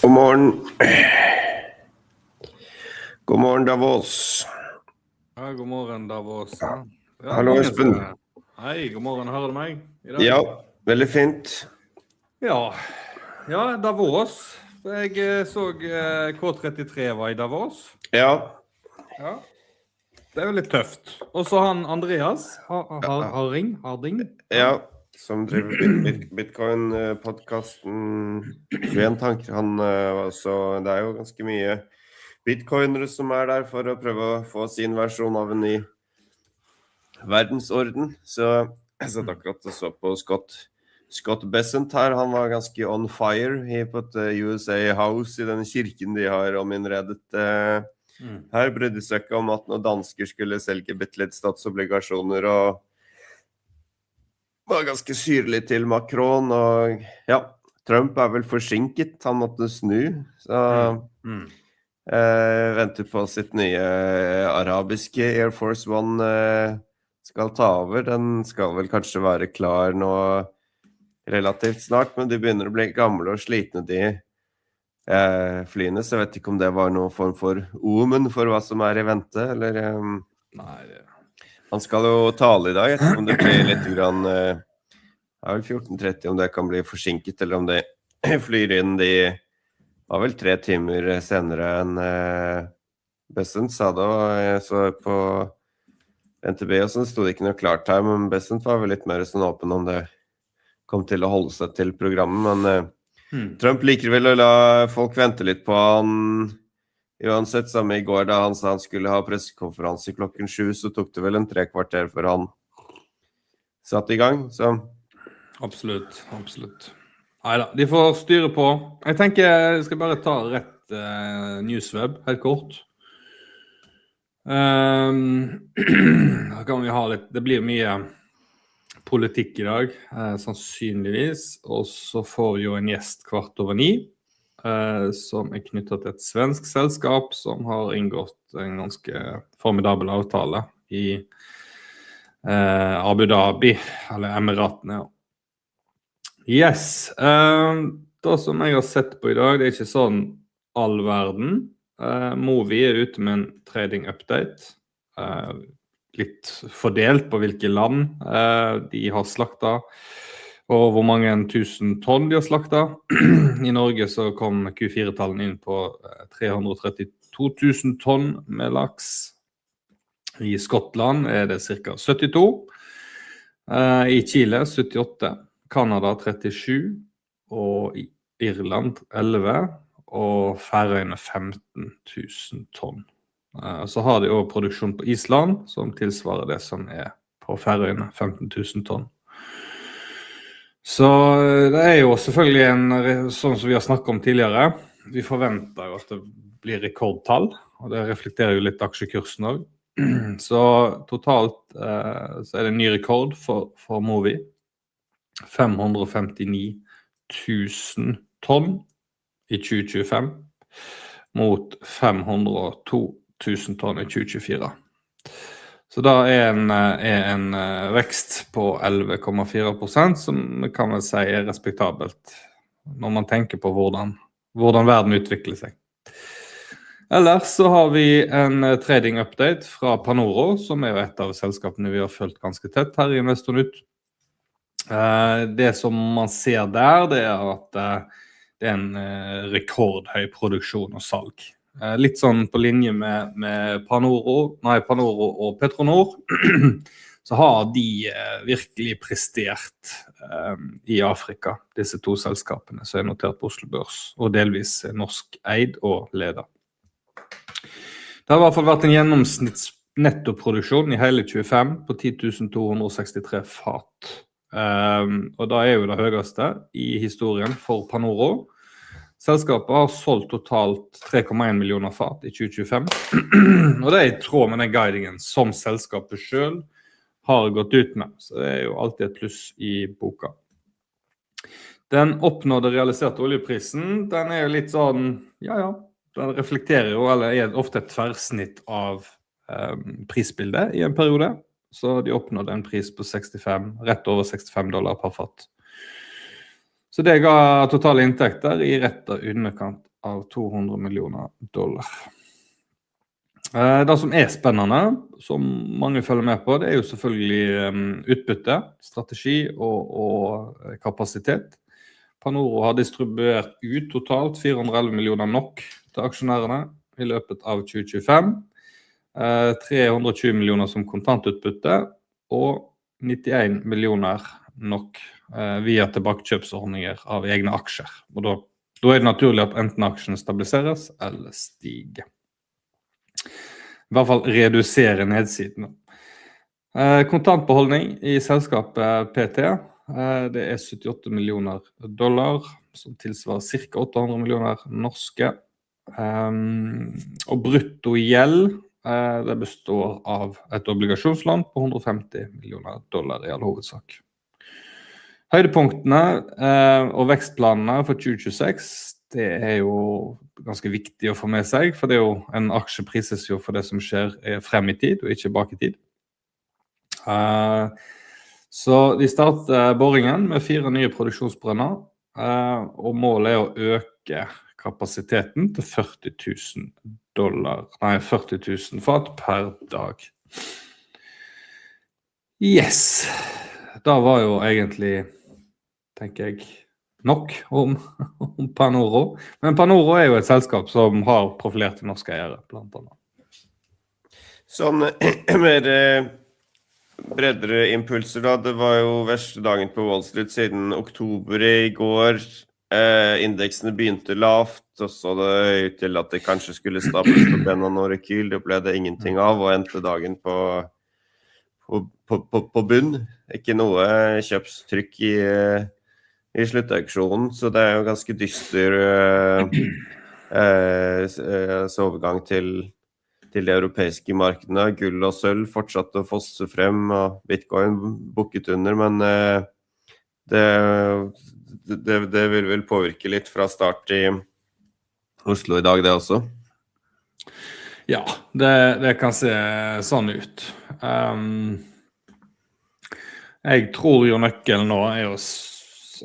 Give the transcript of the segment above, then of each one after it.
God morgen. God morgen, Davos. Ja, god morgen, Davos. Hallo, Espen. Hei, god morgen. Hører du meg i dag? Ja, veldig fint. Ja. Ja, Davos. For jeg så K33 var i Davos. Ja. Ja. Det er jo litt tøft. Og så han Andreas Harring. Ja, som driver Bitcoin-podcasten. En tanke, han var så, det jo ganske mye bitcoinere som der for å prøve å få sin versjon av en ny verdensorden. Så jeg satt akkurat og så på Scott Bessent her. Han var ganske on fire på et USA House i den kirken de har om innredet. Her brydde de seg ikke om at noen dansker skulle selge bittelitt statsobligasjoner, og var ganske syrlig til Macron. Og ja, Trump vel forsinket. Han måtte snu. Så, venter på sitt nye arabiske Air Force One, skal ta over. Den skal vel kanskje være klar nå relativt snart, men de begynner å bli gamle og slitne, de, flyene. Så jeg vet ikke om det var noen form for omen for hva som venter, eller, nei, han skal jo tale i dag, etterpå om det blir lite grann. Det var vel 14:30 om det kan bli forsinket, eller om det flyr inn. De var vel tre timer senere enn Bessent sa det, og så på NTB, og så stod det ikke noe klart her. Men Bessent var vel litt mer sånn åpen om det kom til å holde seg til programmet, men Trump liker vel å la folk vente litt på han. Uansett, samme i går, da han sa han skulle ha pressekonferanse klokken 7, så tok det vel en tre kvarter før han satt i gang. Absolutt, absolutt. Nei da, de får styre på. Jeg tenker, jeg skal bare ta rett newsweb helt kort. Her kan vi ha litt, det blir mye politikk i dag, sannsynligvis, og så får vi jo en gjest kvart over 9, som knyttet til et svensk selskap som har inngått en ganske formidabel avtale i Abu Dhabi, eller Emiratene ja. Det som jeg har sett på i dag, det ikke sånn all verden. Movi ute med en trading update, litt fordelt på hvilke land, de har slaktet, og hvor mange tusen tonn de har slaktet. I Norge så kom Q4-tallene inn på 332,000 tonn med laks. I Skottland det cirka 72, i Chile 78, Canada 37, og i Irland 11, og Færøyene 15,000 tonn. Så har de også produksjon på Island som tilsvarer det som på Færøyene, 15,000 tonn. Det er jo selvfølgelig en, sånn som vi har snakket om tidligere, vi forventer jo at det blir rekordtall, og det reflekterer jo litt aksjekursen også. Totalt, så er det en ny rekord for Movi, 559,000 tonn i 2025, mot 502,000 tonn i 2024. Da er det en vekst på 11.4%, som kan vel si er respektabelt, når man tenker på hvordan verden utvikler seg. Ellers så har vi en trading update fra Panoro, som jo er et av selskapene vi har fulgt ganske tett her i InvestorNytt. Det som man ser der, er at det er en rekordhøy produksjon og salg. Litt på linje med Panoro, nei, Panoro og Petronor, så har de virkelig prestert i Afrika, disse to selskapene som er notert på Oslo Børs, og delvis norsk eid og ledet. Det har i hvert fall vært en gjennomsnittlig nettoproduksjon i hele 2025 på 10.263 fat. Og da jo det høyeste i historien for Panoro. Selskapet har solgt totalt 3,1 millioner fat i 2025, og det i tråd med den guidingen som selskapet selv har gått ut med, så det jo alltid et pluss i boka. Den oppnådde realiserte oljeprisen, den jo litt sånn, ja, den reflekterer jo, eller ofte et tverrsnitt av prisbildet i en periode, så de oppnådde en pris på $65, rett over $65 per fat. Så det ga totale inntekter i rett underkant av $200 millioner. Det som er spennende, som mange følger med på, det jo selvfølgelig utbytte, strategi og kapasitet. Panoro har distribuert ut totalt 411 millioner NOK til aksjonærene i løpet av 2025, 320 millioner som kontantutbytte, og 91 millioner NOK via tilbakekjøpsordninger av egne aksjer. Da er det naturlig at enten aksjene stabiliseres eller stiger, i hvert fall reduserer nedsidene. Kontantbeholdning i selskapet er 78 millioner dollar, som tilsvarer cirka 800 millioner norske kroner, og brutto gjeld består av et obligasjonslån på 150 millioner dollar i all hovedsak. Høydepunktene og vekstplanene for 2026 er ganske viktig å få med seg, for det er jo en aksjepris for det som skjer frem i tid, og ikke bak i tid. De starter boringen med fire nye produksjonsbrønner, og målet er å øke kapasiteten til 40 000 fat per dag. Da var jo egentlig, tenker jeg, nok om Panoro, men Panoro er jo et selskap som har profilert seg som norsk eier, blant annet. Sånn med breddere impulser da, det var jo verste dagen på Wall Street siden oktober i går. Indeksene begynte lavt, og så det ut til at det kanskje skulle stables på benna noe rekyl, det ble det ingenting av, og endte dagen på bunn. Ikke noe kjøpstrykk i sluttauksjonen, så det jo ganske dyster overgang til de europeiske markedene. Gull og sølv fortsatte å fosse frem, og Bitcoin bukket under, men det vil vel påvirke litt fra start i Oslo i dag, det også. Ja, det kan se sånn ut. Jeg tror jo nøkkelen nå å, det å,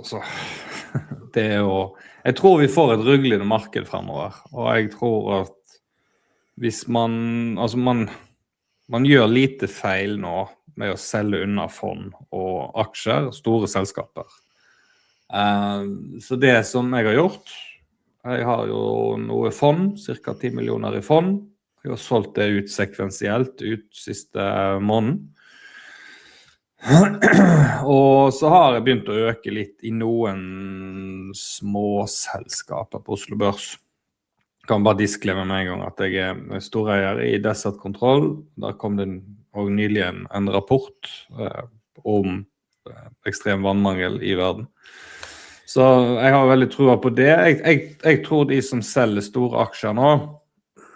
jeg tror vi får et ryggende marked fremover, og jeg tror at hvis man gjør lite feil nå med å selge unna fond og aksjer, store selskaper. Det som jeg har gjort, jeg har jo noe fond, cirka 10 millioner i fond, jeg har solgt det ut sekvensielt ut siste måneden, og så har jeg begynt å øke litt i noen små selskaper på Oslo Børs. Kan bare disclaimer med en gang at jeg stor eier i Dessert Kontroll, der kom det nylig en rapport om ekstrem vannmangel i verden. Så jeg har veldig tro på det. Jeg tror de som selger store aksjer nå,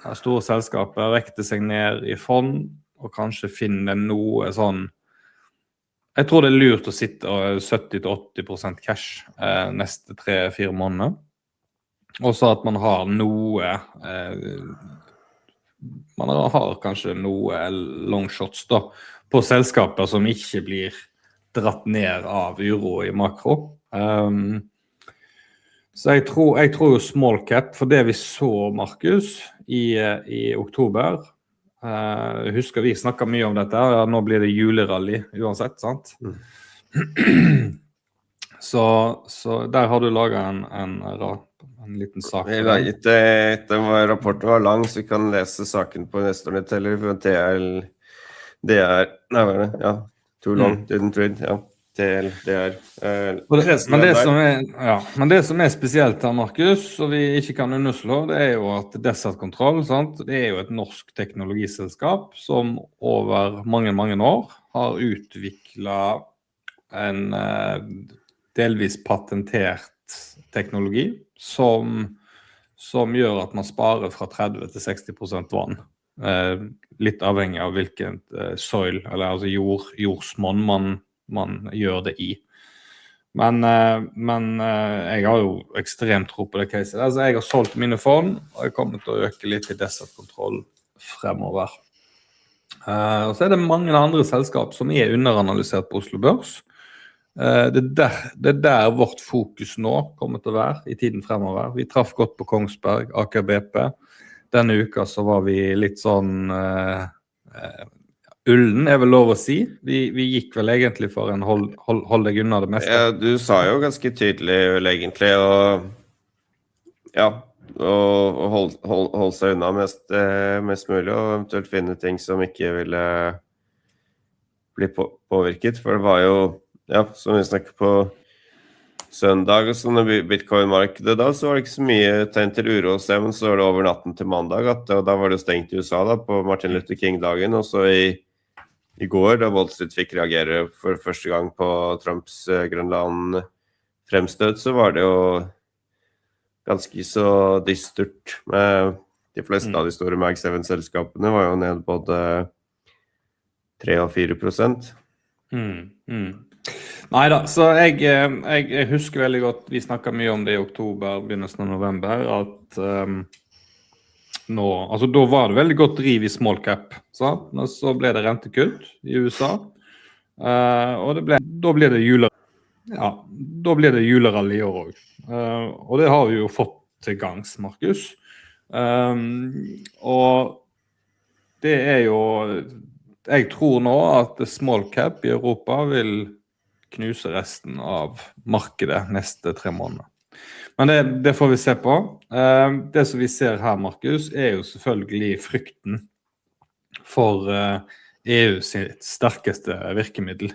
har store selskaper, rekte seg ned i fond, og kanskje finner det noe sånn. Jeg tror det lurt å sitte og 70% til 80% cash, neste 3-4 måneder, og så at man har noe, man har kanskje noe long shots da, på selskaper som ikke blir dratt ned av uro i makro. Så jeg tror, jeg tror jo small cap, for det vi så Markus i oktober, husker vi snakket mye om dette her, nå blir det juleralli uansett, sant? Så der har du laget en liten sak. Det er greit, det var rapporten var lang, så vi kan lese saken på neste år, eller det nei, var det, ja, too long didn't read, ja, TL, det som ja, men det som er spesielt her, Markus, og vi ikke kan underslå, det er jo at Desert Control, sant, det er jo et norsk teknologiselskap som over mange, mange år har utviklet en delvis patentert teknologi som gjør at man sparer fra 30% til 60% vann, litt avhengig av hvilken soil, eller altså jord, jordsmonn man gjør det i. Men jeg har jo ekstremt tro på det caset, altså jeg har solgt mine fond, og jeg kommer til å øke litt i Desert Control fremover. Og så er det mange andre selskaper som er underanalysert på Oslo Børs, det der kommer til å være vårt fokus nå i tiden fremover. Vi traff godt på Kongsberg, AKBP, denne uka så var vi litt sånn, ullen vel lov å si, vi, vi gikk vel egentlig for en hold, hold, hold deg unna det meste. Ja, du sa jo ganske tydelig vel egentlig, og hold deg unna mest mulig, og eventuelt finne ting som ikke ville bli påvirket. For det var jo, som vi snakket på søndag og sånn i Bitcoin-markedet da, så var det ikke så mye tegn til uro å se, men så var det over natten til mandag at, og da var det jo stengt i USA da på Martin Luther King-dagen. Og så i går da Wall Street fikk reagere for første gang på Trumps Grønland-fremstøt, så var det jo ganske så forstyrret med de fleste av de store Mag 7-selskapene, var jo ned både 3% og 4%. Neida, så jeg husker veldig godt, vi snakket mye om det i oktober og begynnelsen av november, at nå, altså da var det veldig godt driv i small cap, sant, og så ble det rentekutt i USA, og det ble. Da blir det juleralli, ja, da blir det juleralli i år også, og det har vi jo fått til gangs, Markus. Jeg tror nå at small cap i Europa vil knuse resten av markedet neste tre måneder. Men det får vi se på, det som vi ser her, Markus, jo selvfølgelig frykten for EU sitt sterkeste virkemiddel,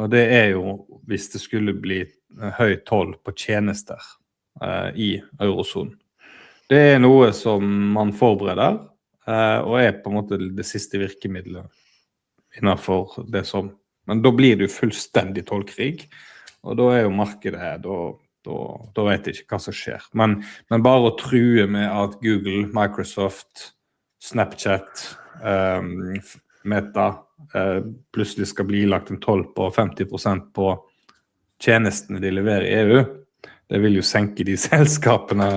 og det jo hvis det skulle bli høy toll på tjenester i eurozonen. Det er noe som man forbereder, og på en måte det siste virkemiddelet innenfor det som, men da blir det jo fullstendig tollkrig, og da markedet, da vet jeg ikke hva som skjer, men bare å true med at Google, Microsoft, Snapchat, Meta plutselig skal bli lagt en toll på 50% på tjenestene de leverer i EU, det vil jo senke de selskapene.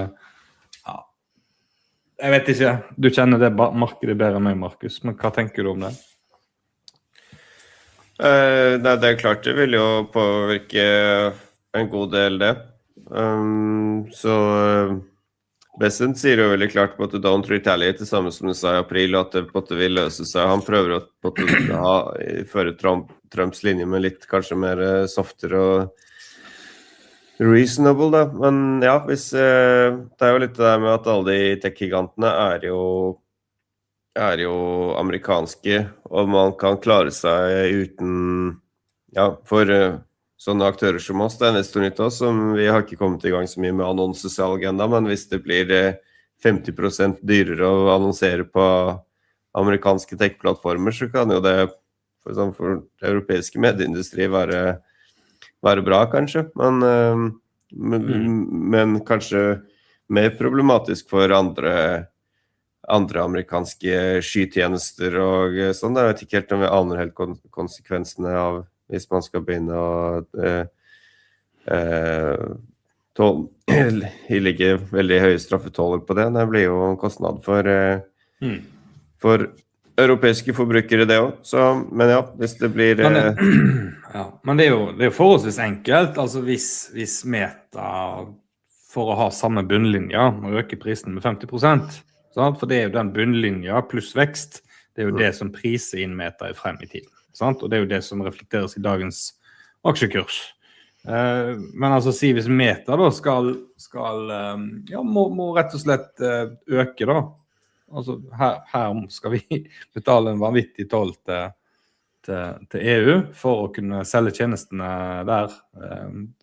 Jeg vet ikke, du kjenner det markedet bedre enn meg, Markus, men hva tenker du om det? Nei, det klart, det vil jo påvirke en god del det. Så Bessent sier jo veldig klart på en måte "Don't Retaliate", det samme som du sa i april, at det på en måte vil løse seg. Han prøver å på en måte ha i forhold til Trumps linje med litt kanskje mer softer og reasonable da. Men ja, hvis det jo litt det der med at alle de tech-gigantene jo, jo amerikanske, og man kan klare seg uten. Ja, for sånne aktører som oss, det nesten nytt også, som vi har ikke kommet i gang så mye med annonsesalg enda. Men hvis det blir 50% dyrere å annonsere på amerikanske tech-plattformer, så kan jo det for sånn for europeiske medieindustri være, være bra kanskje. Men, men, men kanskje mer problematisk for andre, andre amerikanske skytjenester og sånn. Det jo ikke helt noe vi aner helt konsekvensene av, hvis man skal begynne å toll, legge veldig høye straffetoller på det. Det blir jo en kostnad for, for europeiske forbrukere det også. Så, men ja, hvis det blir... Ja, men det er jo forholdsvis enkelt. Hvis Meta, for å ha samme bunnlinje, må øke prisen med 50%, for det er jo den bunnlinjen pluss vekst, det er jo det som priser inn Meta fremover, og det er jo det som reflekteres i dagens aksjekurs. Men si hvis Meta da skal, ja, må øke, her om vi skal betale en vanvittig toll til EU for å kunne selge tjenestene der,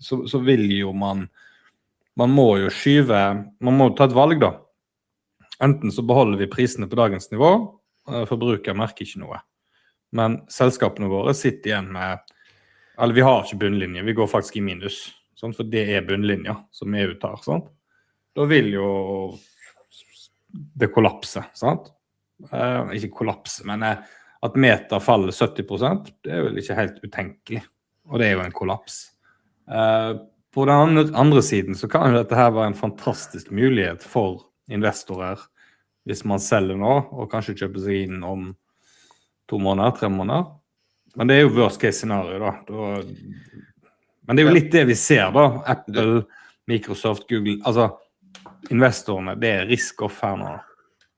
så vil jo man måtte ta et valg da. Enten så beholder vi prisene på dagens nivå, forbruker merker ikke noe, men selskapene våre sitter igjen med, eller vi har ikke bunnlinje, vi går faktisk i minus, for det er bunnlinjen som EU tar. Da vil jo det kollapse, ikke kollapse, men at Meta faller 70%, det er vel ikke helt utenkelig, og det er jo en kollaps. På den andre siden så kan jo dette her være en fantastisk mulighet for investorer hvis man selger nå, og kanskje kjøper seg inn om to måneder, tre måneder, men det er jo worst case scenario da. Men det er jo litt det vi ser da, Apple, Microsoft, Google. Investorene, det er risk-off her nå,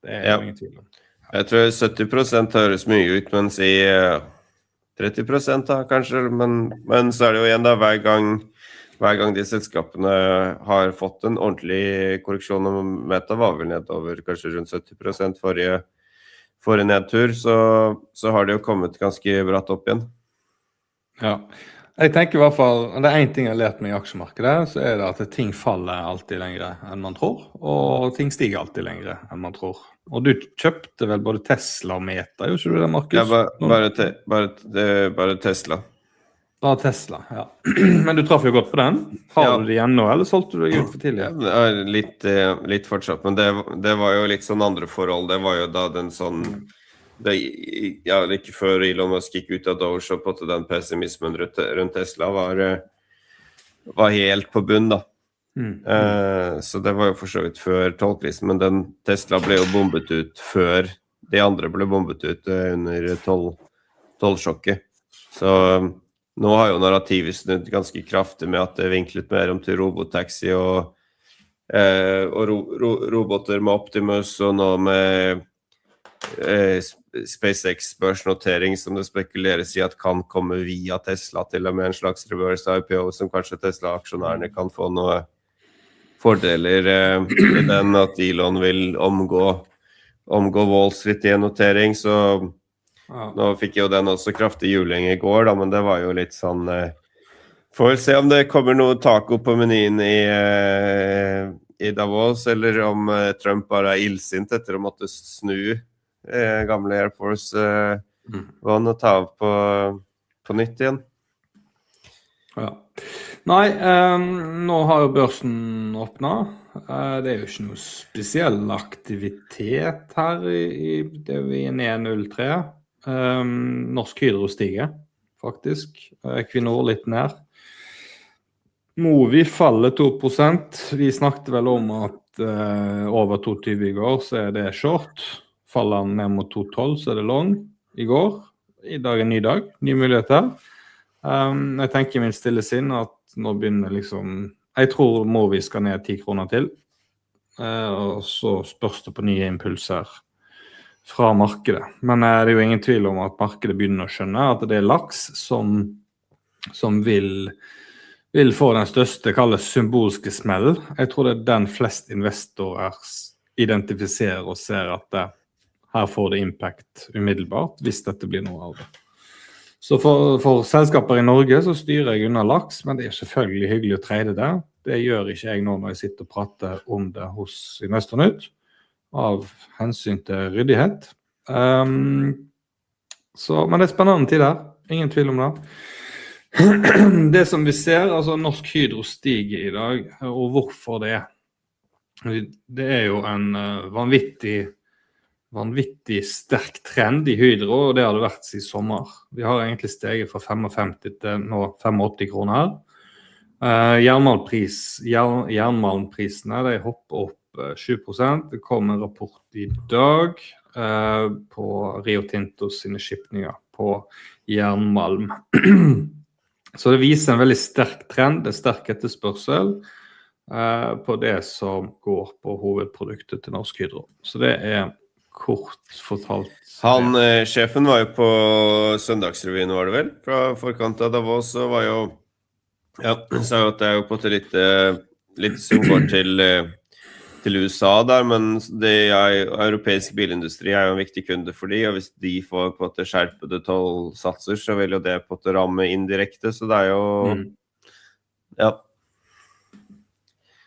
det er det jo ingen tvil om. Jeg tror 70% høres mye ut, men si 30% da, kanskje. Men så det jo igjen da, hver gang de selskapene har fått en ordentlig korreksjon, og Meta var vel nedover kanskje rundt 70% forrige nedtur, så har det jo kommet ganske bratt opp igjen. Ja, jeg tenker i hvert fall at det er en ting jeg har lært meg i aksjemarkedet, så det at ting faller alltid lengre enn man tror, og ting stiger alltid lengre enn man tror, og du kjøpte vel både Tesla og Meta, gjorde du det, Markus? Ja, bare, bare, det bare Tesla. Bare Tesla, ja, men du traff jo godt på den. Har du det igjen nå, eller solgte du det ut for tidlig? Det litt, litt fortsatt, men det var jo litt sånn andre forhold. Det var jo da den sånn, ja, det ikke før Elon Musk gikk ut av Doge, så på en måte den pessimismen rundt Tesla var helt på bunn da. Så det var jo for så vidt før tollkrisen, men den Tesla ble jo bombet ut før de andre ble bombet ut under tollsjokket. Så nå har jo narrativet snudd ganske kraftig med at det vinklet mer om til robotaxi og roboter med Optimus, og nå med SpaceX-børsnotering som det spekuleres i at kan komme via Tesla til og med en slags reverse IPO, som kanskje Tesla-aksjonærene kan få noe fordeler i den, at Elon vil omgå Wall Street i en notering. Så ja, nå fikk jo den også kraftig juling i går da, men det var jo litt sånn. Får vi se om det kommer noe taco på menyen i Davos, eller om Trump bare ildsint etter å måtte snu gamle Air Force, vann og ta på nytt igjen. Ja, nei, nå har jo børsen åpnet, det er jo ikke noe spesiell aktivitet her i det vi i 903. Norsk Hydro stiger faktisk, Kvinnor litt ned, Movi faller 2%. Vi snakket vel om at over 22 i går så det short, faller den ned mot 212 så det long. I går, i dag en ny dag, nye muligheter. Jeg tenker i mitt stille sinn at nå begynner liksom, jeg tror Movi skal ned 10 kroner til, og så spørs det på nye impulser fra markedet. Men det er jo ingen tvil om at markedet begynner å skjønne at det er laks som vil få den største, kall det symbolske smellen. Jeg tror det er den flest investorer identifiserer og ser at her får det impact umiddelbart hvis dette blir noe av det. Så for selskaper i Norge så styrer jeg unna laks, men det er selvfølgelig hyggelig å treide det. Det gjør ikke jeg nå når jeg sitter og prater om det hos InvestorNyt, av hensyn til ryddighet. Men det er spennende tid her, ingen tvil om det. Det som vi ser, altså Norsk Hydro stiger i dag, og hvorfor det? Det er jo en vanvittig, vanvittig sterk trend i Hydro, og det har den vært siden sommer. Vi har egentlig steget fra 55 til nå 85 kroner her. Jernmalmpriser, jernmalmprisene, de hopper opp 7%. Det kom en rapport i dag på Rio Tinto sine skipninger på jernmalm, så det viser en veldig sterk trend. Det er sterk etterspørsel på det som går på hovedproduktet til Norsk Hydro, så det kort fortalt. Han sjefen var jo på Søndagsrevyen, var det vel, fra forkant av Davos, så var jo, sa jo at det jo på en måte lite, litt som går til USA der, men det jeg, og europeisk bilindustri jo en viktig kunde for de, og hvis de får på en måte skjerpede tollsatser, så vil jo det på en måte ramme indirekte, så det jo,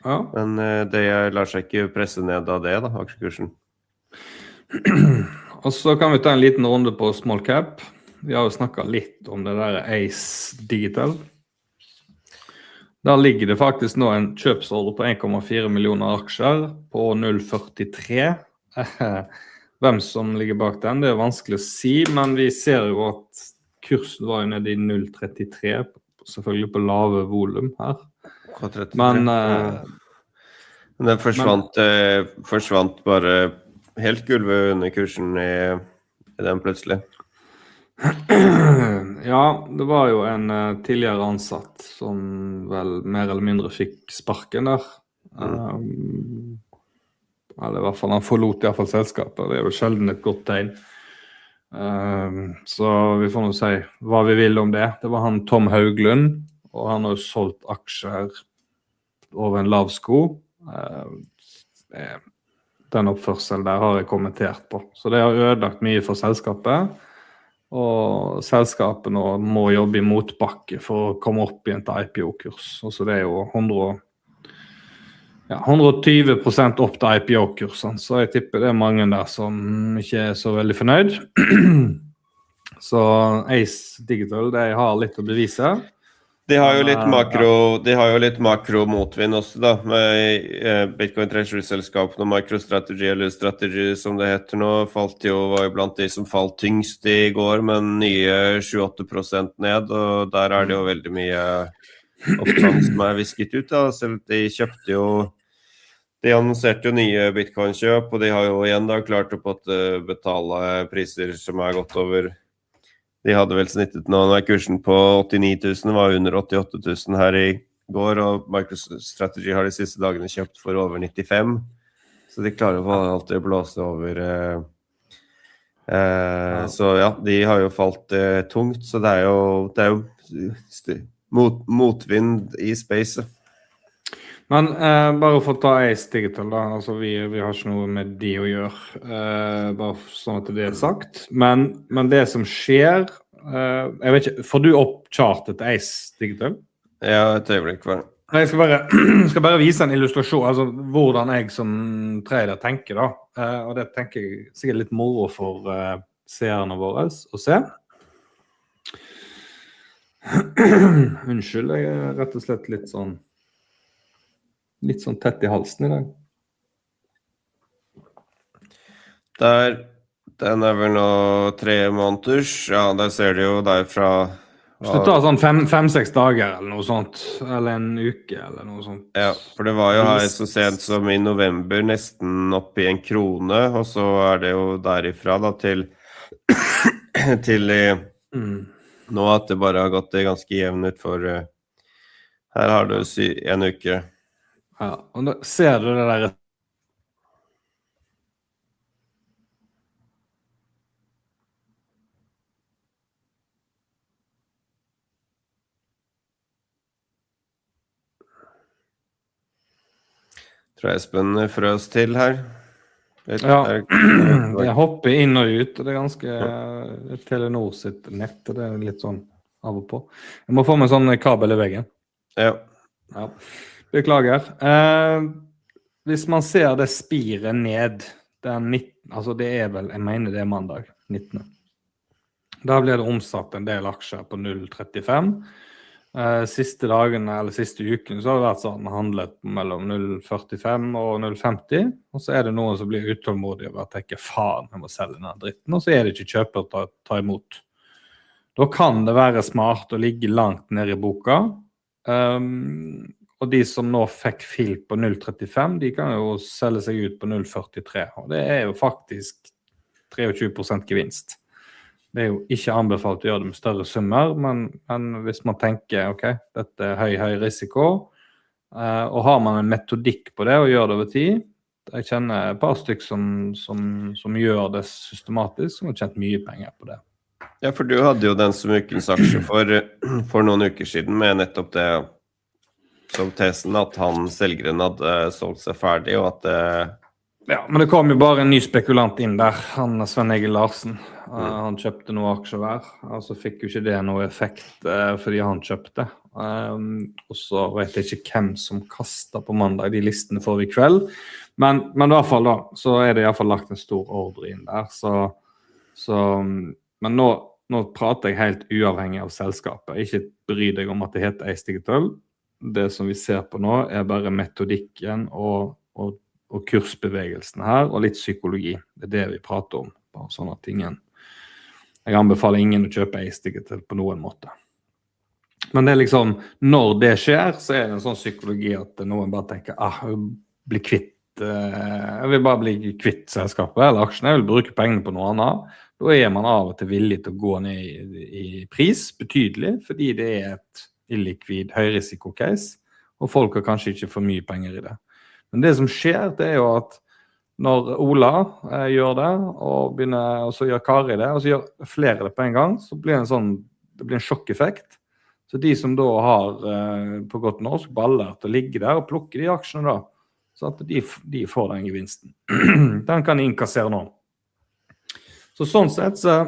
men det lar seg ikke presse ned av det da, aksjekursen. Og så kan vi ta en liten runde på small cap. Vi har jo snakket litt om det der ACE Digital, da ligger det faktisk nå en kjøpsordre på 1,4 millioner aksjer på 0,43. Hvem som ligger bak den, det jo vanskelig å si, men vi ser jo at kursen var jo nede i 0,33, selvfølgelig på lave volum her, men den forsvant, forsvant bare helt gulvet under kursen i den plutselig. Ja, det var jo en tidligere ansatt som vel mer eller mindre fikk sparken der, eller i hvert fall han forlot i hvert fall selskapet. Det jo sjeldent et godt tegn, så vi får nå si hva vi vil om det. Det var han Tom Hauglund, og han har jo solgt aksjer over en lavsko. Den oppførselen der har jeg kommentert på, så det har ødelagt mye for selskapet, og selskapet nå må jobbe i motbakke for å komme opp i en IPO-kurs. Så det jo 100, ja, 120% opp til IPO-kursen, så jeg tipper det mange der som ikke så veldig fornøyd. Så ACE Digital, det har litt å bevise. De har jo litt makro, de har jo litt makromotvind også da, med Bitcoin Treasury-selskapene, og MicroStrategy eller Strategy som det heter nå, falt jo, var jo blant de som falt tyngst i går, men nye 7-8% ned, og der det jo veldig mye oppgang som visket ut da, selv de kjøpte jo, de annonserte jo nye Bitcoin-kjøp, og de har jo igjen da klart å betale priser som godt over, de hadde vel snittet nå, når kursen på $89,000 var under $88,000 her i går, og MicroStrategy har de siste dagene kjøpt for over $95,000, så de klarer jo å få alt det blåse over, så ja, de har jo falt tungt, så det jo, det jo motvind i space. Men, bare for å ta ACE Digital da, altså vi, vi har ikke noe med de å gjøre, bare sånn at det sagt, men det som skjer, jeg vet ikke, får du opp chartet ACE Digital? Ja, et øyeblikk bare. Jeg skal bare vise en illustrasjon, altså hvordan jeg som trader tenker da, og det tenker jeg sikkert litt moro for seerne våre å se. Unnskyld, jeg er rett og slett litt sånn tett i halsen i dag. Der, den vel nå tre måneders, ja, der ser du jo der fra. Hvis du tar sånn fem, fem-seks dager eller noe sånt, eller en uke eller noe sånt. Ja, for det var jo her så sent som i november, nesten oppe i en krone, og så det jo derfra da til, til i, nå at det bare har gått i ganske jevnt ut for, her har du en uke. Ja, og nå ser du det der. Tror jeg spænder frøs til her. Jeg hopper inn og ut, og det er ganske, det er Telenor sitt nett, og det er litt sånn av og på. Jeg må få med sånn kabel i veggen. Ja. Ja, beklager, hvis man ser det spirer ned, den 19., altså det vel, jeg mener det mandag 19., da blir det omsatt en del aksjer på 0,35. Siste dagene, eller siste uken, så har det vært handlet mellom 0,45 og 0,50, og så det noen som blir utålmodige og tenker faen, jeg må selge den dritten, og så det ikke kjøper å ta imot. Da kan det være smart å ligge langt ned i boka, og de som nå fikk fill på 0,35, de kan jo selge seg ut på 0,43, og det jo faktisk 23% gevinst. Det jo ikke anbefalt å gjøre det med større summer, men hvis man tenker, ok, dette høy risiko, og har man en metodikk på det, og gjør det over tid, jeg kjenner et par stykker som gjør det systematisk, som har tjent mye penger på det. Ja, for du hadde jo den smykkeaksjen for noen uker siden med nettopp det, som tesen at selgeren hadde solgt seg ferdig, og at det. Ja, men det kom jo bare en ny spekulant inn der, han Sven Egel Larsen. Han kjøpte noen aksjer der, og så fikk jo ikke det noen effekt fordi han kjøpte. Så vet jeg ikke hvem som kastet på mandag i de listene for i kveld, men i hvert fall da, så det i hvert fall lagt en stor ordre inn der. Men nå, nå prater jeg helt uavhengig av selskapet, ikke bry deg om at det heter ACE Digital. Det som vi ser på nå bare metodikken og kursbevegelsen her, og litt psykologi, det det vi prater om, bare sånn at tingen. Jeg anbefaler ingen å kjøpe ACE Digital på noen måte, men det liksom, når det skjer, så det en sånn psykologi at noen bare tenker: jeg vil bli kvitt, jeg vil bare bli kvitt selskapet eller aksjen, jeg vil bruke pengene på noe annet. Da man av og til villig til å gå ned i pris, betydelig, fordi det et illikvid, høyrisiko case, og folk har kanskje ikke for mye penger i det. Men det som skjer, det jo at når Ola gjør det, og begynner, og så gjør Kari det, og så gjør flere det på en gang, så blir det en sånn, det blir en sjokkeffekt. Så de som da har, på godt norsk, ballert å ligge der og plukke de aksjene da, så at de, de får den gevinsten, den kan de inkassere nå. Så sånn sett, så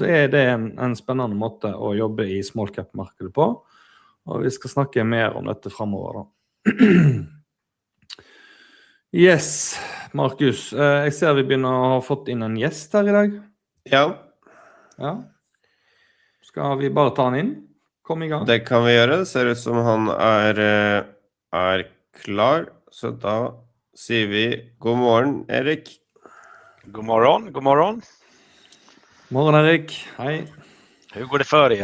det en spennende måte å jobbe i small cap-markedet på, og vi skal snakke mer om dette fremover da. Yes, Markus, jeg ser vi begynner å ha fått inn en gjest her i dag. Ja. Ja, skal vi bare ta han inn, kom i gang. Det kan vi gjøre, det ser ut som han er klar, så da sier vi god morgen, Erik. God morgen, god morgen. Morgen, Erik, hei. Hur går det för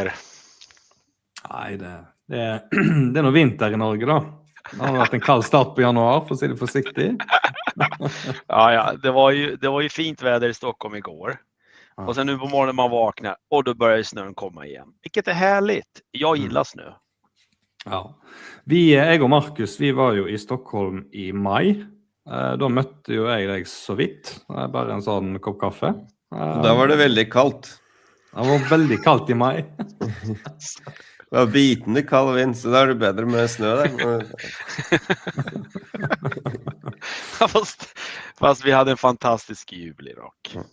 Nei, det er vinter i Norge nå da, det har vært en kald start på januar, for å si det forsiktig. Ja, ja, det var ju, det var jo fint vær i Stockholm i går, og så nå på morgenen man våkner, og da begynner snøen å komme igjen, hvilket herlig, jeg elsker snø. Ja, vi, jeg og Markus, vi var jo i Stockholm i mai, da møtte jo jeg deg så vidt, det bare en sånn kopp kaffe. Da var det veldig kaldt. Da var det veldig kaldt i mai. Det var bitende kald vind, så da det bedre med snø der. Ja, nesten, nesten vi hadde en fantastisk jul i dag,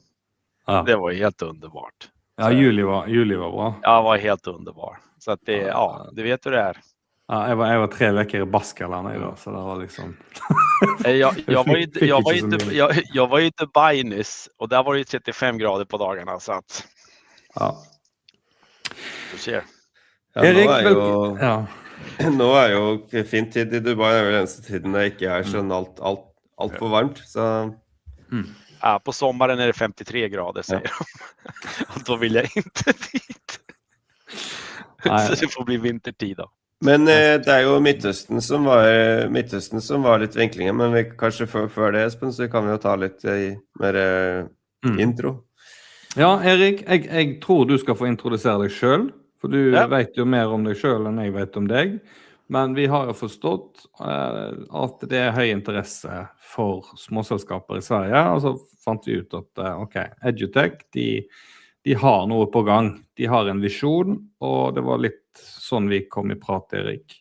det var jo helt underbart. Ja, juli var bra. Ja, det var helt underbart, så at det, ja, det vet du det. Ja, jeg var tre uker i Baskerland i dag, så det var liksom. Ja, jeg var til Beinus, og der var det 35 grader på dagene. Ja. Du ser. Jeg rekker vel. Ja. Nå, jo fint, det bare den eneste tiden det ikke sånn alt, alt, alt for varmt, så. Ja, på sommeren det 53 grader, sier de, og da vil jeg ikke dit. Så det får bli vintertid da. Men det jo Midtøsten som var, Midtøsten som var litt vinklinger, men vi kanskje før, før det, Espen, så kan vi jo ta litt mer intro. Ja, Erik, jeg tror du skal få introdusere deg selv, for du vet jo mer om deg selv enn jeg vet om deg, men vi har jo forstått at det er høy interesse for småselskaper i Sverige, og så fant vi ut at, ok, Edutech, de har noe på gang, de har en visjon, og det var litt sånn vi kom i prat, Erik.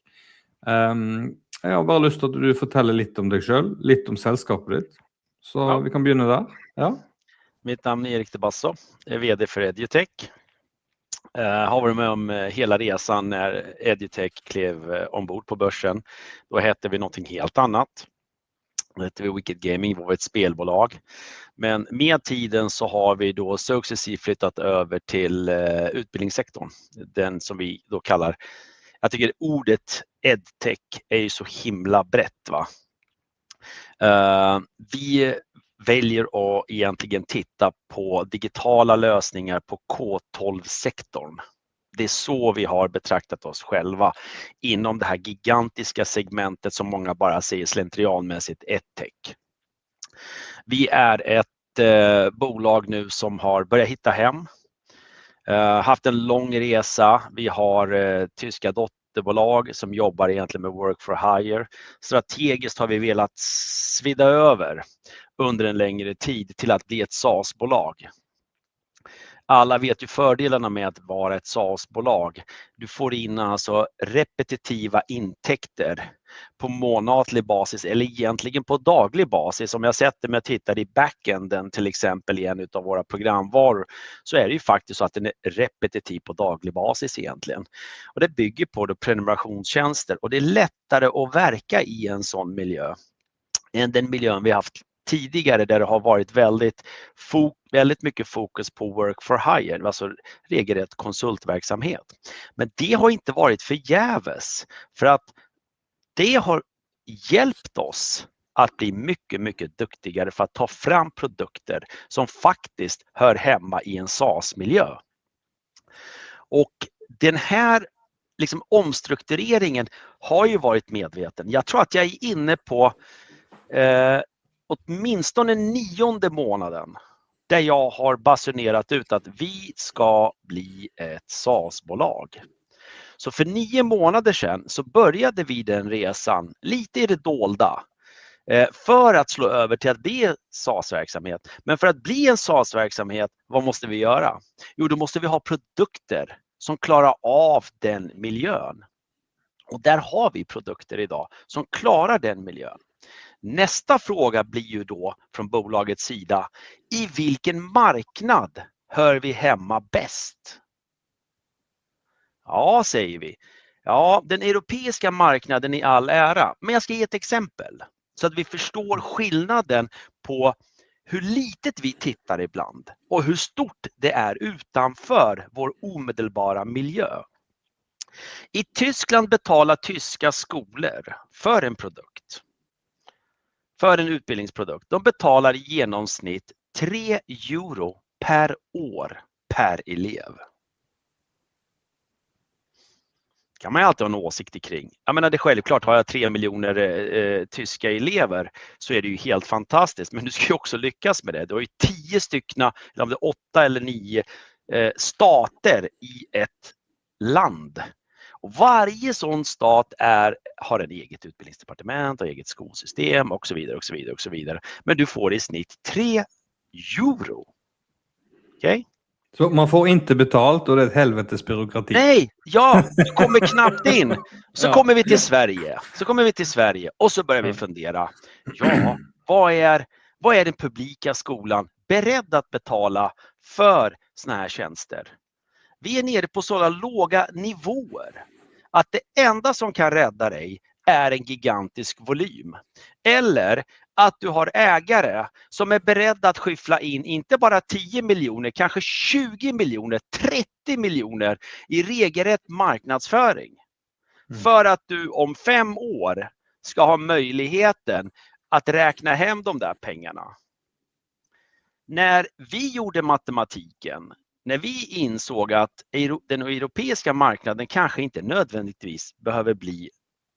Jeg har bare lyst til at du forteller litt om deg selv, litt om selskapet ditt, så vi kan begynne der. Ja, mitt navn Erik Debasso, jeg VD for Edutech, har vært med om hele reisen når Edutech klev ombord på børsen. Da heter vi noe helt annet, da heter vi Wicked Gaming, vi var et spillbolag, men med tiden så har vi da successivt flyttet over til utbildningssektoren, den som vi da kaller, jeg tenker ordet Edtech jo så himla bredt. Vi velger å egentligen titte på digitale løsninger på K12-sektoren, det så vi har betraktet oss sjølve innom det her gigantiske segmentet som mange bare sier slentrianmessig Edtech. Vi et bolag nå som har begynt å hitte hjem, hatt en lang reise, vi har tyske dotterbolag som jobber egentligen med work for hire. Strategisk har vi velet å svidde over under en lengre tid til å bli et SaaS-bolag. Alle vet jo fordelene med å være et SaaS-bolag. Du får inn repetitive inntekter på månedlig basis, eller egentlig på daglig basis. Om jeg setter meg og titter i backenden til eksempel i en av våre programvarer, så er det jo faktisk sånn at den er repetitiv på daglig basis egentlig, og det bygger på prenumerasjonstjenester. Det er lettere å virke i et sånt miljø enn det miljøet vi har hatt tidligere, der det har vært veldig, veldig mye fokus på work for hire, altså regelrett konsultvirksomhet. Men det har ikke vært for jævlig, for det har hjulpet oss å bli mye, mye dyktigere for å ta fram produkter som faktisk hører hjemme i et SaaS-miljø. Denne omstruktureringen har jo vært medviten. Jeg tror at jeg er inne på åtminstone niende måneden der jeg har basunert ut at vi skal bli et SaaS-bolag. For ni måneder siden så begynte vi den reisen litt i det skjulte, for å slå over til å bli en SaaS-virksomhet. Men for å bli en SaaS-virksomhet, hva må vi gjøre? Jo, da må vi ha produkter som klarer den miljøen, og der har vi produkter i dag som klarer den miljøen. Neste spørsmål blir jo da fra bolagets side: i hvilken marknad hører vi hjemme best? Ja, sier vi, ja, den europeiske marknaden i all ære, men jeg skal gi et eksempel så at vi forstår skillnaden på hvor lite vi titter iblant og hvor stort det utenfor vår umiddelbare miljø. I Tyskland betaler tyske skoler for et produkt, for et utdanningsprodukt, de betaler i gjennomsnitt €3 per år per elev. Kan man jo alltids ha en oversikt omkring, jeg mener det selvfølgelig, har jeg 3 millioner tyske elever så det jo helt fantastisk, men du skal jo også lykkes med det. Du har jo 10 stykker, eller om det 8 eller 9 stater i et land, og hver sånn stat har et eget utdanningsdepartement, har eget skolesystem og så videre og så videre og så videre, men du får i snitt €3. Så man får ikke betalt og det er helvetes byråkrati. Nei, ja, du kommer knapt inn, så kommer vi til Sverige, så kommer vi til Sverige og så begynner vi å fundere, ja, hva er den offentlige skolen beredt å betale for sånne her tjenester? Vi er nede på så lave nivåer at det eneste som kan redde deg er en gigantisk volym, eller at du har eiere som er beredt å skyffle inn ikke bare 10 millioner, kanskje 20 millioner, 30 millioner i regelrett markedsføring for at du om fem år skal ha muligheten til å regne hjem de der pengene. Når vi gjorde matematikken, når vi innså at den europeiske marknaden kanskje ikke nødvendigvis behøver bli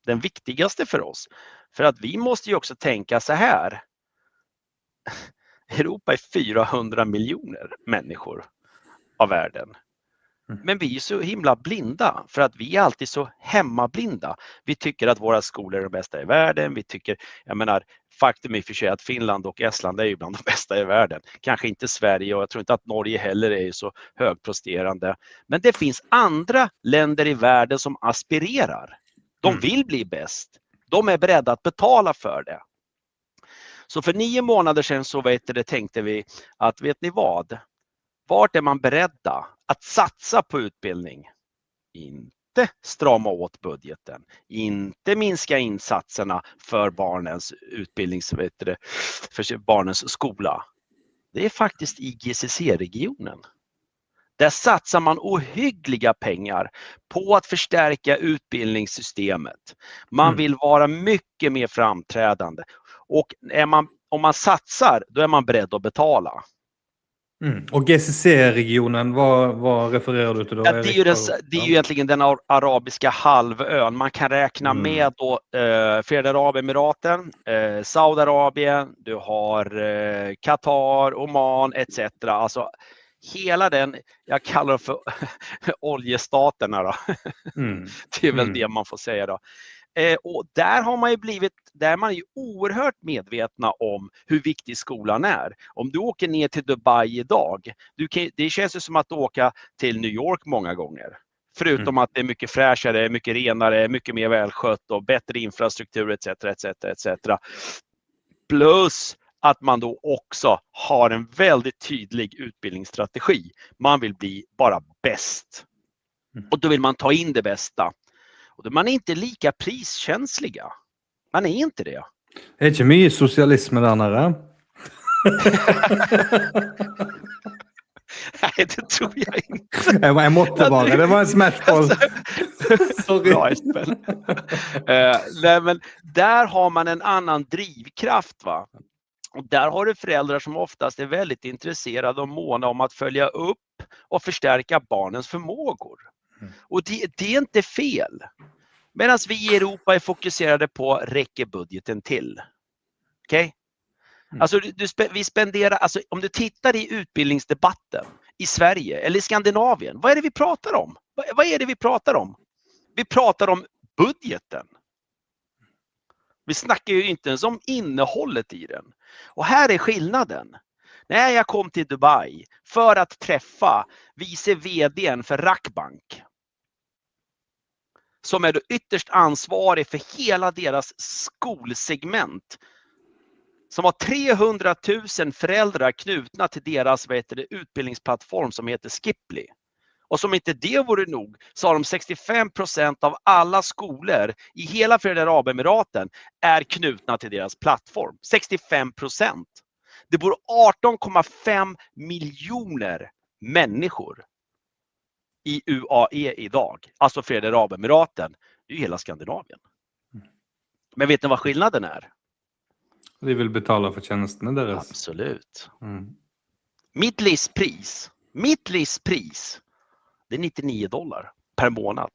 den viktigste for oss, for at vi må også tenke så her: Europa har 400 millioner mennesker av verden, men vi var så himla blinde for at vi alltid er så hjemmeblinde. Vi tenker at våre skoler er de beste i verden, vi tenker, jeg mener, faktum er i og for seg at Finland og Estland jo er blant de beste i verden, kanskje ikke Sverige og jeg tror ikke at Norge heller jo er så høypresterende, men det finnes andre land i verden som aspirerer, de vil bli best, de er beredt å betale for det. Så for ni måneder siden så tenkte vi at vet du hva, hvor er man beredt å satse på utdanning, ikke stramme opp budsjettet, ikke minske innsatsene for barnets utdanning, for barnets skole? Det er faktisk i GCC-regionen, der satser man uhyggelig penger på å forsterke utdanningssystemet, man vil være mye mer fremtredende, og man, om man satser, da er man beredt å betale. og GCC-regionen, hva, hva refererer du til da? Det er jo egentlig den arabiske halvøyen, man kan regne med da Forenede Arabiske Emirater, Saudi-Arabia, du har Qatar, Oman, etc., altså hele den, jeg kaller det for oljestatene da, det er vel det man kan si da, og der har man jo blitt, der har man jo blitt uhørt bevisste om hvor viktig skolen er. Om du går ned til Dubai i dag, du kan, det kjennes ut som at du går til New York mange ganger, foruten at det er mye friskere, mye renere, mye mer velskjøttet og bedre infrastruktur, etc., etc., etc., pluss at man da også har en veldig tydelig utdanningsstrategi, man vil bli bare best, og da vil man ta inn det beste, og da er man ikke like prisfølsomme, man er ikke det. Ikke mye sosialisme, denne her? Nei, det tror jeg ikke. Jeg måtte bare, det var en smashball. Så rart, vel. Nei, men der har man en annen drivkraft, og der har du foreldre som oftest er veldig interessert og måneom å følge opp og forsterker barnets formeninger, og det er ikke feil, mens vi i Europa fokuserer på at det rekker budsjettet til. Altså vi spenderer, om du ser i utdanningsdebatten i Sverige eller Skandinavia, hva er det vi snakker om? Vi snakker om budsjettet, vi snakker jo ikke om innholdet i det, og her er forskjellen. Jeg kom til Dubai for å treffe visedirektøren for Rakbank, som da er ytterst ansvarlig for hele deres skolesegment, som har 300 000 foreldre knyttet til deres utdanningsplattform som heter Skiply, og som om ikke det var nok, så har de 65% av alle skoler i hele Forente Arabemirater knyttet til deres plattform, 65%. Det bor 18,5 millioner mennesker i UAE i dag, altså Forente Arabemirater, det er jo hele Skandinavien, men vet du hva forskjellen er? De vil betale for tjenestene deres. Absolutt. Midtlivspris, midtlivspris, det $99 per måned,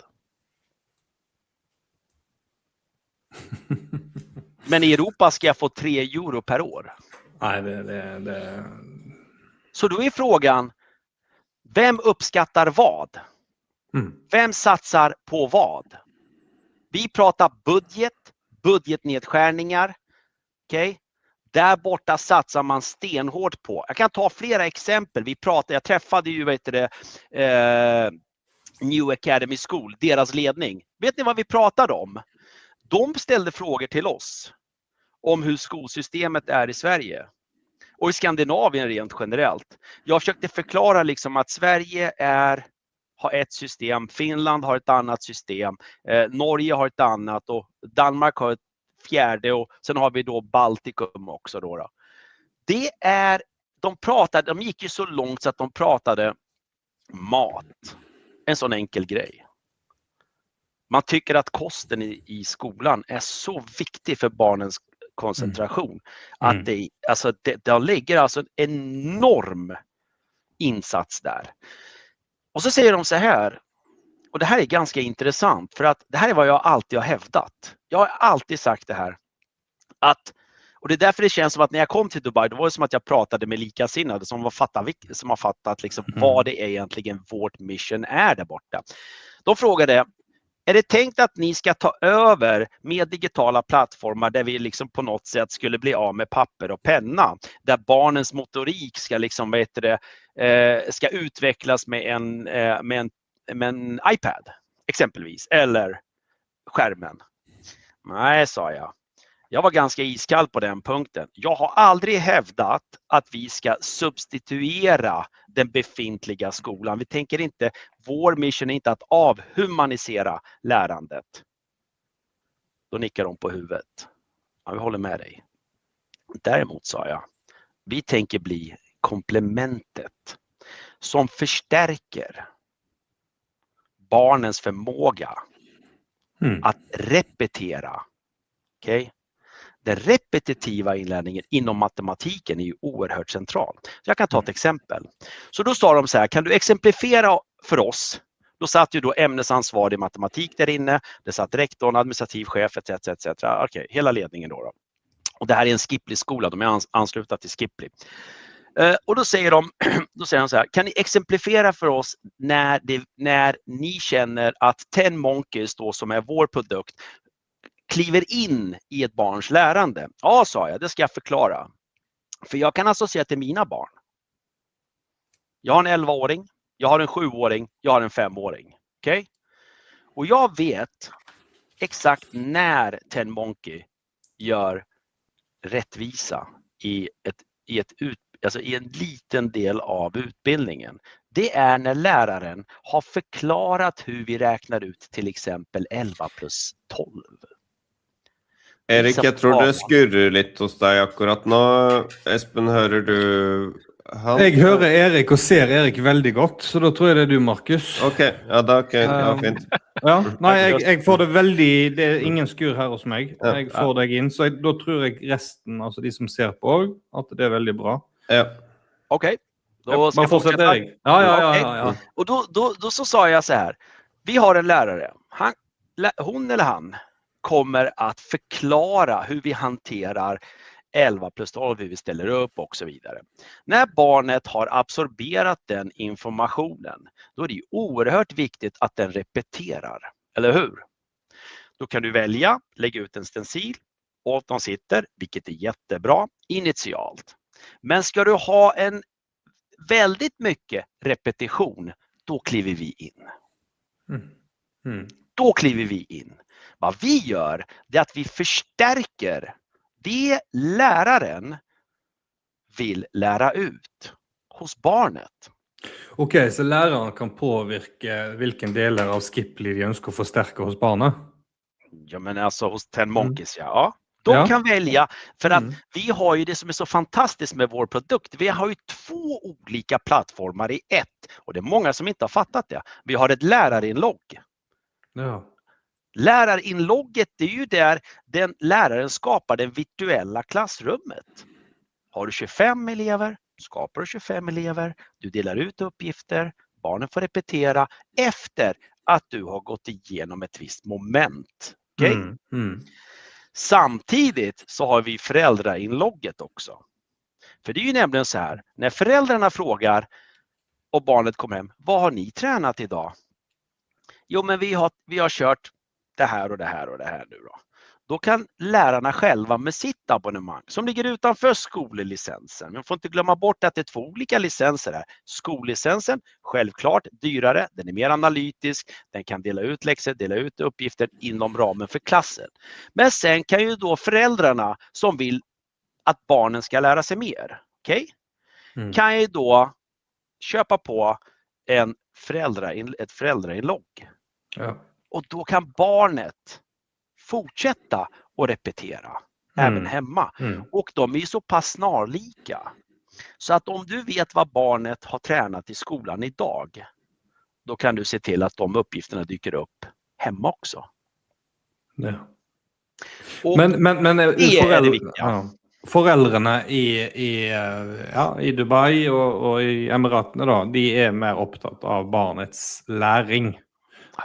men i Europa skal jeg få €3 per år? Nei, det, det Så da jo spørsmålet, hvem oppskatter hva, hvem satser på hva, vi snakker budsjett, budsjettnedskjæringer. Der borte satser man stenhardt på, jeg kan ta flere eksempler. Vi snakket, jeg møtte jo, hva heter det, New Academy School, deres ledning. Vet du hva vi snakket om? De stilte spørsmål til oss om hvordan skolesystemet i Sverige, og i Skandinavia rent generelt. Jeg forsøkte å forklare at Sverige har et system, Finland har et annet system, Norge har et annet, og Danmark har et fjerde, og så har vi da Baltikum også da. Det de snakket, de gikk jo så langt at de snakket om mat, en sånn enkel greie. Man tenker at kosten i skolen så viktig for barnets konsentrasjon, at det ligger altså en enorm innsats der. Så sier de så her, og det her ganske interessant, for at det her hva jeg alltid har hevdet, jeg har alltid sagt det her. Det derfor det kjennes som at når jeg kom til Dubai, da var det som at jeg snakket med likesinnede, som har fattet, som har fattet hva det egentlig er vårt oppdrag der borte. Da spurte jeg, det tenkt at dere skal ta over med digitale plattformer der vi på noe sett skulle bli av med papir og penna, der barnets motorikk skal utvikles med en iPad, eksempelvis, eller skjermen. Nei, sa jeg, jeg var ganske iskald på den punkten. Jeg har aldri hevdet at vi skal substituere den befintlige skolen, vi tenker ikke, vår oppgave ikke å avhumanisere læringen. Da nikker de på hodet, ja, vi holder med deg. Derimot sa jeg, vi tenker bli komplementet som forsterker barnets formening å repetere. Den repetitive innlæringen innom matematikken jo uhørt sentral. Jeg kan ta et eksempel. Da sa de så her, kan du eksemplifisere for oss? Da satt jo da emnesansvarig matematikk der inne, det satt rektoren, administrativ sjef, etc., etc., hele ledningen da. Det her en Skiply-skole, de ansluttet til Skiply. Da sier de så her, kan du eksemplifisere for oss når dere kjenner at 10 Monkeys da, som vår produkt, klyver inn i et barns læring? Ja, sa jeg, det skal jeg forklare, for jeg kan altså si at det mine barn, jeg har en 11-åring, jeg har en 7-åring, jeg har en 5-åring. Jeg vet eksakt når 10 Monkeys gjør rettvis i en liten del av utbildningen, det når læreren har forklart hvordan vi regner ut for eksempel 11 pluss 12. Erik, jeg tror du skurrer litt hos deg akkurat nå, Espen, hører du han? Jeg hører Erik og ser Erik veldig godt, så da tror jeg det du, Markus. Ok, ja, da ok, ja fint. Ja, nei, jeg får det veldig, det ingen skurr her hos meg, jeg får deg inn, så da tror jeg resten, altså de som ser på, at det veldig bra. Ja. Ok, da skal vi fortsette. Ja, ja, ja, ja, ja. Og da så sa jeg så her, vi har en lærer, han, hun eller han kommer å forklare hvordan vi håndterer 11 pluss 12, hvordan vi stiller opp, og så videre. Når barnet har absorbert den informasjonen, da er det jo uhørt viktig at den repeterer. Eller hva, da kan du velge, legge ut en stensil, og at de sitter, hvilket er veldig bra, initialt. Men skal du ha en veldig mye repetisjon, da klyver vi inn. Da klyver vi inn, hva vi gjør, det at vi forsterker det læreren vil lære ut hos barnet. Ok, så læreren kan påvirke hvilke deler av Skiply de ønsker å forsterke hos barnet? Ja, men altså hos 10 Monkeys, ja, de kan velge, for vi har jo det som er så fantastisk med vårt produkt, vi har jo to ulike plattformer i ett, og det er mange som ikke har fattet det, vi har et lærerinnlogg. Ja. Lærerinnlogget, det jo der den læreren skaper det virtuelle klasserommet. Har du 25 elever, skaper du 25 elever, du deler ut oppgifter, barnet får repetere etter at du har gått gjennom et visst moment. Samtidig så har vi foreldreinnlogget også, for det jo nemlig så her, når foreldrene spør, og barnet kommer hjem, "hva har du trent i dag?" "Jo, men vi har kjørt det her og det her og det her nå da." Da kan lærerne selv med sitt abonnement, som ligger utenfor skolelisensen. Vi må ikke glemme bort at det to ulike lisenser her: skolelisensen, selvfølgelig dyrere, den mer analytisk, den kan dele ut lekser, dele ut oppgaver innom rammen for klassen. Men så kan jo da foreldrene som vil at barnet skal lære seg mer, kan jo da kjøpe på en foreldreinnlogg. Ja. Og da kan barnet fortsette å repetere, også hjemme, og de jo såpass nærlike, så at om du vet hva barnet har trent i skolen i dag, da kan du se til at de oppgavene dukker opp hjemme også. Ja. Men foreldrene i Dubai og i Emiratene da, de er mer opptatt av barnets læring.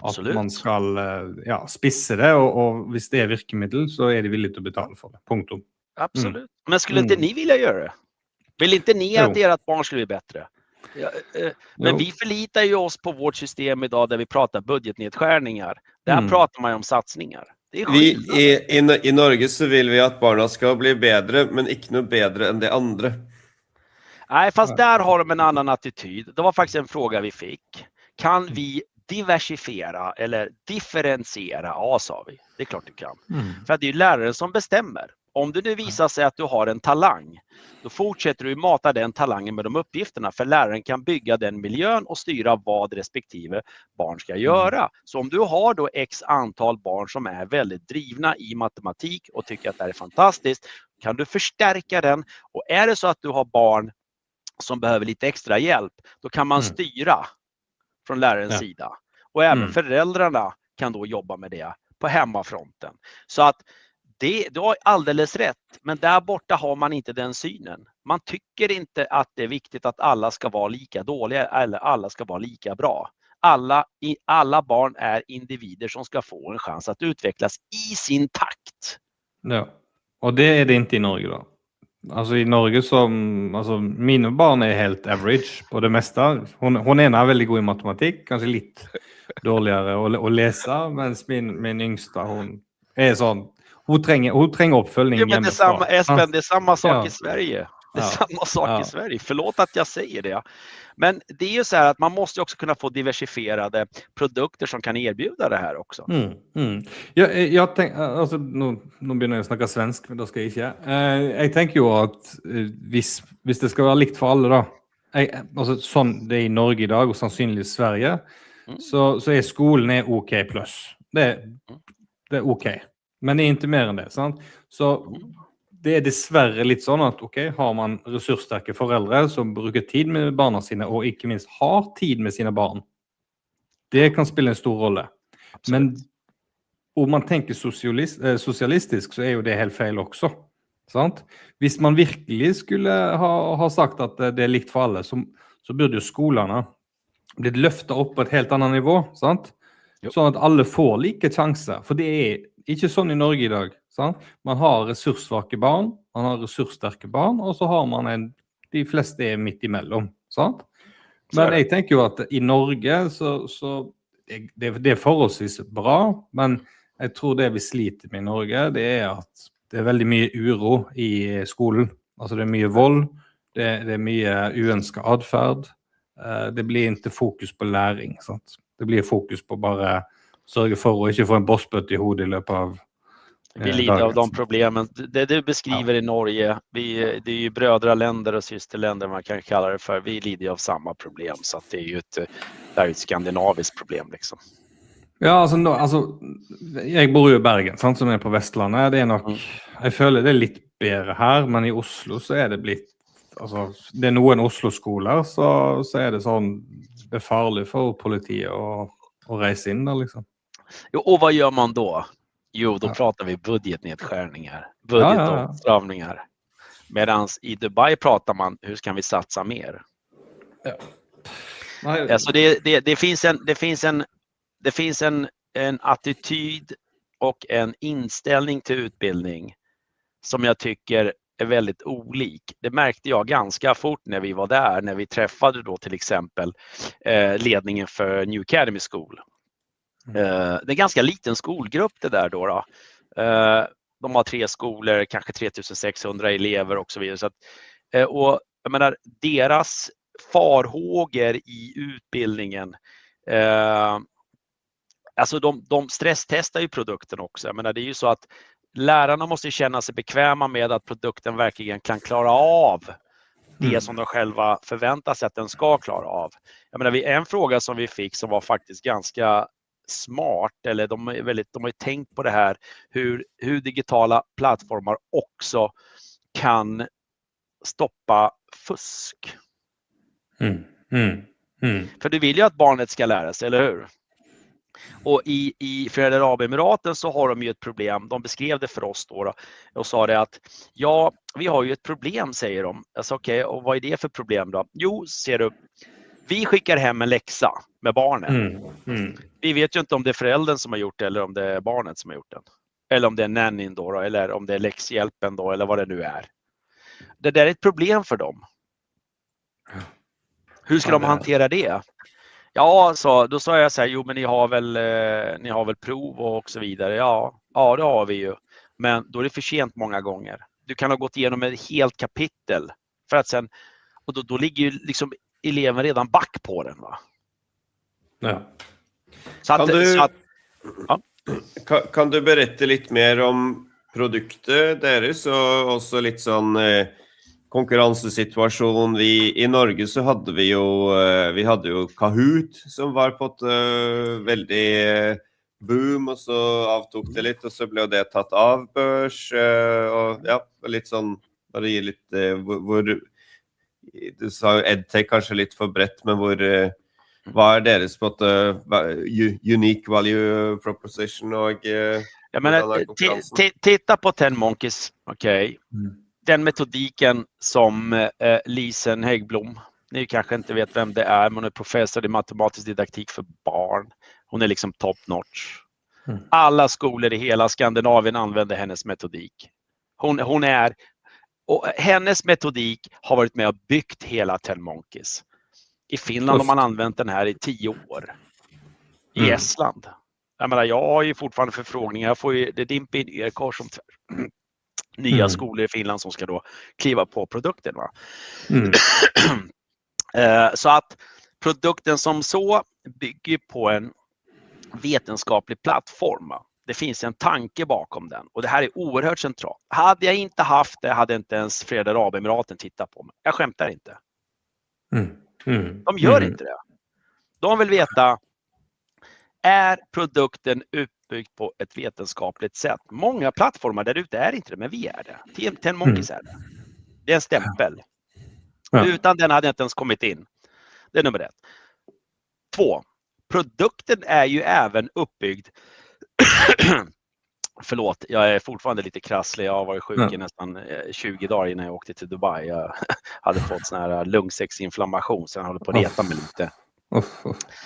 Absolutt. At man skal, ja, spise det, og hvis det virker middel, så de villige til å betale for det, punktum. Absolutt, men skulle ikke dere ville gjøre det? Vil ikke dere at deres barn skal bli bedre? Ja. Men vi forliter jo oss på vårt system i dag der vi snakker budsjettnedskjæringer, der snakker man jo om satsninger, det er jo ikke riktig. I Norge så vil vi at barna skal bli bedre, men ikke noe bedre enn de andre. Nei, for der har de en annen attitude. Det var faktisk et spørsmål vi fikk: kan vi diversifisere eller differensiere? Ja, sa vi, det klart vi kan, for det jo læreren som bestemmer. Om det nå viser seg at du har en talent, da fortsetter du å mate den talenten med de oppgavene, for læreren kan bygge den miljøet og styre hva det respektive barn skal gjøre. Så om du har da x antall barn som veldig drivne i matematikk og tenker at det fantastisk, kan du forsterke den. Det sånn at du har barn som trenger litt ekstra hjelp, da kan man styre fra lærerens side, og også foreldrene kan da jobbe med det på hjemmefronten. Så det, du har alldeles rett, men der borte har man ikke den synen. Man tenker ikke at det viktig at alle skal være like dårlige eller alle skal være like bra. Alle barn individer som skal få en sjanse til å utvikle seg i sin takt. Ja, og det er ikke i Norge da, altså i Norge så, altså mine barn er helt average på det meste. Hun er veldig god i matematikk, kanskje litt dårligere å lese, mens min yngste, hun sånn, hun trenger oppfølging mens hun. Det er det samme sak i Sverige, det samme sak i Sverige. Forlåt at jeg sier det, men det er jo sånn at man må også kunne få diversifiserte produkter som kan tilby dette også. Jeg tenker, altså nå begynner jeg å snakke svensk, men da skal jeg ikke. Jeg tenker jo at hvis det skal være likt for alle da, altså sånn det er i Norge i dag og sannsynligvis i Sverige, så er skolen ok pluss, det er ok, men det er ikke mer enn det, sant. Så det er dessverre litt sånn at ok, har man ressurssterke foreldre som bruker tid med barna sine og ikke minst har tid med sine barn, det kan spille en stor rolle. Men om man tenker sosialistisk så er jo det helt feil også, sant. Hvis man virkelig skulle ha sagt at det er likt for alle, så burde jo skolene blitt løftet opp på et helt annet nivå, sant, sånn at alle får like sjanser. For det er ikke sånn i Norge i dag, sant. Man har ressurssvake barn, man har ressurssterke barn, og så har man de fleste midt i mellom, sant. Men jeg tenker jo at i Norge så er det forholdsvis bra, men jeg tror det vi sliter med i Norge, det er at det er veldig mye uro i skolen. Altså det er mye vold, det er mye uønsket atferd, det blir ikke fokus på læring, sant. Det blir fokus på bare å sørge for å ikke få en bossbøtte i hodet i løpet av dagen. Vi lider av de samme problemene det du beskriver i Norge. Det er jo brødreland og søsterland, man kan kalle det for. Vi lider jo av samme problem, så det er jo et skandinavisk problem liksom. Ja, altså, jeg bor jo i Bergen, sant, som på Vestlandet. Det er nok, jeg føler det litt bedre her, men i Oslo så er det blitt, altså det er noen Oslo-skoler, så det er sånn at det er farlig for politiet å reise inn der liksom. Ja, og hva gjør man da? Jo, da snakker vi budsjettnedskjæringer, budsjettoppkravninger, mens i Dubai snakker man hvordan kan vi satse mer? Ja. No. Altså, det finnes en attityde og en innstilling til utdanning som jeg tenker er veldig ulik. Det merket jeg ganske fort når vi var der, når vi møtte for eksempel ledningen for New Academy School. Det er en ganske liten skolegruppe der da, de har tre skoler, kanskje 3,600 elever og så videre. Og jeg mener, deres tilnærming til utdanning, altså de stress-tester jo produktet også. Jeg mener, det er jo sånn at lærerne må kjenne seg bekvemme med at produktet virkelig kan klare det som de selv forventer seg at den skal klare. Jeg mener, det var et spørsmål som vi fikk som var faktisk ganske smart, eller de har jo tenkt på dette: hvordan digitale plattformer også kan stoppe fusk. For du vil jo at barnet skal lære seg, eller hva, og i De Forente Arabiske Emirater så har de jo et problem. De beskrev det for oss da, og sa at, ja, vi har jo et problem, sier de. Altså ok, og hva er det for et problem da? Jo, ser du, vi sender hjem en lekse med barnet, vi vet jo ikke om det er foreldrene som har gjort det eller om det er barnet som har gjort det, eller om det er nannyen da, eller om det er leksehjelpen da eller hva det nå er. Det er et problem for dem. Ja. Hvordan skal de håndtere det? Ja, da sa jeg sånn, jo, men jeg har vel prøvd og så videre. Ja, det har vi jo, men da er det for sent mange ganger. Du kan ha gått gjennom et helt kapittel for at så, og da ligger jo eleven allerede bak på den da. Ja. Sånn at, ja. Kan du berette litt mer om produktet deres, og også litt sånn konkurransesituasjon i Norge? Vi hadde jo Kahoot som var på et veldig boom, og så avtok det litt, og så ble jo det tatt av. Bare gi litt, hvor - du sa jo EdTech kanskje litt for bredt, men hvor, hva deres på en måte unique value proposition er. Ja, men se på 10 Monkeys, ok, den metodikken som Lisen Hegblom, du kanskje ikke vet hvem det er, men hun er professor i matematisk didaktikk for barn, hun er liksom top notch, alle skoler i hele Skandinavia bruker hennes metodikk, hun og hennes metodikk har vært med å bygge hele 10 Monkeys. I Finland har man brukt denne her i ti år, i Estland, jeg mener, jeg har jo fortsatt forespørsler, jeg får jo, det din Pineer Car som sier. Nye skoler i Finland som skal da klyve på produktet da. Sånn at produktet som så bygger på en vitenskapelig plattform, det finnes en tanke bakom den, og dette er uhørt sentralt, hadde jeg ikke hatt det, hadde ikke engang Forenede Arabemirater tittet på meg, jeg skjønner det ikke. De gjør ikke det, de vil vite produkten utbygd på et vitenskapelig sett. Mange plattformer der ute ikke det, men vi det, 10 Monkeys det, det en stempel. Uten den hadde jeg ikke engang kommet inn, det nummer én, to, produkten jo også oppbygd. Forlåt, jeg fortsatt litt krasselig, jeg har vært syk i nesten 20 dager før jeg dro til Dubai. Jeg hadde fått sånn her lungesekkinflammasjon, så jeg holder på å rete meg litt. Uff, uff.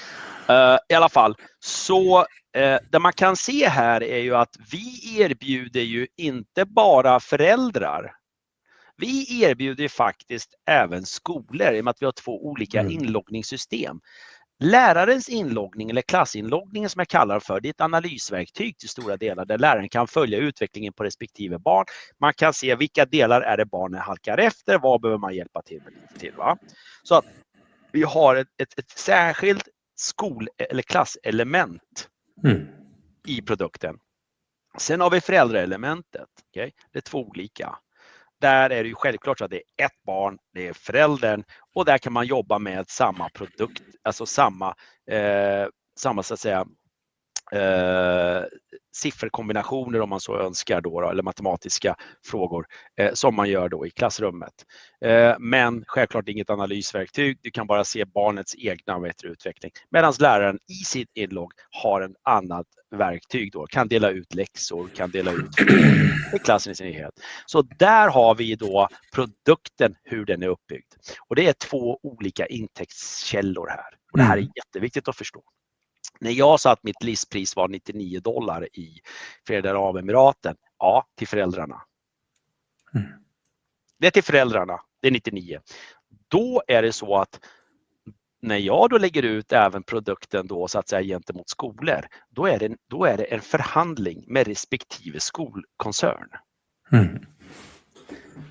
I alle fall, så det man kan se her jo at vi tilbyr jo ikke bare foreldre, vi tilbyr faktisk også skoler, i og med at vi har to ulike innloggingssystem, lærerens innlogging eller klasseinnlogging som jeg kaller det for. Det et analyseverktøy til store deler, der læreren kan følge utviklingen på respektive barn, man kan se hvilke deler det barnet halker etter, hva må man hjelpe til med litt til da, sånn at vi har et særskilt skole- eller klasseelement. I produktet så har vi foreldreelementet, ok, det to ulike, der det jo selvfølgelig at det ett barn, det foreldren, og der kan man jobbe med samme produkt, altså samme, samme så å si, sifferkombinasjoner om man så ønsker da, eller matematiske spørsmål som man gjør da i klasserommet, men selvfølgelig ikke et analyseverktøy. Du kan bare se barnets egne utvikling, mens læreren i sitt innlogg har et annet verktøy da, kan dele ut lekser, kan dele ut i klassen sin enhet, så der har vi da produktet hvordan den oppbygd, og det to ulike inntektskilder her, og dette veldig viktig å forstå. Når jeg sa at mitt livspris var $99 i Forente Arabemirater, ja, til foreldrene. Det til foreldrene, det $99, da det sånn at når jeg da legger ut også produkten da så å si gjenstående skoler, da det en forhandling med respektive skolekonsern.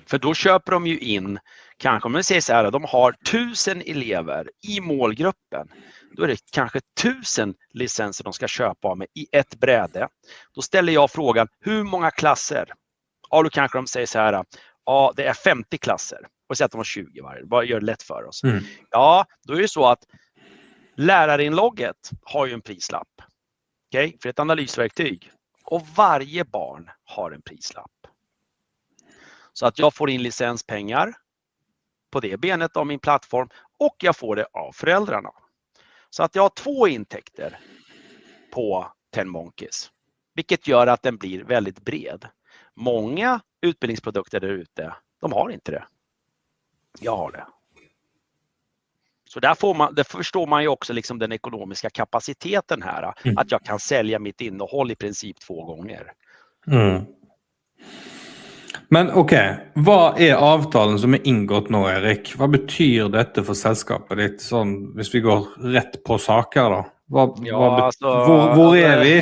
For da kjøper de jo inn, kanskje om vi sier sånn at de har 1000 elever i målgruppen, da det kanskje 1000 lisenser de skal kjøpe av meg i ett brett. Da stiller jeg spørsmålet, hvor mange klasser? Da kanskje de sier sånn, ja, det 50 klasser, og sier at de har 20 hver, bare gjør det lett for oss. Da det sånn at lærerinnlogget har jo en prislapp for et analyseverktøy, og hvert barn har en prislapp, så at jeg får inn lisenspenger på det benet av min plattform, og jeg får det av foreldrene, så at jeg har to inntekter på 10 Monkeys, hvilket gjør at den blir veldig bred. Mange utdanningsprodukter der ute, de har ikke det, jeg har det, så der får man, der forstår man jo også den økonomiske kapasiteten her, at jeg kan selge mitt innhold i prinsipp to ganger. Men ok, hva avtalen som inngått nå, Erik, hva betyr dette for selskapet ditt, sånn hvis vi går rett på saker da, hva betyr, hvor vi?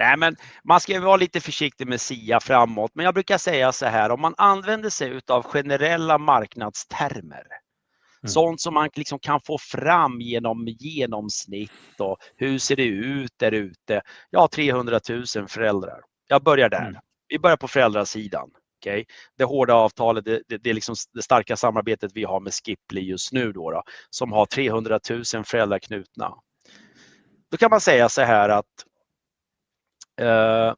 Nei, men man skal jo være litt forsiktig med å si fremover, men jeg pleier å si sånn at om man bruker seg ut av generelle markedstermer, sånt som man kan få frem gjennom gjennomsnitt og hvordan ser det ut der ute. Jeg har 300.000 foreldre, jeg begynner der, vi begynner på foreldresiden. Det harde avtalet, det sterke samarbeidet vi har med Skipley just nå da, som har 300.000 foreldre knyttet. Da kan man si sånn at 3%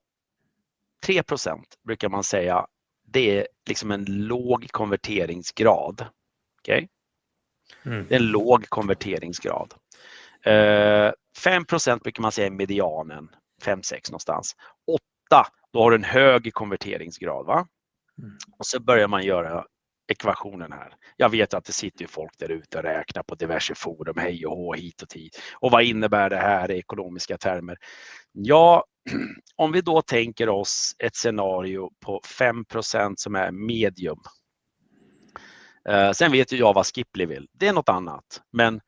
pleier man å si, det en lav konverteringsgrad. Det en lav konverteringsgrad, 5% pleier man å si medianen, 5-6% noe sted, 8%, da har du en høy konverteringsgrad da. Så begynner man å gjøre ekvasjonen her. Jeg vet jo at det sitter jo folk der ute og regner på diverse forum, hei og hå, hit og dit, og hva innebærer dette i økonomiske termer. Ja, om vi da tenker oss et scenario på 5% som medium, så vet jo jeg hva Skipley vil, det noe annet, men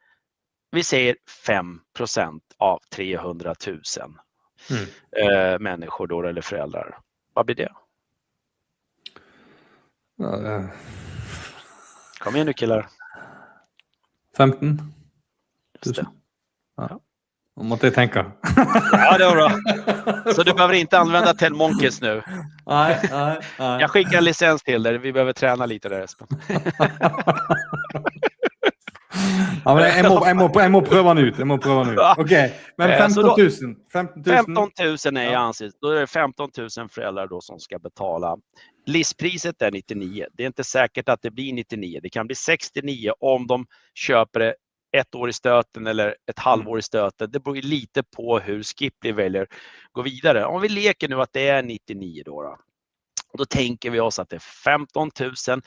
vi sier 5% av 300.000. Mennesker da da, eller foreldre, hva blir det? Ja, det. Kom igjen nå, killer. 15. 17. Ja. Ja. Måtte jeg tenke. Ja, det var bra, så du behøver ikke bruke 10 Monkeys nå. No, no, no. Jeg sender en lisens til dere, vi må trene litt deres. Ja, men jeg må prøve den ut, jeg må prøve den ut, ok, men 15,000, 15,000. 15,000 i ansikt, da det 15,000 foreldre da som skal betale livspriset $99. Det ikke sikkert at det blir $99, det kan bli $69 om de kjøper det ett år i støtet eller et halvår i støtet. Det beror litt på hvordan Skipley velger å gå videre. Om vi leker nå at det $99 da da, da tenker vi oss at det 15,000,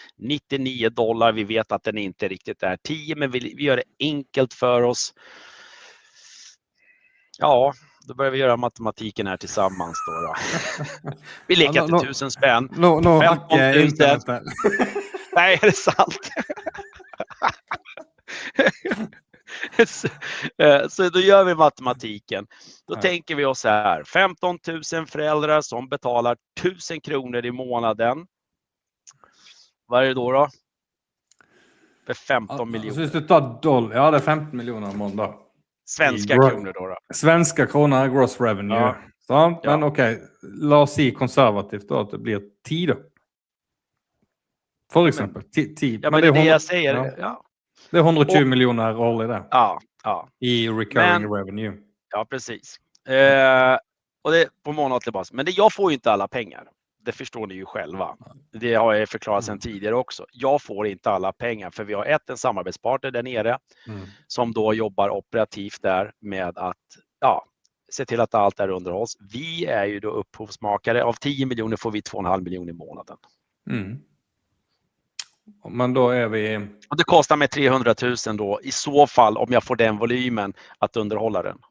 $99. Vi vet at den ikke riktig 10, men vi gjør det enkelt for oss, ja. Da begynner vi å gjøre matematikken her til sammen da da, vi leker til $1,000. Nå, nå, nå, nå, nå, nå, nå, nå, nå, nå, nå. Nei, det sant? Så da gjør vi matematikken, da tenker vi oss her 15 000 foreldre som betaler 1000 kroner i måneden, hva blir det da? Det blir 15 millioner. Hvis du tar dollar, ja, det 15 millioner i måneden. Svenske kroner da da. Svenske kroner, gross revenue, sånn, men ok, la oss si konservativt da at det blir 10 da. For eksempel, 10. Ja, men det 120 millioner årlig der. Ja, ja. I recurring revenue. Ja, presist, og det på månedlig basis, men det jeg får jo ikke alle penger, det forstår dere jo selv, det har jeg forklart siden tidligere også, jeg får ikke alle penger, for vi har ett samarbeidspartner der nede, som da jobber operativt der med at, ja, se til at alt underholdes, vi jo da oppholdsmakere, av 10 millioner får vi 2,5 millioner i måneden. Men da vi. Og det koster meg 300 000 da, i så fall, om jeg får den volymen at underholde den.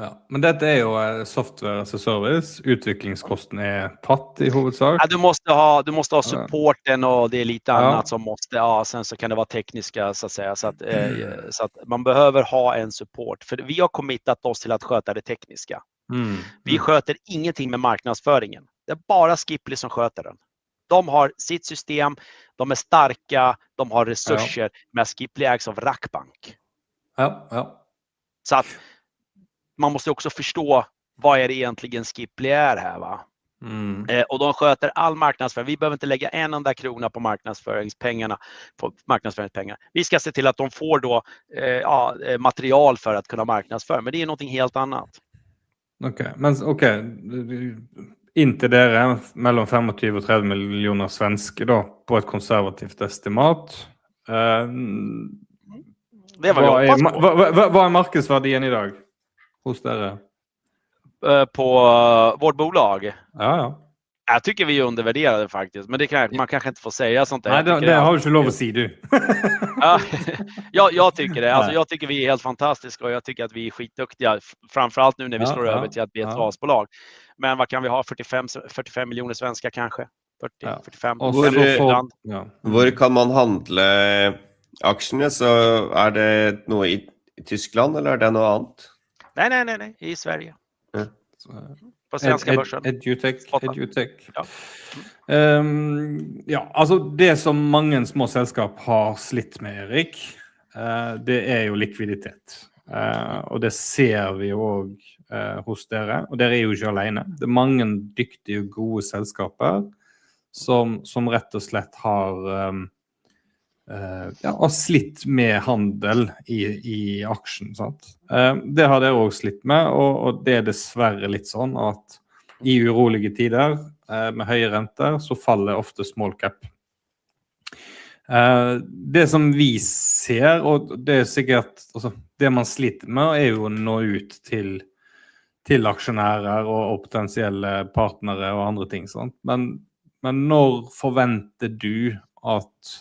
Ja, men dette er jo software as a service, utviklingskostnaden tatt i hovedsak. Ja, du må ha, du må ha supporten og det litt annet som må, ja, og så kan det være teknisk så å si, så at man må ha en support, for vi har forpliktet oss til å skjøte det tekniske. Vi skjøter ingenting med markedsføringen, det bare Skipley som skjøter den, de har sitt system, de sterke, de har ressurser, men Skipley som rackbank. Ja, ja. Sånn at man må også forstå hva det egentlig skjer her da. Og de skjøter all markedsføring, vi behøver ikke legge en eneste krone på markedsføringspengene, vi skal se til at de får da, ja, materiale for å kunne markedsføre, men det er noe helt annet. Ok, men ok, ikke dere mellom 25 og 30 millioner svensker da, på et konservativt estimat? Det var ja. Hva markedsverdien i dag, hos dere? På vårt bolag? Ja, ja. Jeg synes vi undervurderer det faktisk, men det kan jeg, man kan ikke få lov til å si sånt her. Nei, det har du ikke lov å si du. Ja, jeg synes det, altså jeg synes vi er helt fantastiske, og jeg synes at vi er skikkelig dyktige, fremfor alt nå når vi skal over til at vi er et rasebolag, men hva kan vi ha, 45 millioner svensker kanskje, 40, 45, og så videre. Hvor kan man handle aksjene, så det noe i Tyskland eller det noe annet? Nej, nej, nej, nej, i Sverige. Ja, så. På svenska börsen. Edutech, Edutech. Ja. Ja, altså det som mange små selskap har slitt med, Erik, det er jo likviditet, og det ser vi også hos dere, og dere er jo ikke alene, det er mange dyktige og gode selskaper som rett og slett har, ja, har slitt med handel i aksjen, sant, det har dere også slitt med, og det er dessverre litt sånn at i urolige tider, med høye renter, så faller ofte small cap. Det som vi ser, og det er sikkert, altså det man sliter med er jo å nå ut til aksjonærer og potensielle partnere og andre ting, sant, men når forventer du at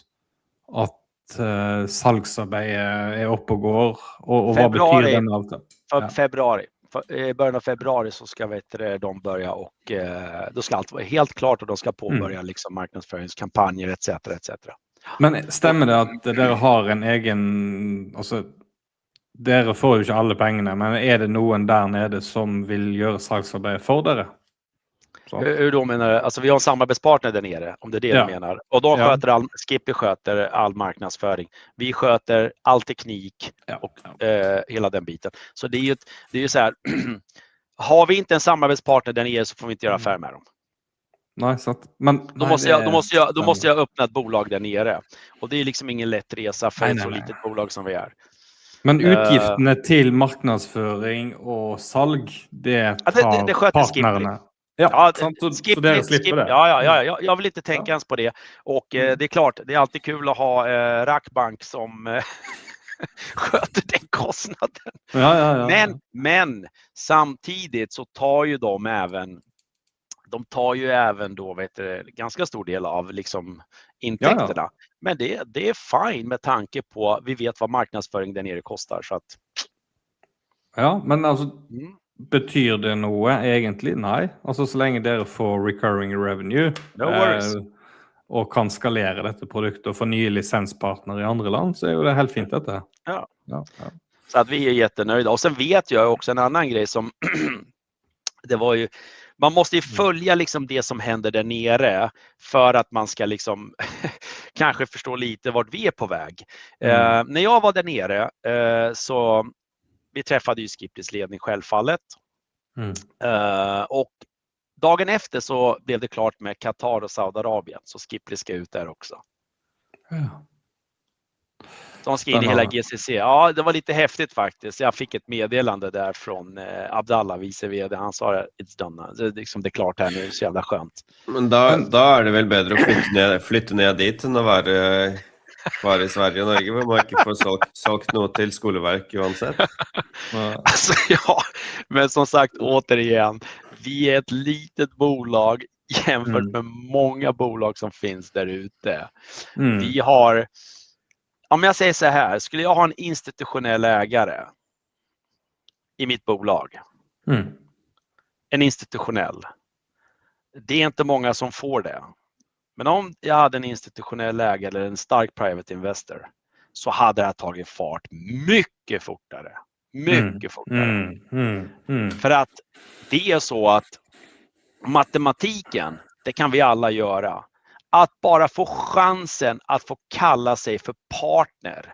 salgsarbeidet kommer oppe og går, og hva betyr den avtalen? Februar, i begynnelsen av februar så skal de begynne, og da skal alt være helt klart, og de skal påbegynne markedsføringskampanjer, etc. Men stemmer det at dere har en egen, altså dere får jo ikke alle pengene, men det noen der nede som vil gjøre salgsarbeidet for dere? Det du mener, altså vi har en samarbeidspartner der nede, om det det du mener, og da skjøter Skipley, skjøter all markedsføring, vi skjøter all teknikk og hele den biten, så det jo sånn at har vi ikke en samarbeidspartner der nede, så får vi ikke gjøre affære med dem. Nei, sånn at, men. Da må jeg åpne et bolag der nede, og det er liksom ingen lett reise for et så lite bolag som vi. Men utgiftene til markedsføring og salg, det til partnerne. Ja, sånn at. Så dere slipper det. Ja, ja, ja, ja, jeg vil ikke tenke på det, og det klart, det alltid kult å ha rackbank som skjøter den kostnaden. Ja, ja, ja. Men samtidig så tar jo de også, de tar jo også da, hva heter det, ganske stor del av liksom inntektene, men det fint med tanke på at vi vet hva markedsføring der nede koster, sånn at. Ja, men altså, betyr det noe egentlig? Nei, altså så lenge dere får recurring revenue. No worries. Og kan skalere dette produktet og få nye lisenspartnere i andre land, så jo det helt fint dette. Ja. Ja. Sånn at vi er veldig fornøyde, og så vet jeg jo også en annen ting som, det var jo, man må jo følge liksom det som skjer der nede for at man skal liksom kanskje forstå litt hvor vi er på vei. Da jeg var der nede, så møtte vi jo Skipleys ledning selvfølgelig, og dagen etter så ble det klart med Qatar og Saudi-Arabia, så Skipley skal ut der også. Ja. De skal inn i hele GCC, ja, det var litt heftig faktisk. Jeg fikk et meddelende der fra Abdallah, vice-vedet, han sa det, liksom det klart her nå, så jævla skjønt. Men da det vel bedre å flytte ned dit enn å være bare i Sverige og Norge, for man har ikke fått solgt noe til Skoleverket uansett. Altså, ja, men som sagt igjen, vi er et lite bolag jevnlig med mange bolag som finnes der ute. Vi har, om jeg sier sånn her, skulle jeg ha en institusjonell eier i mitt bolag, en institusjonell, det er ikke mange som får det, men om jeg hadde en institusjonell eier eller en sterk privat investor, så hadde dette tatt fart mye fortere, mye fortere. For det er sånn at matematikken, det kan vi alle gjøre, at bare få sjansen til å kalle seg for partner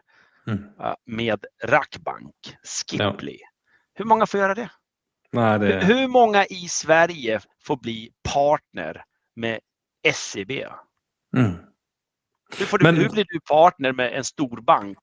med Rackbank, Skipley, hvor mange får gjøre det? Nei, det. Hvor mange i Sverige får bli partner med SEB? Du får, du blir partner med en stor bank.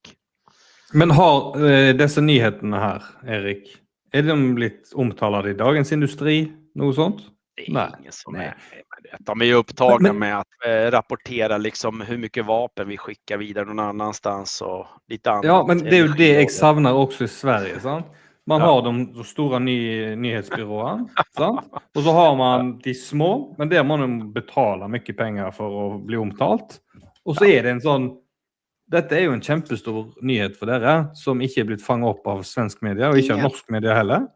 Men har disse nyhetene her, Erik, de blitt omtalt i Dagens Industri, noe sånt? Nei, ingen som med det, de jo opptatt med å rapportere liksom hvor mye våpen vi sender videre noen andre steder, og litt annet. Ja, men det jo det jeg savner også i Sverige, sant, man har de store nyhetsbyråene, sant, og så har man de små, men der må man betale mye penger for å bli omtalt, og så det en sånn, dette jo en kjempestor nyhet for dere som ikke blitt fanget opp av svensk media, og ikke av norsk media heller,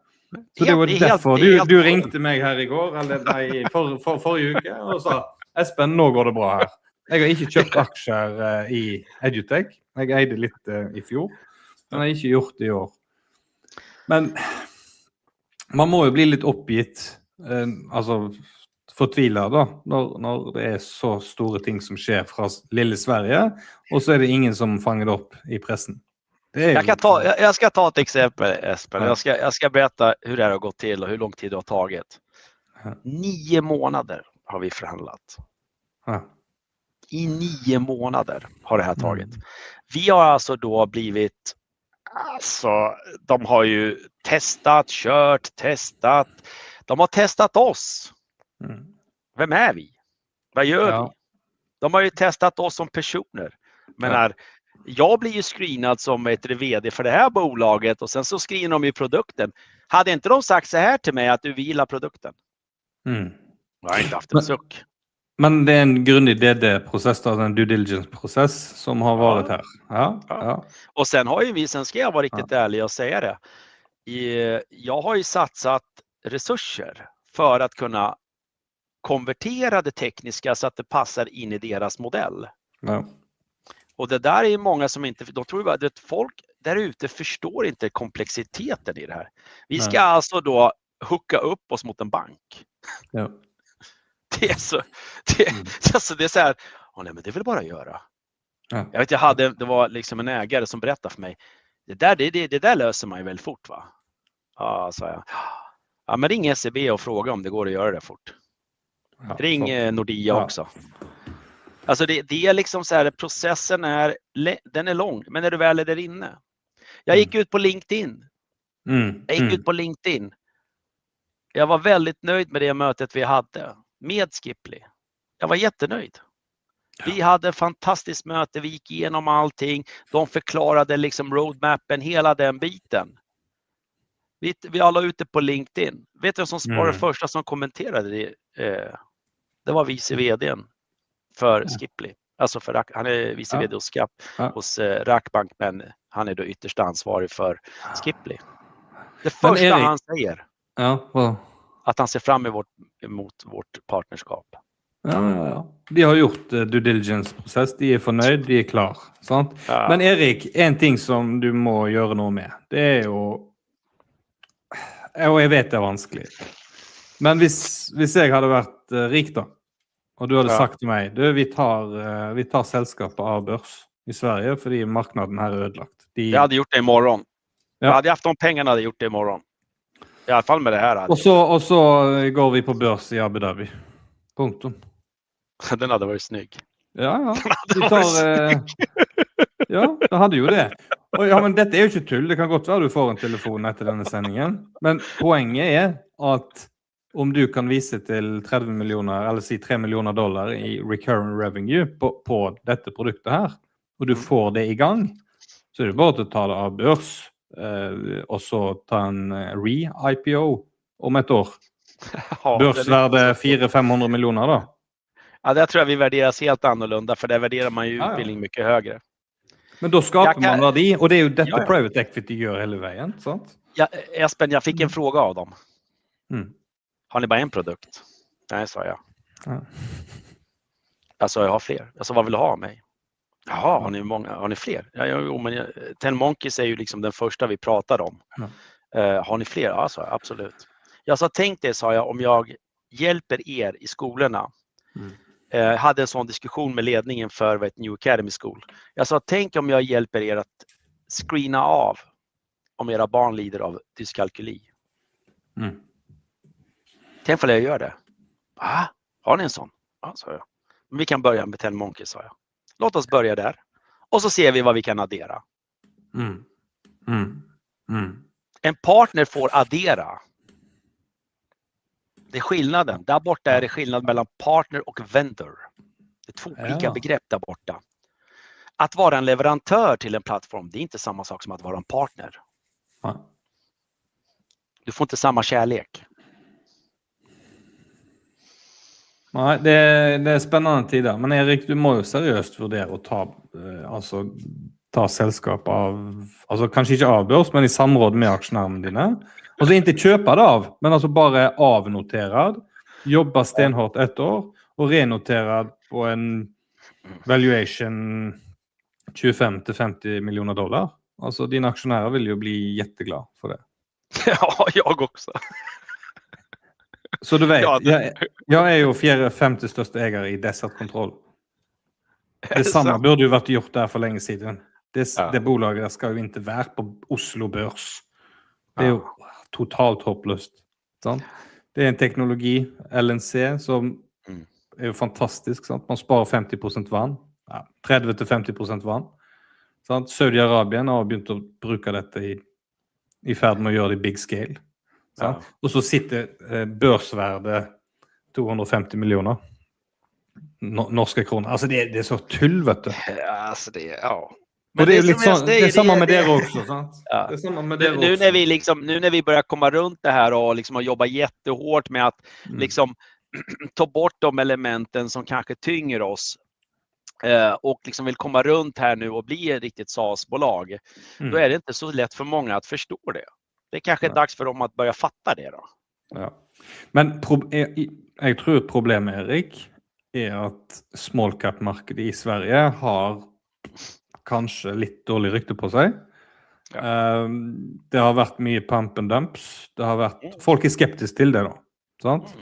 så det var derfor du ringte meg her i går, eller forrige uke, og sa: «Espen, nå går det bra her.» Jeg har ikke kjøpt aksjer i Edutech, jeg eide litt i fjor, men jeg har ikke gjort det i år. Men man må jo bli litt oppgitt, altså fortvilet da, når det så store ting som skjer fra lille Sverige, og så det ingen som fanger det opp i pressen. Jeg skal ta et eksempel, Espen, jeg skal fortelle deg hvordan det har gått til, og hvor lang tid det har tatt, ni måneder har vi forhandlet. Ja. I ni måneder har dette tatt. Vi har altså da blitt, altså de har jo testet, kjørt, testet. De har testet oss, hvem vi, hva gjør vi? De har jo testet oss som personer. Jeg mener, jeg blir jo screenet som, hva heter det, VD for dette bolaget, og så screener de jo produktet. Hadde ikke de sagt dette til meg at du vil ha produktet? Jeg har ikke hatt det. Men det er en grundig prosess, det er en due diligence-prosess som har vært her, ja. Og så har vi jo, nå skal jeg være riktig ærlig og si det, jeg har jo satset ressurser for å kunne konvertere det tekniske så at det passer inn i deres modell. Ja. Og det der jo mange som ikke, da tror jeg at folk der ute forstår ikke kompleksiteten i dette, vi skal altså da koble oss opp mot en bank. Ja. Det så, det sånn at, å nei, men det vil jeg bare gjøre. Ja. Jeg vet jeg hadde, det var liksom en eier som fortalte meg det der, det der løser man jo veldig fort. Ja, sa jeg, ja, men ring SEB og spør om det går å gjøre det fort. Ja. Ring Nordea også, altså det liksom sånn at prosessen den lang, men du vel der inne? Jeg gikk ut på LinkedIn, jeg gikk ut på LinkedIn, jeg var veldig fornøyd med det møtet vi hadde med Skipley, jeg var veldig fornøyd. Vi hadde et fantastisk møte, vi gikk gjennom alting, de forklarte liksom roadmapen, hele den biten, vi alle ute på LinkedIn, vet du hva som var det første som kommenterte det, det var vice-veden for Skipley, altså for, han vice-veden hos rackbank, men han da ytterst ansvarig for Skipley, det det første han sier. Ja, ja. At han ser frem mot vårt partnerskap. Ja, ja, ja, de har gjort due diligence-prosess, de fornøyd, de klare, sant, men Erik, en ting som du må gjøre noe med, det jo, og jeg vet det vanskelig, men hvis jeg hadde vært rik da, og du hadde sagt til meg, du, vi tar selskapet av børs i Sverige fordi markedet her ødelagt, de. Jeg hadde gjort det i morgen, jeg hadde hatt de pengene, jeg hadde gjort det i morgen, i hvert fall med dette her. Og så går vi på børs i Abu Dhabi. Den hadde vært snygg. Ja, ja. Du tar, ja, jeg hadde jo det, og ja, men dette jo ikke tull. Det kan godt være at du får en telefon etter denne sendingen, men poenget at om du kan vise til $30 millioner, eller si $3 millioner i recurring revenue på dette produktet her, og du får det i gang, så det bare å ta det av børs, og så ta en re-IPO om et år. Børsverdi $400-500 millioner da. Ja, det tror jeg vi verdsettes helt annerledes, for der verdsetter man jo utdanning mye høyere. Men da skaper man verdi, og det er jo dette private equity gjør hele veien, sant. Ja, Espen, jeg fikk et spørsmål av dem. Har dere bare ett produkt? Nei, sa jeg. Ja. Jeg sa jeg har flere, jeg sa hva vil du ha av meg? Ja. Har dere mange, har dere flere? Ja, jo, men Ten Monkeys jo liksom den første vi snakker om, har dere flere? Ja, sa jeg, absolutt. Jeg sa tenk det, sa jeg, om jeg hjelper dere i skolene. Jeg hadde en sånn diskusjon med ledningen for, hva heter det, New Academy School. Jeg sa tenk om jeg hjelper dere å screene av om barna deres lider av dyskalkuli. Tenk hva jeg gjør det, hæ, har dere en sånn? Ja, sa jeg, men vi kan begynne med Ten Monkeys, sa jeg, la oss begynne der, og så ser vi hva vi kan addere. En partner får addere, det forskjellen, der borte det forskjell mellom partner og vendor, det to ulike begrep der borte. Å være en leverandør til en plattform, det ikke det samme som å være en partner. No. Du får ikke samme kjærlighet. Nei, det er spennende tider, men Erik, du må jo seriøst vurdere å ta, altså ta selskap av, altså kanskje ikke av børs, men i samråd med aksjonærene dine, og så ikke kjøpe det av, men altså bare avnotere, jobbe stenhardt ett år, og renotere på en valuation $25 til $50 millioner, altså dine aksjonærer vil jo bli veldig glade for det. Ja, jeg også. Du vet, jeg er jo fjerde- og femte største eier i Desert Control. Det samme burde jo vært gjort der for lenge siden. Det selskapet skal jo ikke være på Oslo Børs, det er jo totalt håpløst. Det er en teknologi, LNC, som er jo fantastisk. Man sparer 50% vann, 30 til 50% vann. Saudi-Arabia har begynt å bruke dette og er i ferd med å gjøre det i big scale. Så sitter børsverdien på NOK 250 millioner, altså det er så tull, vet du. Ja, altså det ja. Og det litt sånn, det det samme med dere også, sant. Ja, det samme med dere også. Nå når vi begynner å komme rundt dette og jobbe veldig hardt med å ta bort de elementene som kanskje tynger oss, og vil komme rundt her nå og bli et riktig SaaS-bolag, da er det ikke så lett for mange å forstå det. Det er kanskje tid for dem å begynne å forstå det da. Ja, men jeg tror problemet, Erik, at small cap-markedet i Sverige har kanskje litt dårlig rykte på seg. Det har vært mye pump and dumps, det har vært folk skeptiske til det nå, sant.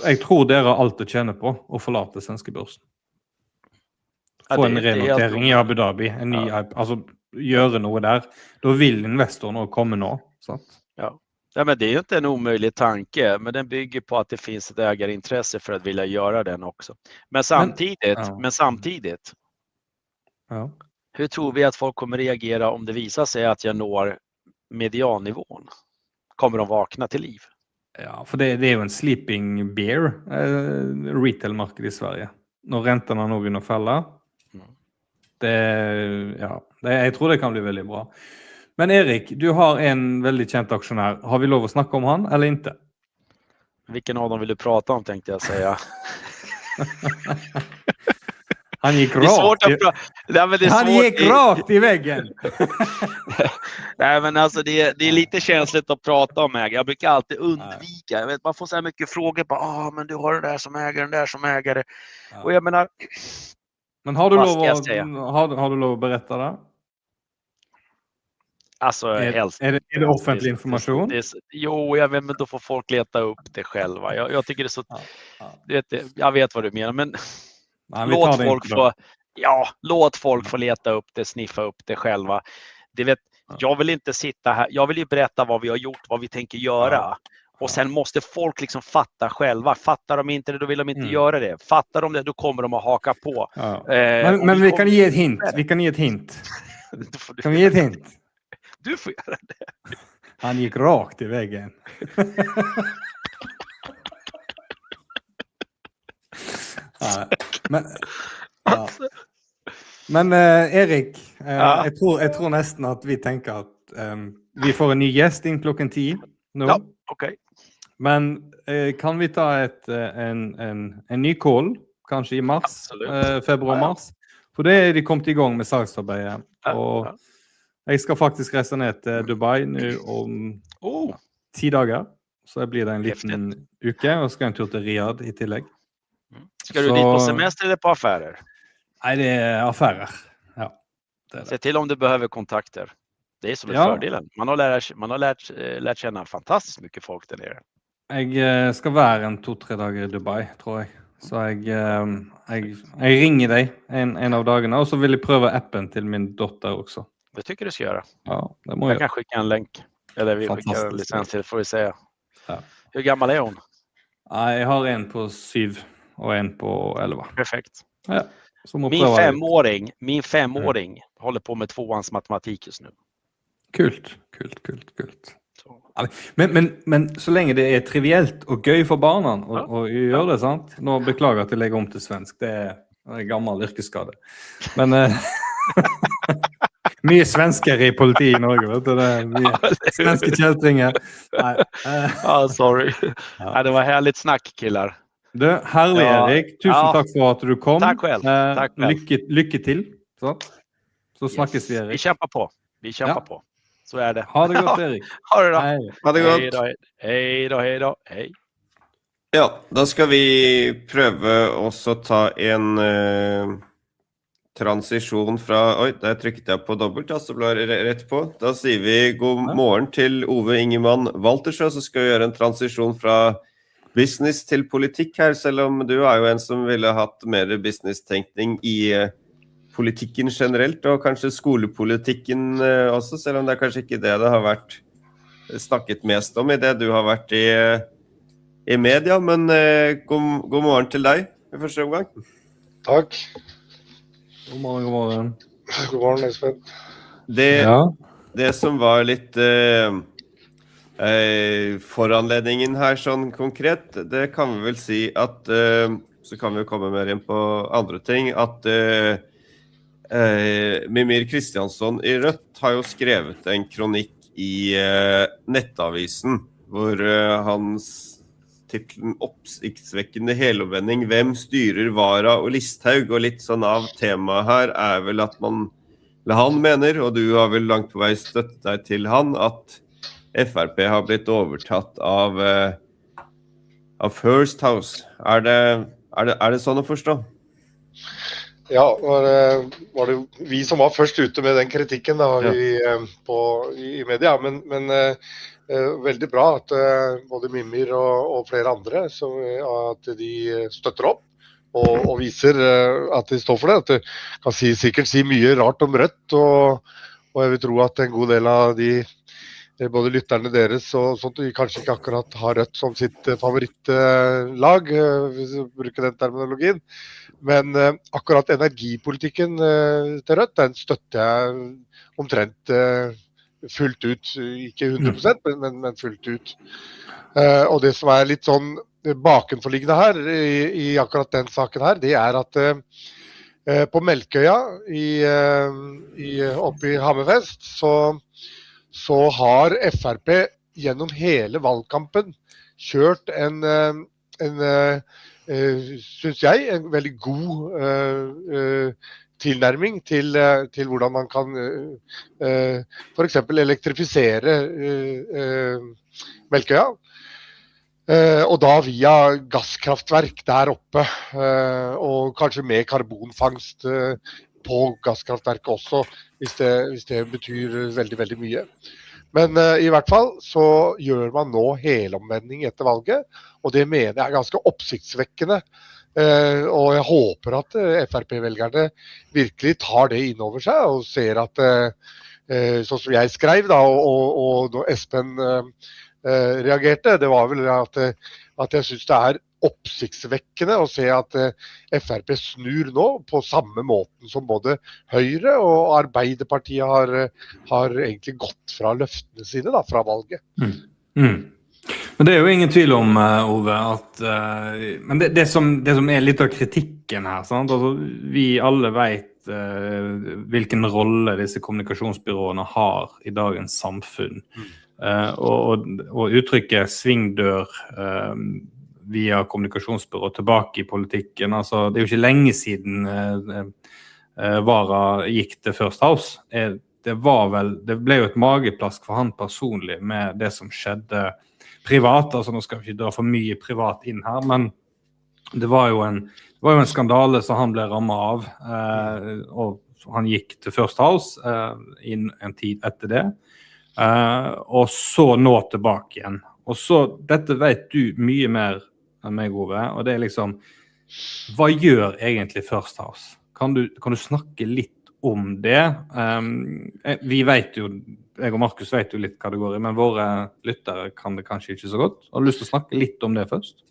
Jeg tror dere har alt å tjene på å forlate svenske børsen, få en renotering i Abu Dhabi, en ny, altså gjøre noe der, da vil investorene også komme nå, sant. Ja, ja, men det er jo ikke en umulig tanke, men den bygger på at det finnes en eierinteresse for å ville gjøre det også. Ja. Hur tror du att folk kommer reagera om det visar sig att jag når mediannivån, kommer de vakna till liv? Ja, for det er jo en sleeping bear retail-marked i Sverige, når rentene nå begynner å falle. Det ja, jeg tror det kan bli veldig bra, men Erik, du har en veldig kjent aksjonær, har vi lov å snakke om ham eller ikke? Hvilken av dem vil du prate om, tenkte jeg å si. Han gikk råt. Det er vanskelig å snakke, han gikk rett i veggen. Nei, men altså, det er litt kjedelig å prate om meg. Jeg bruker alltid å unnvike, jeg vet man får så mange spørsmål, bare å, men du har det der som eier, den der som eier, og jeg mener. Men har du lov å, har du lov å berette det? Altså, helst. Det offentlig informasjon? Jo, jeg vet, men da får folk lete opp det selv. Jeg tenker det så, du vet, jeg vet hva du mener, men la folk få, ja, la folk få lete opp det, sniffe opp det selv, du vet. Jeg vil ikke sitte her, jeg vil jo berette hva vi har gjort, hva vi tenker å gjøre, og så må folk liksom forstå selv. Forstår de ikke det, da vil de ikke gjøre det. Forstår de det, da kommer de til å hake på. Ja, men vi kan gi et hint, vi kan gi et hint, kan vi gi et hint? Du får gjøre det. Han gikk rett i veggen. Nei, men. Altså. Men Erik, jeg tror nesten at vi tenker at vi får en ny gjest inn klokken 10 nå. Ja, ok. Men kan vi ta en ny call, kanskje i mars, februar, mars, for det de kommer i gang med salgsarbeidet, og jeg skal faktisk reise ned til Dubai nå om 10 dager, så blir det en liten uke, og så skal jeg en tur til Riyadh i tillegg. Skal du dit og se flere steder på affærer? Nei, det angår, ja. Se til om du behøver kontakter, det som en fordel, man har lært å kjenne fantastisk mye folk der nede. Jeg skal være en to-tre dager i Dubai, tror jeg, så jeg ringer deg en av dagene, og så vil jeg prøve appen til min datter også. Det tror jeg du skal gjøre. Ja, det må jeg. Jeg kan sende en link, eller vi sender en lisens til, får vi se. Ja. Hvor gammel er hun? Nei, jeg har en på 7 og en på 11. Perfekt. Ja, så må vi prøve det. Min femåring holder på med toårens matematikk nå. Kult, kult, kult, kult. Men så lenge det er trivielt og gøy for barna, og gjøre det, sant. Nå beklager jeg at jeg legger om til svensk, det er gammel yrkesskade, men det er mye svenskere i politiet i Norge, vet du, det er mye svenske kjøttinger. Ja, sorry. Nei, det var herlig snakk, killer. Det er herlig, Erik, tusen takk for at du kom. Takk for hjelpen, takk for det. Lykke til, sant, så snakkes vi, Erik. Vi kjemper på, vi kjemper på, så det. Ha det godt, Erik. Ha det da. Ha det godt. Hei da, hei da, hei da. Ja, da skal vi prøve å ta en transisjon fra, der trykket jeg på dobbelt, altså det ble rett på, da sier vi god morgen til Ove Ingemann Waltersø, så skal vi gjøre en transisjon fra business til politikk her, selv om du jo en som ville hatt mer business-tenkning i politikken generelt, og kanskje skolepolitikken også, selv om det kanskje ikke det det har vært snakket mest om i det du har vært i media, men god morgen til deg i første omgang. Takk. God morgen, god morgen. God morgen, Espen. Det som var litt foranledningen her sånn konkret, det kan vi vel si at, så kan vi jo komme mer inn på andre ting, at Mimir Kristianson i Rødt har jo skrevet en kronikk i Nettavisen, hvor hans tittel "Oppsiktsvekkende helomvending, hvem styrer Vara og Listhaug", og litt sånn av temaet her vel at man, eller han mener, og du har vel langt på vei støttet deg til han, at FrP har blitt overtatt av First House, det sånn å forstå? Ja, var det vi som var først ute med den kritikken da vi på i media, men veldig bra at både Mimir og flere andre, så at de støtter opp og viser at de står for det. At de kan sikkert si mye rart om Rødt, og jeg vil tro at en god del av de, både lytterne deres og sånt, de kanskje ikke akkurat har Rødt som sitt favorittlag, hvis du bruker den terminologien. Men akkurat energipolitikken til Rødt, den støtter jeg omtrent fullt ut, ikke 100%, men fullt ut. Det som litt sånn bakenforliggende her i akkurat den saken her, det at på Melkøya i oppe i Hammerfest, så har FrP gjennom hele valgkampen kjørt en, synes jeg, en veldig god tilnærming til hvordan man kan for eksempel elektrifisere Melkøya, og da via gasskraftverk der oppe, og kanskje med karbonfangst på gasskraftverket også, hvis det betyr veldig, veldig mye. Men i hvert fall så gjør man nå helomvending etter valget, og det mener jeg ganske oppsiktsvekkende. Jeg håper at FrP-velgerne virkelig tar det innover seg og ser at, sånn som jeg skrev da, og da Espen reagerte, det var vel at jeg synes det oppsiktsvekkende å se at FrP snur nå på samme måten som både Høyre og Arbeiderpartiet har egentlig gått fra løftene sine da fra valget. Men det er jo ingen tvil om, Ove, at det som litt av kritikken her, sant, altså vi alle vet hvilken rolle disse kommunikasjonsbyråene har i dagens samfunn, og uttrykket svingdør via kommunikasjonsbyrå tilbake i politikken, altså det er jo ikke lenge siden Vara gikk til First House, det var vel, det ble jo et mageplask for ham personlig med det som skjedde privat, altså nå skal vi ikke dra for mye privat inn her, men det var jo en skandale så han ble rammet av, og han gikk til First House inn en tid etter det, og så nå tilbake igjen, og så dette vet du mye mer enn meg, Ove, og det liksom, hva gjør egentlig First House? Kan du snakke litt om det? Vi vet jo, jeg og Markus vet jo litt hva det går i, men våre lyttere kan det kanskje ikke så godt. Har du lyst til å snakke litt om det først?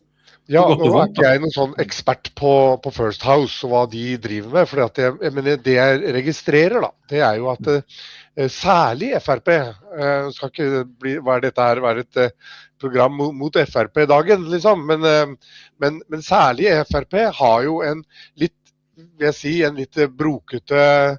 Ja, nå er ikke jeg noe sånn ekspert på First House og hva de driver med, for det jeg registrerer da, det er jo at særlig FrP, skal ikke være dette her være et program mot FrP i dag, liksom, men særlig FrP har jo en litt, vil jeg si, en litt broket kobling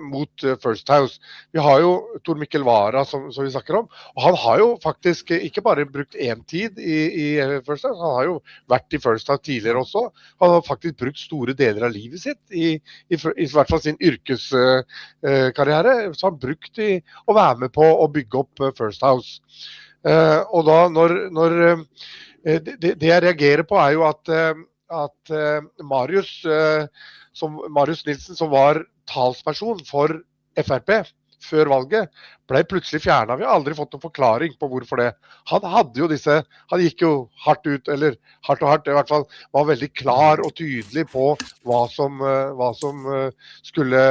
mot First House. Vi har jo Tor Mikkel Wara som vi snakker om, og han har jo faktisk ikke bare brukt en tid i First House, han har jo vært i First House tidligere også, han har faktisk brukt store deler av livet sitt, i hvert fall sin yrkeskarriere, så han har brukt i å være med på å bygge opp First House. Og da når, det jeg reagerer på jo at Marius som Marius Nilsen, som var talsperson for FrP før valget, ble plutselig fjernet. Vi har aldri fått noen forklaring på hvorfor det. Han hadde jo disse, han gikk jo hardt ut, eller hardt og hardt, i hvert fall var veldig klar og tydelig på hva som skulle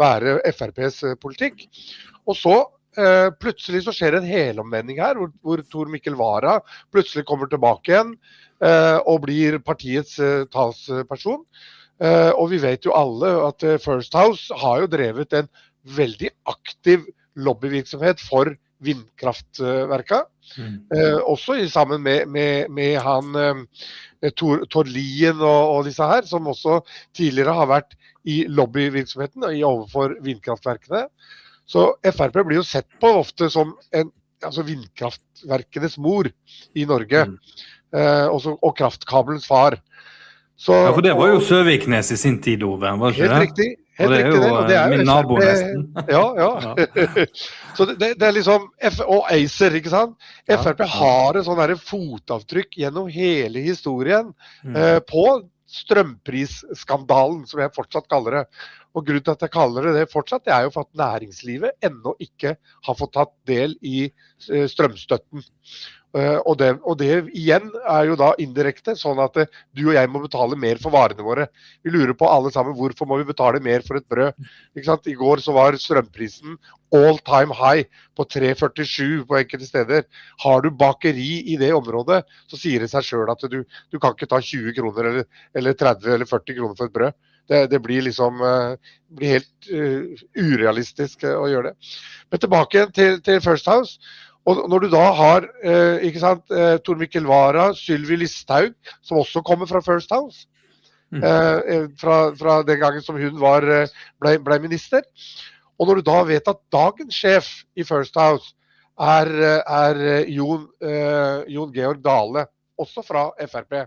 være FrPs politikk, og så plutselig så skjer det en helomvending her, hvor Tor Mikkel Vara plutselig kommer tilbake igjen og blir partiets talsperson. Vi vet jo alle at First House har jo drevet en veldig aktiv lobbyvirksomhet for vindkraftverket, også i sammen med han Tor Lien og disse her som også tidligere har vært i lobbyvirksomheten og overfor vindkraftverkene. Så FrP blir jo sett på ofte som en, altså vindkraftverkenes mor i Norge, og kraftkabelens far. Ja, for det var jo Søviknes i sin tid, Ove, var det ikke det? Helt riktig, helt riktig, det min nabo nesten. Ja, ja. Det liksom, og Acer, ikke sant, FrP har et sånn der fotavtrykk gjennom hele historien på strømprisskandalen, som jeg fortsatt kaller det, og grunnen til at jeg kaller det det fortsatt, det er jo for at næringslivet ennå ikke har fått tatt del i strømstøtten, og det igjen jo da indirekte, sånn at du og jeg må betale mer for varene våre. Vi lurer på alle sammen hvorfor må vi betale mer for et brød, ikke sant. I går så var strømprisen all time high på 3,47 på enkelte steder. Har du bakeri i det området, så sier det seg selv at du kan ikke ta 20 kroner eller 30 eller 40 kroner for et brød, det blir liksom, det blir helt urealistisk å gjøre det. Men tilbake igjen til First House, og når du da har, ikke sant, Tor Mikkel Vara, Sylvi Listhaug, som også kommer fra First House, fra den gangen som hun ble minister, og når du da vet at dagens sjef i First House Jon Georg Dale, også fra FrP,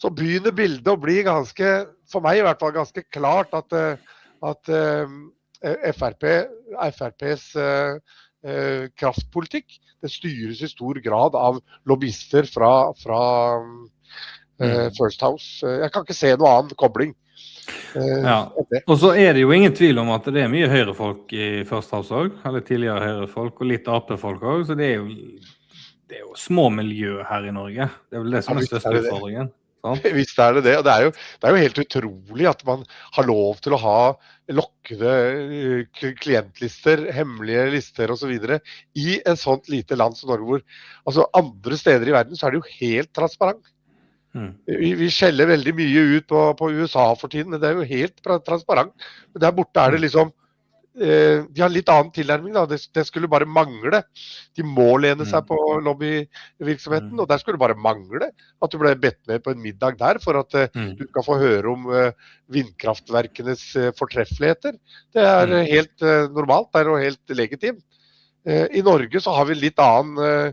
så begynner bildet å bli ganske, for meg i hvert fall ganske klart at FrPs kraftpolitikk, det styres i stor grad av lobbyister fra First House. Jeg kan ikke se noen annen kobling. Ja, og så er det jo ingen tvil om at det er mye høyre-folk i First House også, eller tidligere høyre-folk, og litt AP-folk også, så det er jo små miljøer her i Norge, det er vel det som er den største utfordringen, sant? Ja, visst det det, og det jo helt utrolig at man har lov til å ha lukkede klientlister, hemmelige lister og så videre, i et sånt lite land som Norge, hvor altså andre steder i verden så det jo helt transparent. Vi skjeller veldig mye ut på USA for tiden, men det jo helt transparent, men der borte det liksom, de har en litt annen tilnærming da, det skulle bare mangle, de må lene seg på lobbyvirksomheten, og der skulle det bare mangle at du ble bedt med på en middag der, for at du skal få høre om vindkraftverkenes fortreffeligheter, det helt normalt, det jo helt legitimt. I Norge så har vi en litt annen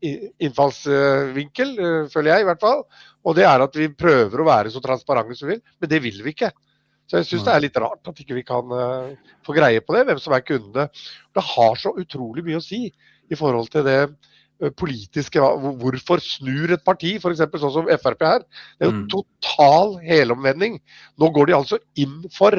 innfallsvinkel, føler jeg i hvert fall, og det at vi prøver å være så transparente som vi vil, men det vil vi ikke, så jeg synes det litt rart at ikke vi ikke kan få greie på det, hvem som kunde, det har så utrolig mye å si i forhold til det politiske, hvorfor snur et parti, for eksempel sånn som FrP her, det jo total helomvending, nå går de altså inn for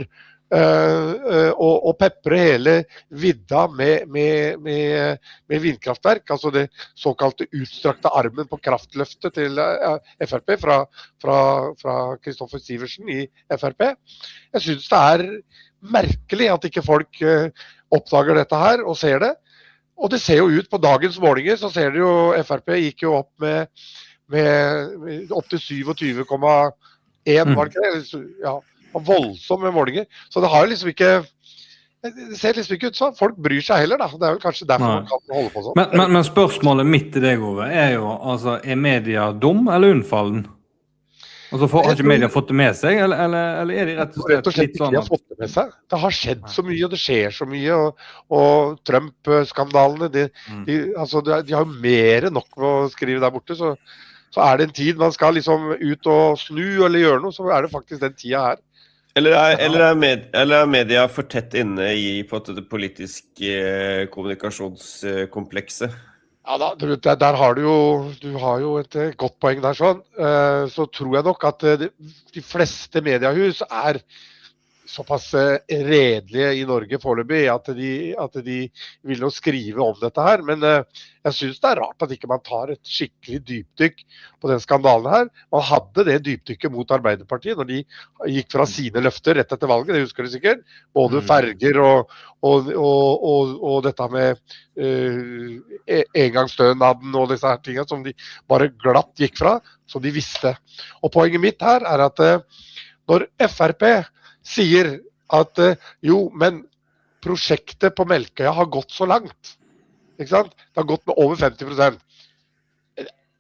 å pepre hele vidda med vindkraftverk, altså det såkalte utstrakte armen på kraftløftet til FrP, fra Kristoffer Siversen i FrP. Jeg synes det merkelig at ikke folk oppdager dette her og ser det, og det ser jo ut på dagens målinger, så ser du jo FrP gikk jo opp til 27,1%, var det ikke det, ja, det var voldsomme målinger, så det har jo liksom ikke, det ser liksom ikke ut sånn, folk bryr seg heller da, det vel kanskje derfor man kan holde på sånn. Men spørsmålet mitt til deg, Ove, jo, altså media dum eller unnfallen? Altså, har ikke media fått det med seg, eller er de rett og slett sånn? De har fått det med seg, det har skjedd så mye, og det skjer så mye, og Trump-skandalene, de har jo mer enn nok med å skrive der borte, så det en tid man skal ut og snu, eller gjøre noe, så det faktisk den tiden her. Eller media for tett inne i på en måte det politiske kommunikasjonskomplekset? Ja, da der har du jo, du har jo et godt poeng der sånn, så tror jeg nok at de fleste mediahus er såpass redelige i Norge foreløpig, at de vil nå skrive om dette her, men jeg synes det rart at man ikke tar et skikkelig dypdykk på den skandalen her. Man hadde det dypdykket mot Arbeiderpartiet når de gikk fra sine løfter rett etter valget, det husker du sikkert, både ferger og dette med engangsutønaden og disse her tingene som de bare glatt gikk fra, som de visste. Poenget mitt her er at når FrP sier at jo, men prosjektet på Melkøya har gått så langt, ikke sant, det har gått med over 50%,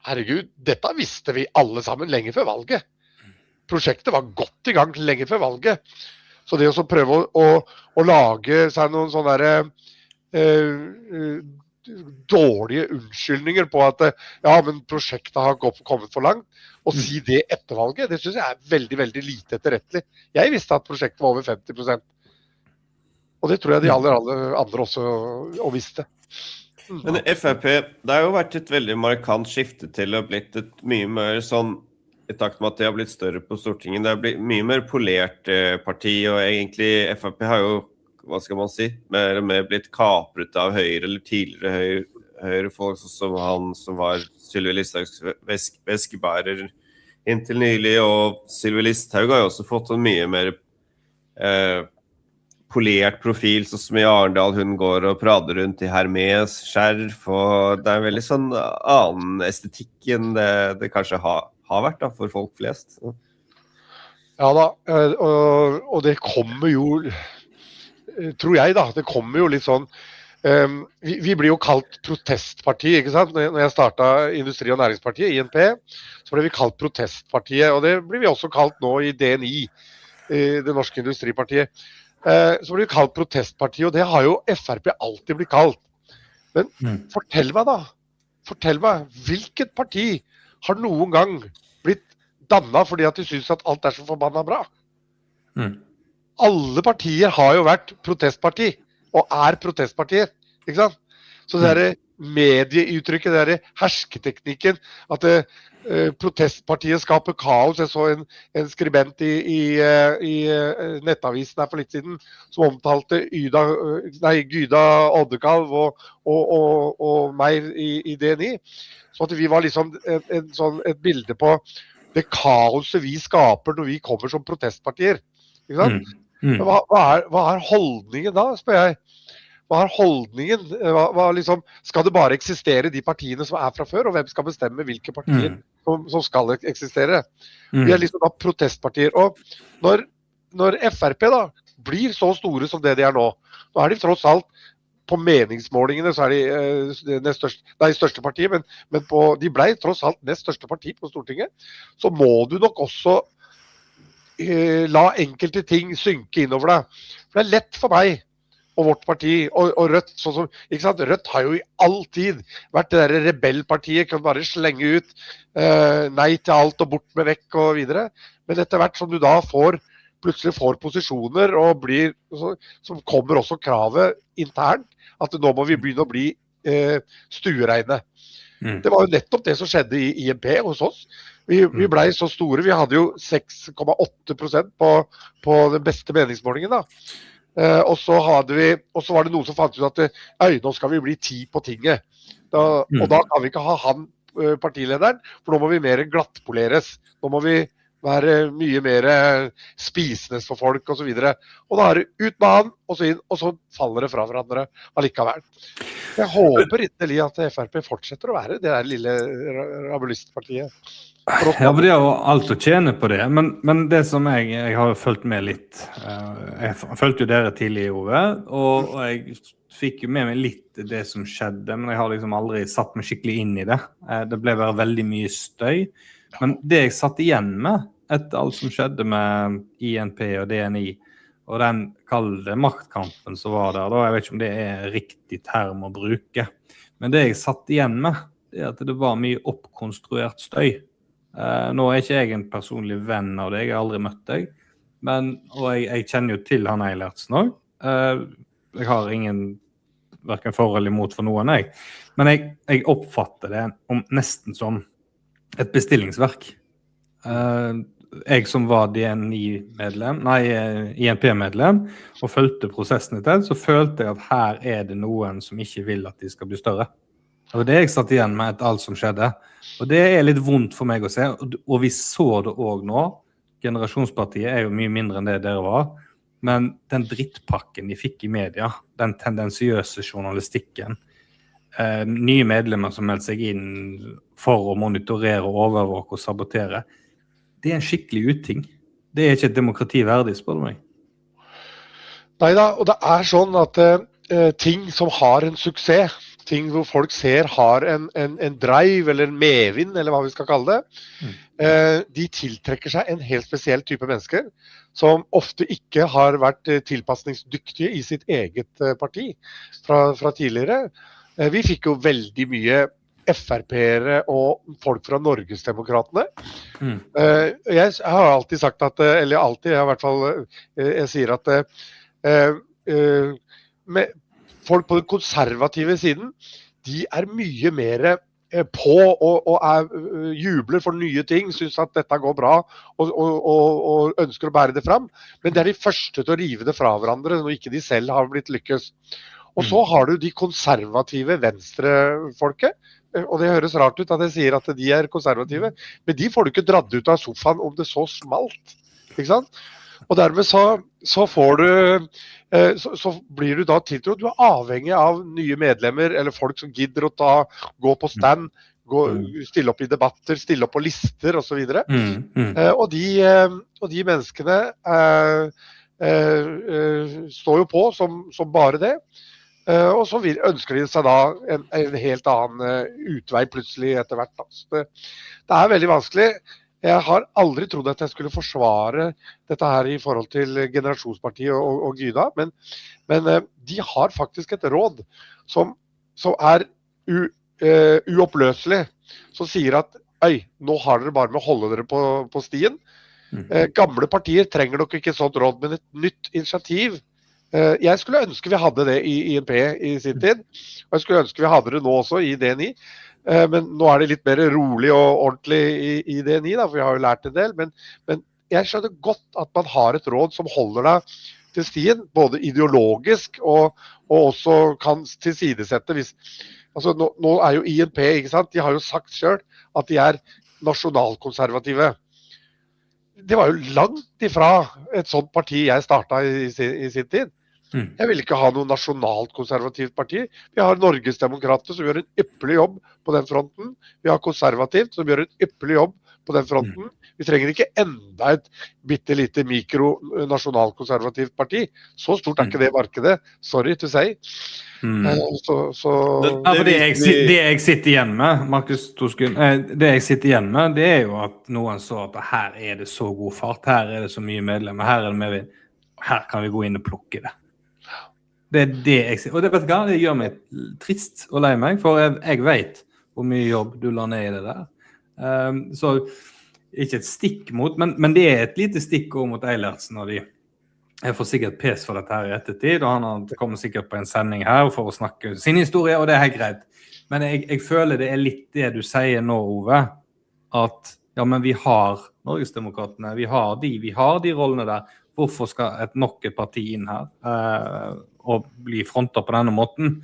herregud, dette visste vi alle sammen lenge før valget. Prosjektet var godt i gang lenge før valget, så det å prøve å lage seg noen sånne der dårlige unnskyldninger på at ja, men prosjektet har kommet for langt, og si det etter valget, det synes jeg veldig, veldig lite tillitelig. Jeg visste at prosjektet var over 50%, og det tror jeg de aller, aller andre også visste. Men FrP, det har jo vært et veldig markant skifte til å ha blitt et mye mer sånn, i takt med at det har blitt større på Stortinget, det har blitt et mye mer polert parti, og egentlig FrP har jo, hva skal man si, mer og mer blitt kapret av Høyre, eller tidligere Høyre-folk, som han som var Sylvi Listhaugs veskebærer inntil nylig, og Sylvi Listhaug har jo også fått en mye mer polert profil, sånn som i Arendal, hun går og prater rundt i Hermès-skjerf, og det en veldig sånn annen estetikk enn det det kanskje har vært da for folk flest. Ja, da, og det kommer jo, tror jeg da, det kommer jo litt sånn, vi blir jo kalt protestparti, ikke sant, når jeg startet Industri og Næringspartiet, INP, så ble vi kalt protestpartiet, og det blir vi også kalt nå i DNI, Det Norske Industripartiet, så blir vi kalt protestpartiet, og det har jo FrP alltid blitt kalt, men fortell meg da, fortell meg, hvilket parti har noen gang blitt dannet fordi at de synes at alt så forbanna bra? Alle partier har jo vært protestparti, og protestpartier, ikke sant. Så det der medieuttrykket, det der hersketeknikken, at protestpartiet skaper kaos. Jeg så en skribent i nettavisen her for litt siden, som omtalte Gyda Oddekalv og meg i DNI, så at vi var liksom et sånn et bilde på det kaoset vi skaper når vi kommer som protestpartier, ikke sant. Hva holdningen da, spør jeg, hva holdningen, hva liksom, skal det bare eksistere de partiene som fra før, og hvem skal bestemme hvilke partier som skal eksistere, vi liksom da protestpartier? Når FrP da blir så store som det de nå, nå de tross alt, på meningsmålingene så de det største partiet, men på de ble tross alt det største partiet på Stortinget, så må du nok også la enkelte ting synke innover deg. For det lett for meg, og vårt parti, og Rødt, sånn som, ikke sant, Rødt har jo i all tid vært det der rebellpartiet, kunne bare slenge ut, nei til alt og bort med vekk og videre. Men etter hvert som du da får, plutselig får posisjoner, og blir, så kommer også kravet internt, at nå må vi begynne å bli stueregne. Det var jo nettopp det som skjedde i INP hos oss, vi ble så store, vi hadde jo 6,8% på den beste meningsmålingen da, og så hadde vi, og så var det noen som fant ut at, oi nå skal vi bli ti på tinget, og da kan vi ikke ha han partilederen, for nå må vi mer glattpoleres, nå må vi være mye mer spisende for folk og så videre. Da det ut med han, og så inn, og så faller det fra hverandre allikevel. Jeg håper inderlig at FrP fortsetter å være det der lille rebellistpartiet. Jeg har jo alt å tjene på det, men det som jeg har jo fulgt med litt, jeg fulgte jo dere tidlig i Ove, og jeg fikk jo med meg litt det som skjedde, men jeg har aldri satt meg skikkelig inn i det, det ble bare veldig mye støy. Men det jeg satt igjen med, etter alt som skjedde med INP og DNI, og den kalde maktkampen som var der da, jeg vet ikke om det riktig term å bruke, men det jeg satt igjen med, det at det var mye oppkonstruert støy. Nå jeg ikke jeg en personlig venn av deg, jeg har aldri møtt deg, men og jeg kjenner jo til han Eilertsen også, jeg har ingen hverken forhold imot for noen av dere, men jeg oppfattet det nesten som et bestillingsverk. Jeg som var DNI-medlem, nei INP-medlem, og fulgte prosessene til, så følte jeg at her det noen som ikke vil at de skal bli større, det var det jeg satt igjen med etter alt som skjedde, og det litt vondt for meg å se. Vi så det også nå, Generasjonspartiet jo mye mindre enn det dere var, men den drittpakken de fikk i media, den tendensiøse journalistikken, nye medlemmer som meldte seg inn for å monitorere, overvåke og sabotere, det en skikkelig uting, det ikke et demokrati verdig, spør du meg. Nei da, og det sånn at ting som har en suksess, ting hvor folk ser har en drive eller en medvind, eller hva vi skal kalle det, de tiltrekker seg en helt spesiell type mennesker, som ofte ikke har vært tilpasningsdyktige i sitt eget parti fra tidligere. Vi fikk jo veldig mye FrP-ere og folk fra Norgesdemokratene, og jeg har alltid sagt at, eller alltid, jeg har i hvert fall, jeg sier at folk på den konservative siden, de mye mer på og jubler for nye ting, synes at dette går bra, og ønsker å bære det fram, men det de første til å rive det fra hverandre når ikke de selv har blitt lykkes. Så har du de konservative venstre-folket, og det høres rart ut at jeg sier at de konservative, men de får du ikke dratt ut av sofaen om det så smalt, ikke sant, og dermed så får du, så blir du da tiltrodd, du avhengig av nye medlemmer, eller folk som gidder å ta gå på stand, gå stille opp i debatter, stille opp på lister og så videre, og de menneskene står jo på som bare det. Så ønsker de seg da en helt annen utvei plutselig etter hvert, da så det det veldig vanskelig. Jeg har aldri trodd at jeg skulle forsvare dette her i forhold til Generasjonspartiet og Gyda, men de har faktisk et råd som som uoppløselig, som sier at oi nå har dere bare med å holde dere på stien. Gamle partier trenger nok ikke sånt råd, men et nytt initiativ, jeg skulle ønske vi hadde det i INP i sin tid, og jeg skulle ønske vi hadde det nå også i DNI, men nå det litt mer rolig og ordentlig i DNI da, for vi har jo lært en del. Men jeg skjønner godt at man har et råd som holder deg til stien, både ideologisk og også kan tilsidesette, hvis altså nå jo INP, ikke sant, de har jo sagt selv at de nasjonalkonservative, det var jo langt ifra et sånt parti jeg startet i sin tid. Jeg vil ikke ha noe nasjonalkonservativt parti, vi har Norgesdemokratene som gjør en ypperlig jobb på den fronten, vi har Konservativt som gjør en ypperlig jobb på den fronten, vi trenger ikke enda et bittelite mikro nasjonalkonservativt parti, så stort ikke det markedet, sorry to say, så så. Men det jeg sitter igjen med, Markus Toskun, det jeg sitter igjen med, det er jo at noen sa at her er det så god fart, her er det så mange medlemmer, her er det mer vind, her kan vi gå inn og plukke det. Ja, det er det jeg sier, og det vet jeg, det gjør meg trist og lei meg, for jeg vet hvor mye jobb du la ned i det der, så ikke et stikk mot deg, men det er et lite stikk over mot Eilertsen og de. Jeg får sikkert pes for dette her i ettertid, og han kommer sikkert på en sending her for å snakke sin historie, og det er helt greit. Men jeg føler det litt det du sier nå, Ove, at ja, men vi har Norgesdemokratene, vi har de, vi har de rollene der, hvorfor skal enda et parti inn her, og bli frontet på denne måten,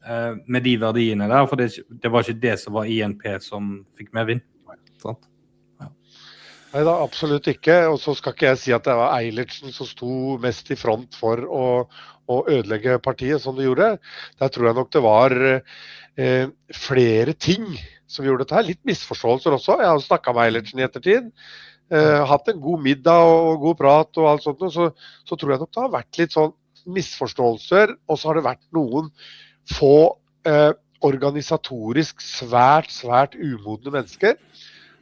med de verdiene der, for det var ikke det som var INP som fikk mer vind, sant? Nei da, absolutt ikke, og så skal ikke jeg si at det var Eilertsen som sto mest i front for å ødelegge partiet som du gjorde. Der tror jeg nok det var flere ting som gjorde dette her, litt misforståelser også. Jeg har jo snakket med Eilertsen i ettertid, hatt en god middag og god prat og alt sånt noe, så tror jeg nok det har vært litt sånn misforståelser. Og så har det vært noen få organisatorisk svært svært umodne mennesker,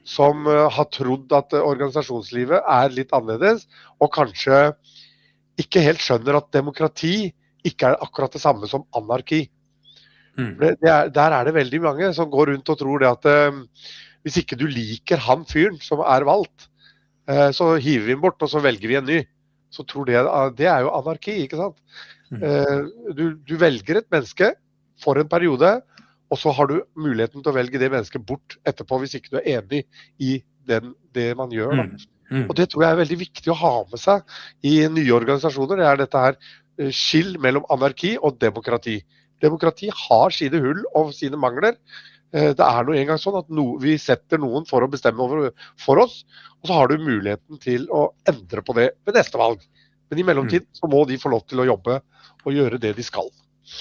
som har trodd at organisasjonslivet litt annerledes, og kanskje ikke helt skjønner at demokrati ikke akkurat det samme som anarki. Det der det veldig mange som går rundt og tror det at hvis ikke du liker han fyren som valgt, så hiver vi den bort og så velger vi en ny, så tror de at det jo anarki, ikke sant. Du velger et menneske for en periode, og så har du muligheten til å velge det mennesket bort etterpå hvis ikke du enig i den det man gjør da. Og det tror jeg veldig viktig å ha med seg i nye organisasjoner, det dette her skill mellom anarki og demokrati. Demokrati har sine hull og sine mangler, det nå en gang sånn at noe vi setter noen for å bestemme over for oss, og så har du muligheten til å endre på det ved neste valg, men i mellomtiden så må de få lov til å jobbe og gjøre det de skal.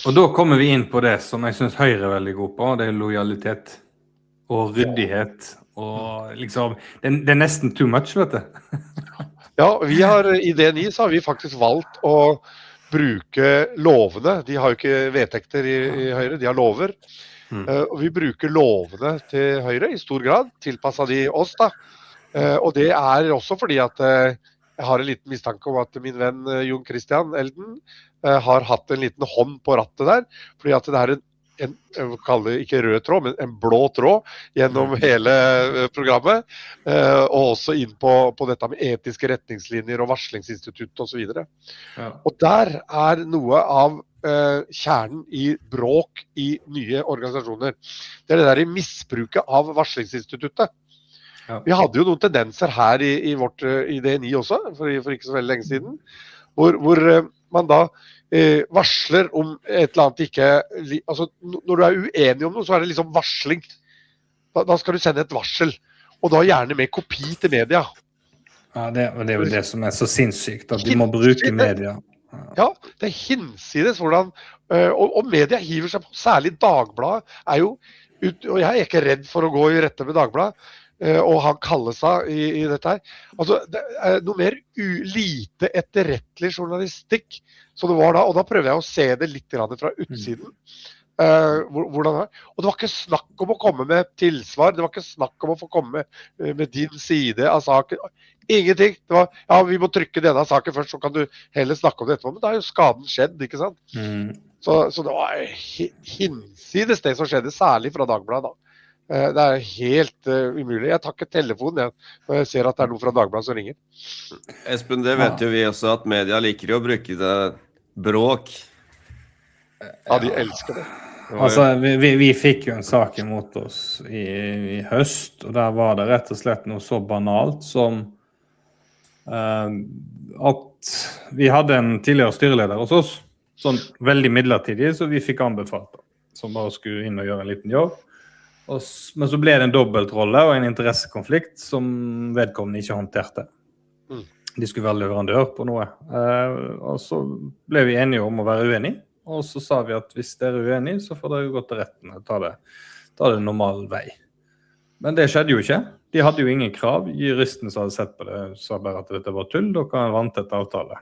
Og da kommer vi inn på det som jeg synes Høyre er veldig god på, og det er lojalitet og ryddighet, og liksom det er nesten too much, vet du. Ja, vi har i DNI så har vi faktisk valgt å bruke lovverket. De har jo ikke vedtekter i Høyre, de har lover, og vi bruker lovverket til Høyre i stor grad, tilpasset oss da. Og det også fordi at jeg har en liten mistanke om at min venn Jon Christian Elden har hatt en liten hånd på rattet der, fordi at det er en, jeg vil kalle det ikke rød tråd, men en blå tråd gjennom hele programmet, og også inn på dette med etiske retningslinjer og varslingsinstitutt og så videre. Og der er noe av kjernen i bråk i nye organisasjoner, det der i misbruket av varslingsinstituttet. Vi hadde jo noen tendenser her i vårt i DNI også, for ikke så veldig lenge siden, hvor man da varsler om et eller annet, altså når du er uenig om noe så er det liksom varsling, da skal du sende et varsel, og da gjerne med kopi til media. Ja, det jo det som så sinnsykt, at de må bruke media. Ja, det er hinsides hvordan media hiver seg på, særlig Dagbladet jo, og jeg er ikke redd for å gå i rette med Dagbladet, og han kaller seg i dette her, altså det er noe mer lite etterrettelig journalistikk, så det var da, og da prøver jeg å se det litt fra utsiden, hvordan det, og det var ikke snakk om å komme med tilsvar, det var ikke snakk om å få komme med din side av saken, ingenting, det var, ja vi må trykke denne saken først, så kan du heller snakke om dette, men da er jo skaden skjedd, ikke sant, så det var hinsides det som skjedde, særlig fra Dagbladet, det er jo helt umulig, jeg tar ikke telefon når jeg ser at det er noen fra Dagbladet som ringer. Espen, det vet jo vi også, at media liker jo å bruke det bråk. Ja, de elsker det. Altså, vi fikk jo en sak imot oss i høst, og der var det rett og slett noe så banalt som at vi hadde en tidligere styreleder hos oss, sånn veldig midlertidig, så vi fikk anbefalt ham, som bare skulle inn og gjøre en liten jobb. Men så ble det en dobbeltrolle og en interessekonflikt som vedkommende ikke håndterte, de skulle være leverandør på noe, og så ble vi enige om å være uenig, og så sa vi at hvis dere uenig, så får dere gå til retten og ta det normal vei. Men det skjedde jo ikke, de hadde jo ingen krav, juristen som hadde sett på det, sa bare at dette var tull, da kan han vente et avtale.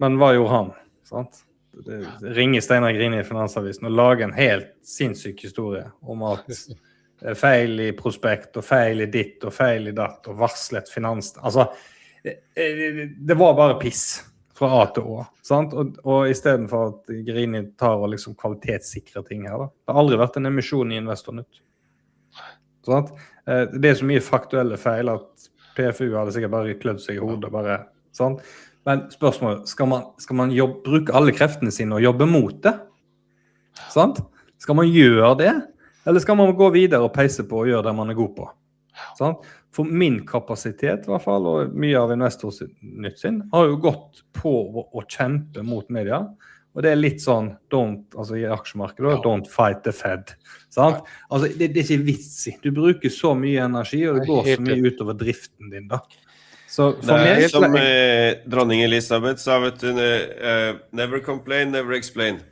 Men hva gjorde han? Ringe Steinar Grini i Finansavisen og lage en helt sinnsyk historie om at det feil i prospekt og feil i ditt og feil i datt og varslet finans. Altså, det var bare piss fra A til Å, og i stedet for at Grini tar og liksom kvalitetssikrer ting her, det har aldri vært en emisjon i InvestorNet. Det så mye faktuelle feil at PFU hadde sikkert bare klødd seg i hodet og bare. Men spørsmålet, skal man bruke alle kreftene sine og jobbe mot det? Skal man gjøre det, eller skal man gå videre og peise på og gjøre det man god på? For min kapasitet i hvert fall, og mye av InvestorNet sin, har jo gått på å kjempe mot media, og det litt sånn don't, altså i aksjemarkedet, don't fight the Fed. Altså det ikke vits i, du bruker så mye energi og det går så mye utover driften din da, så for min. Som dronning Elizabeth sa, vet du, never complain, never explain.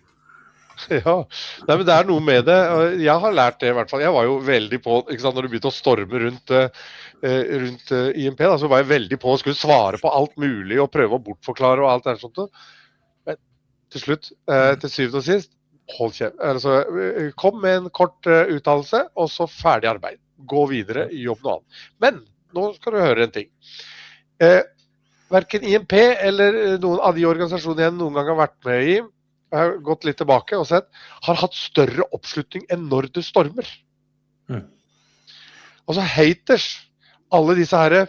Ja, nei, men det er noe med det, og jeg har lært det i hvert fall. Jeg var jo veldig på, ikke sant, når du begynte å storme rundt INP da, så var jeg veldig på å skulle svare på alt mulig og prøve å bortforklare og alt det her sånt noe. Men til slutt, til syvende og sist, hold kjeft, altså, kom med en kort uttalelse og så ferdig arbeid, gå videre, gjør noe annet. Men nå skal du høre en ting: hverken INP eller noen av de organisasjonene jeg noen gang har vært med i, jeg har gått litt tilbake og sett, har hatt større oppslutning enn når du stormer. Altså haters, alle disse her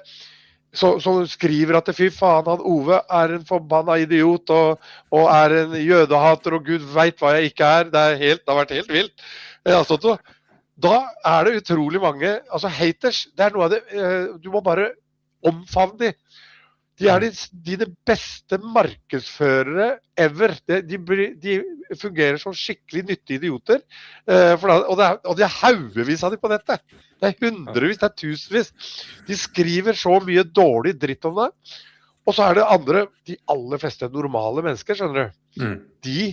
som skriver at "fy faen at Ove en forbannet idiot og en jødehater" og Gud vet hva jeg ikke. Det har vært helt vilt, altså, da det utrolig mange haters. Det er noe av det, du må bare omfavne de. De er de beste markedsførere ever, de fungerer som skikkelig nyttige idioter. For da, og det er haugevis av de på nettet, det er hundrevis, det er tusenvis. De skriver så mye dårlig dritt om det, og så det andre: de aller fleste normale mennesker, skjønner du, de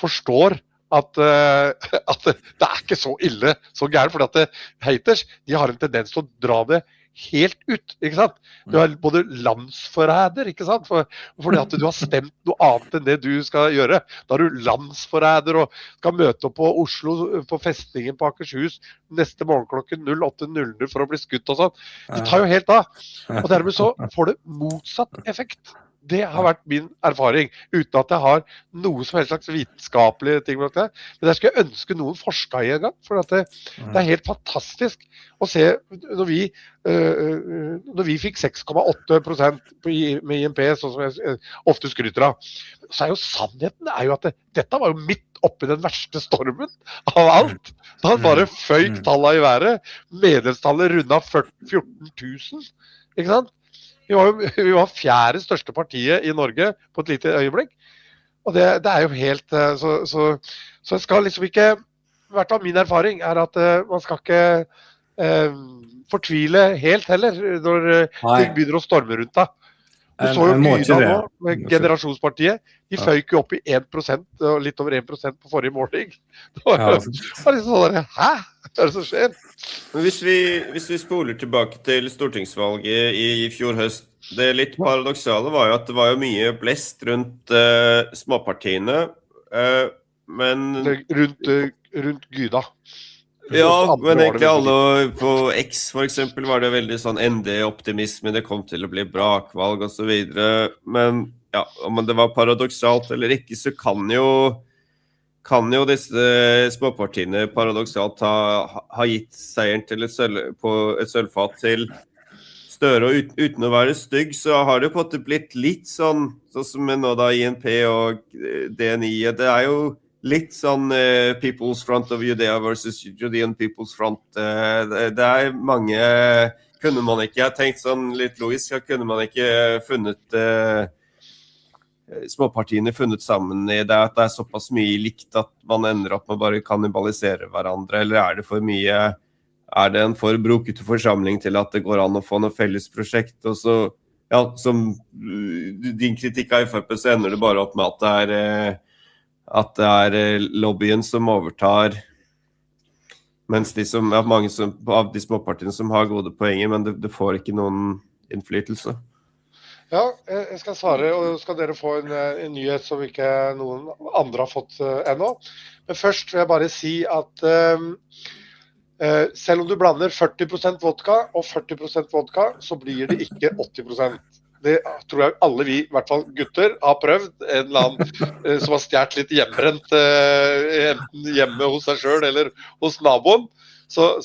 forstår at det ikke er så ille, så gæren, fordi at haters, de har en tendens til å dra det helt ut, ikke sant. Du har både landsforræder, ikke sant, fordi at du har stemt noe annet enn det du skal gjøre, da er du landsforræder og skal møte opp på Oslo, på festningen på Akershus, neste morgen klokken 08:00 for å bli skutt og sånt. Det tar jo helt av, og dermed så får du motsatt effekt. Det har vært min erfaring, uten at jeg har noe som helst slags vitenskapelige ting med det, men der skal jeg ønske noen forsket i en gang, fordi at det er helt fantastisk å se. Når vi fikk 6,8% med INP, sånn som jeg ofte skryter av, så jo sannheten er jo at dette var jo midt oppi den verste stormen av alt. Da var det føyk tallene i været, medlemstallet rundet 14 000, ikke sant. Vi var jo fjerde største partiet i Norge på et lite øyeblikk, og det er jo helt... Så jeg skal liksom ikke, i hvert fall min erfaring er at man skal ikke fortvile helt heller når ting begynner å storme rundt deg. Du så jo på Generasjonspartiet, de føyk jo oppi 1% og litt over 1% på forrige måling, da er det liksom sånn der: "Hæ, hva er det som skjer?" Men hvis vi spoler tilbake til stortingsvalget i fjor høst, det litt paradoksale var jo at det var jo mye blest rundt småpartiene, men. Rundt Gyda. Ja, men egentlig alle på X for eksempel var det jo veldig sånn ND-optimisme, det kom til å bli brakvalg og så videre. Men ja, om det var paradoksalt eller ikke, så kan jo disse småpartiene paradoksalt ha gitt seieren til et på et sølvfat til Støre. Uten å være stygg, så har det jo på en måte blitt litt sånn som med nå da INP og DNI, det jo litt sånn People's Front of Judea versus Judean People's Front. Det mange, kunne man ikke, jeg har tenkt sånn litt logisk, kunne man ikke funnet småpartiene funnet sammen i det, at det såpass mye likt at man ender opp med å bare kannibalisere hverandre? Eller det for mye, det en for brokete forsamling til at det går an å få noe felles prosjekt? Og så, ja, som din kritikk av FrP, så ender det bare opp med at det lobbyen som overtar, mens de som, ja, mange som av de småpartiene som har gode poenger, men det får ikke noen innflytelse. Ja, jeg skal svare, og skal dere få en nyhet som ikke noen andre har fått ennå, men først vil jeg bare si at selv om du blander 40% vodka og 40% vodka, så blir det ikke 80%. Det tror jeg alle vi, i hvert fall gutter, har prøvd - en eller annen som har stjålet litt hjembrent, enten hjemme hos seg selv eller hos naboen. Så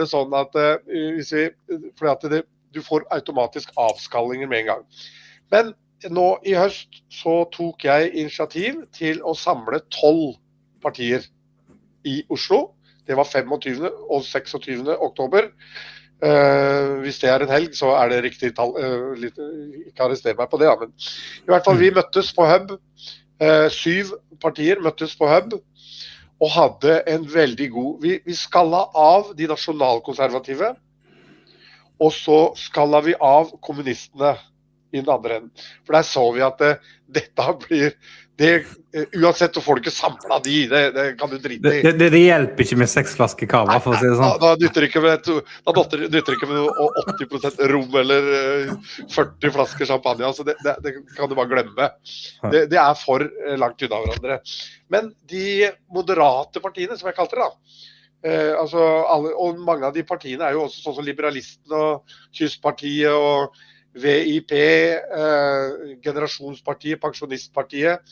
det sånn at hvis vi, fordi at du får automatisk avskallinger med en gang, men nå i høst så tok jeg initiativ til å samle 12 partier i Oslo. Det var 25. og 26. Oktober, hvis det en helg, så det riktig tall, litt karismatisk på det, ja, men i hvert fall vi møttes på hub. 7 partier møttes på hub, og hadde en veldig god, vi skallet av de nasjonalkonservative, og så skallet vi av kommunistene i den andre enden, for der så vi at dette blir, det uansett om folk samlet de, det kan du drite i. Det hjelper ikke med 6 flasker kava, for å si det sånn. Ja, da nytter det ikke med, da nytter det ikke med 80% rom eller 40 flasker champagne, så det kan du bare glemme, det for langt unna hverandre. Men de moderate partiene som jeg kalte det da, altså alle, og mange av de partiene jo også sånn som Liberalistene og Tystpartiet og VIP, Generasjonspartiet, Pensjonistpartiet,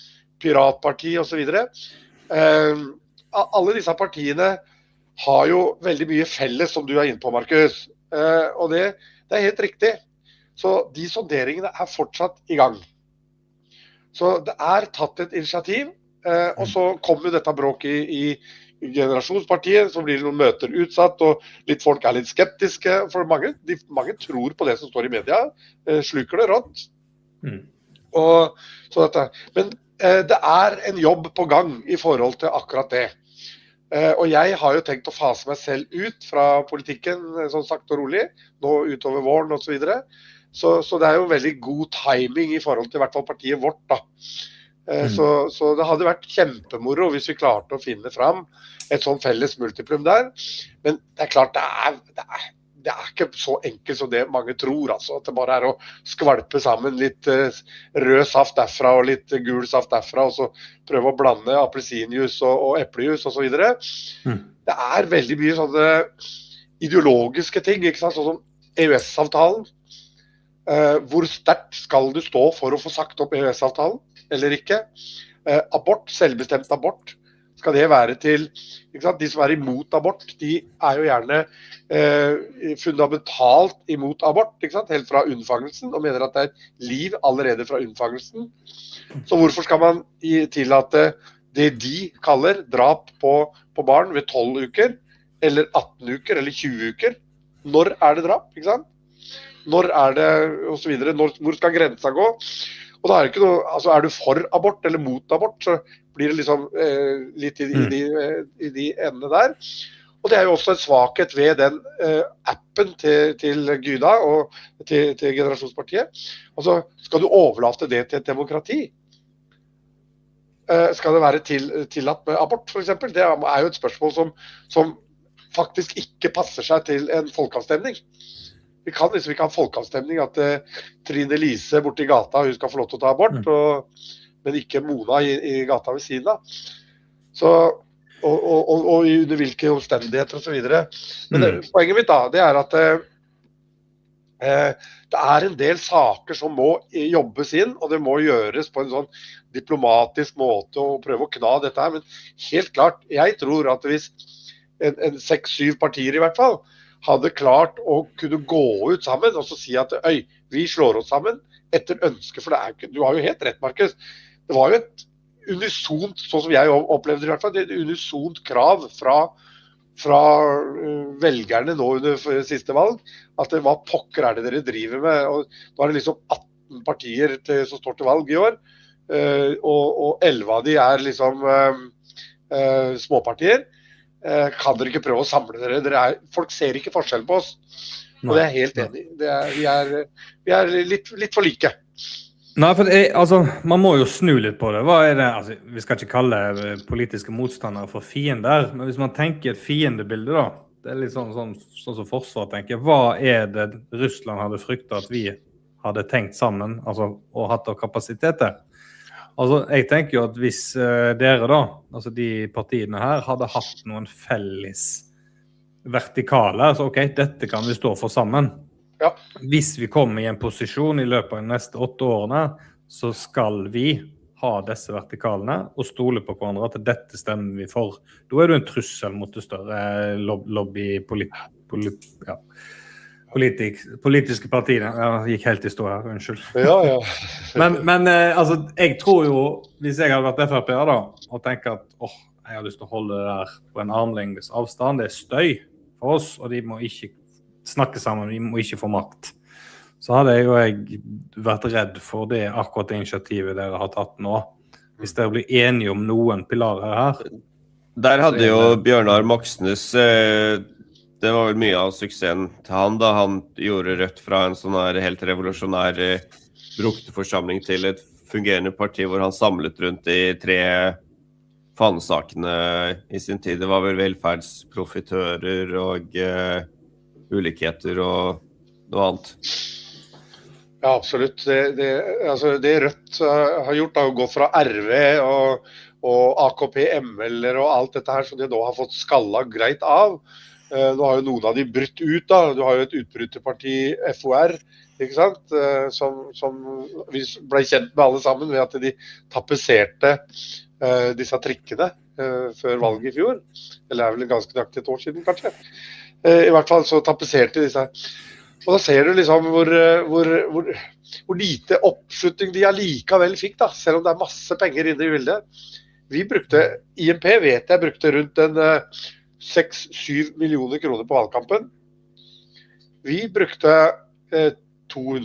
Piratpartiet og så videre, alle disse partiene har jo veldig mye felles som du inne på, Markus, og det det helt riktig. Så de sonderingene fortsatt i gang, så det tatt et initiativ, og så kommer jo dette bråket i Generasjonspartiet, så blir det noen møter utsatt, og litt folk litt skeptiske, for mange, de mange tror på det som står i media, sluker det rått, og så dette. Men det en jobb på gang i forhold til akkurat det, og jeg har jo tenkt å fase meg selv ut fra politikken, sånn sakte og rolig, nå utover våren og så videre, så det jo en veldig god timing i forhold til i hvert fall partiet vårt da. Så det hadde vært kjempemoro, hvis vi klarte å finne fram et sånt felles multiplum der, men det klart, det det ikke så enkelt som det mange tror, altså, at det bare å skvalpe sammen litt rød saft derfra og litt gul saft derfra, og så prøve å blande appelsinjuice og eplejuice og så videre. Det veldig mye sånne ideologiske ting, ikke sant, sånn som EØS-avtalen, hvor sterkt skal du stå for å få sagt opp EØS-avtalen, eller ikke, abort, selvbestemt abort, skal det være til, ikke sant. De som imot abort, de jo gjerne fundamentalt imot abort, ikke sant, helt fra unnfangelsen, og mener at det et liv allerede fra unnfangelsen, så hvorfor skal man tillate det de kaller drap på på barn ved 12 uker, eller 18 uker, eller 20 uker, når det drap, ikke sant, når det, og så videre, når skal grensen gå. Og da det ikke noe, altså du for abort eller mot abort, så blir det liksom litt i de i de endene der, og det jo også en svakhet ved den appen til Gyda og til til Generasjonspartiet, altså skal du overlate det til et demokrati, skal det være tillatt med abort for eksempel, det jo et spørsmål som som faktisk ikke passer seg til en folkeavstemning. Vi kan liksom ikke ha en folkeavstemning at Trine Lise borte i gata, hun skal få lov til å ta abort, og men ikke Mona i gata ved siden av, så, og og og og under hvilke omstendigheter og så videre. Men poenget mitt da, det at det en del saker som må jobbes inn, og det må gjøres på en sånn diplomatisk måte og prøve å kna dette her. Men helt klart, jeg tror at hvis en 6-7 partier i hvert fall hadde klart å kunne gå ut sammen og så si at, oi, vi slår oss sammen etter ønske, for det jo ikke, du har jo helt rett, Markus, det var jo et unisont, sånn som jeg opplevde det i hvert fall, et unisont krav fra fra velgerne nå under siste valg, at det var pokker det dere driver med, og nå det liksom 18 partier til som står til valg i år, og og 11 av de liksom småpartier, kan dere ikke prøve å samle dere, dere folk ser ikke forskjell på oss, og det jeg helt enig i, det vi vi litt litt for like. Nei, for altså, man må jo snu litt på det, hva det, altså, vi skal ikke kalle politiske motstandere for fiender der, men hvis man tenker et fiendebilde da, det litt sånn som forsvaret tenker, hva det Russland hadde fryktet at vi hadde tenkt sammen, altså, og hatt av kapasiteter, altså, jeg tenker jo at hvis dere da, altså de partiene her, hadde hatt noen felles vertikaler, altså, ok, dette kan vi stå for sammen, ja, hvis vi kommer i en posisjon i løpet av de neste 8 årene, så skal vi ha disse vertikalene og stole på hverandre at dette stemmer vi for, da du en trussel mot det større lobbypolitikk, ja, politiske partier, jeg gikk helt i stå her, unnskyld. Ja, ja, men altså, jeg tror jo, hvis jeg hadde vært FrP da, og tenkt at, åh, jeg har lyst til å holde det der på en armlengdes avstand, det støy for oss, og de må ikke snakke sammen, de må ikke få makt, så hadde jeg jo vært redd for akkurat det initiativet dere har tatt nå, hvis dere blir enige om noen pilarer her. Der hadde jo Bjørnar Moxnes, det var vel mye av suksessen til han da. Han gjorde Rødt fra en sånn der helt revolusjonær brukerforsamling til et fungerende parti hvor han samlet rundt de tre fanesakene i sin tid, det var vel velferdsprofitører og ulikheter og noe annet. Ja, absolutt, det røde har gjort da å gå fra RV og AKP ML-er og alt dette her, som de nå har fått skallet greit av. Nå har jo noen av de brutt ut da, du har jo et utbryterparti FOR, ikke sant, som vi ble kjent med alle sammen ved at de tapetserte disse trikkene før valget i fjor, eller det var vel ganske nok et år siden kanskje. I hvert fall så tapetserte de disse, og da ser du hvor lite oppslutning de allikevel fikk da, selv om det var masse penger inne i bildet. Vi brukte, IMP vet jeg brukte rundt 6-7 millioner kroner på valgkampen, vi brukte 200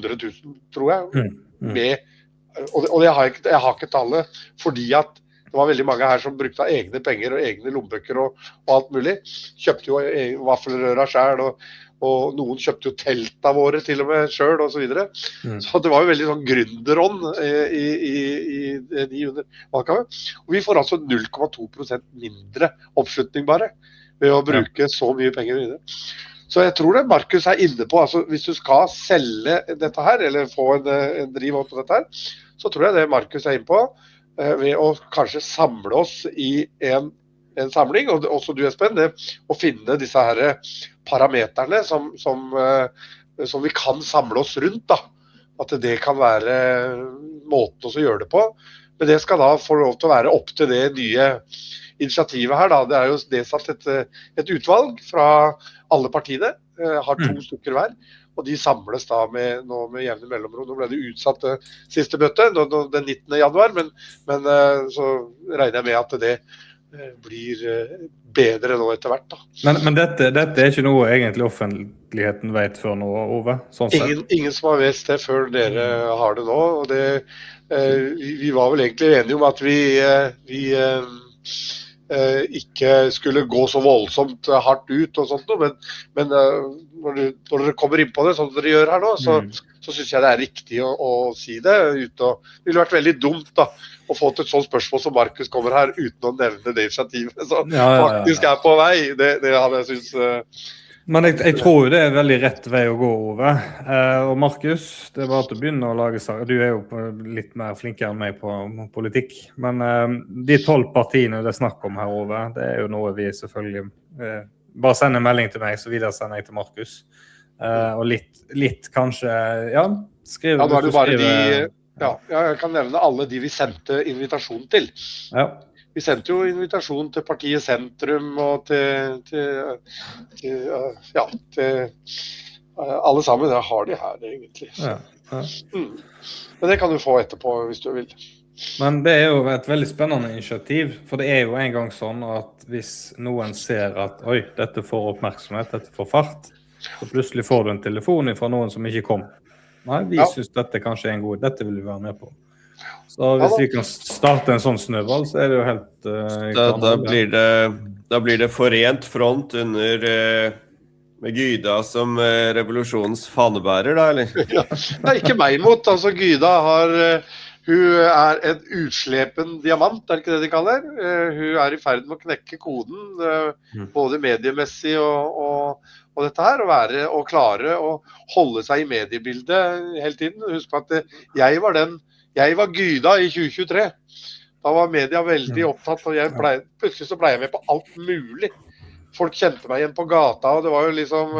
000 kroner, tror jeg. Det har jeg ikke tallet, fordi at det var veldig mange her som brukte egne penger og egne lommebøker og alt mulig, kjøpte jo vaffelrøra selv, og noen kjøpte jo teltene våre til og med selv og så videre. Det var jo veldig sånn gründerånd under valgkampen, og vi får 0,2% mindre oppslutning bare, ved å bruke så mye penger i det. Jeg tror det Markus er inne på, hvis du skal selge dette her, eller få en driv opp på dette her, så tror jeg det Markus er inne på, ved å kanskje samle oss i en samling, og også du spennende, og finne disse parameterne som vi kan samle oss rundt da, at det kan være måten å gjøre det på. Men det skal da få lov til å være opp til det nye initiativet her da, det jo det at et utvalg fra alle partiene, har to stykker hver, og de samles da med jevne mellomrom. Nå ble det utsatt det siste møtet, nå den 19. januar, men så regner jeg med at det blir bedre nå etter hvert da. Men dette er ikke noe egentlig offentligheten vet før nå, Ove, sånn sett. Ingen som har visst det før dere har det nå, og det vi var vel egentlig enige om at vi ikke skulle gå så voldsomt hardt ut og sånt noe, men når dere kommer inn på det, sånn som dere gjør her nå, så synes jeg det riktig å si det, uten å, det ville vært veldig dumt da, å få til et sånt spørsmål som Markus kommer her, uten å nevne det initiativet, så faktisk på vei, det hadde jeg synes. Men jeg tror jo det er en veldig rett vei å gå, Ove, og Markus, det er bare til å begynne å lage seg. Du er jo på litt mer flink enn meg på politikk, men de 12 partiene det er snakk om her, Ove, det er jo noe vi selvfølgelig, bare send en melding til meg, så videresender jeg til Markus, og litt kanskje, ja, skriv det. Da har du bare de, ja, jeg kan nevne alle de vi sendte invitasjon til. Ja, vi sendte jo invitasjon til partiet Sentrum, og til alle sammen. Jeg har de her egentlig, så ja, men det kan du få etterpå hvis du vil. Men det er jo et veldig spennende initiativ, for det er jo en gang sånn at hvis noen ser at, oi, dette får oppmerksomhet, dette får fart, så plutselig får du en telefon fra noen som ikke kom. Nei, vi synes dette er kanskje en god, dette vil vi være med på, så hvis vi kan starte en sånn snøball, så er det jo helt komplisert. Da blir det da blir det forent front under med Gyde som revolusjonens fanebærer da, eller? Nei, ikke meg imot, altså Gyde har, hun en utslepen diamant, det ikke det de kaller, hun i ferd med å knekke koden, både mediemessig og dette her, og være og klare å holde seg i mediebildet hele tiden. Husk på at jeg var den, jeg var Gyde i 2023, da var media veldig opptatt, og jeg ble, plutselig så ble jeg med på alt mulig, folk kjente meg igjen på gata, og det var jo liksom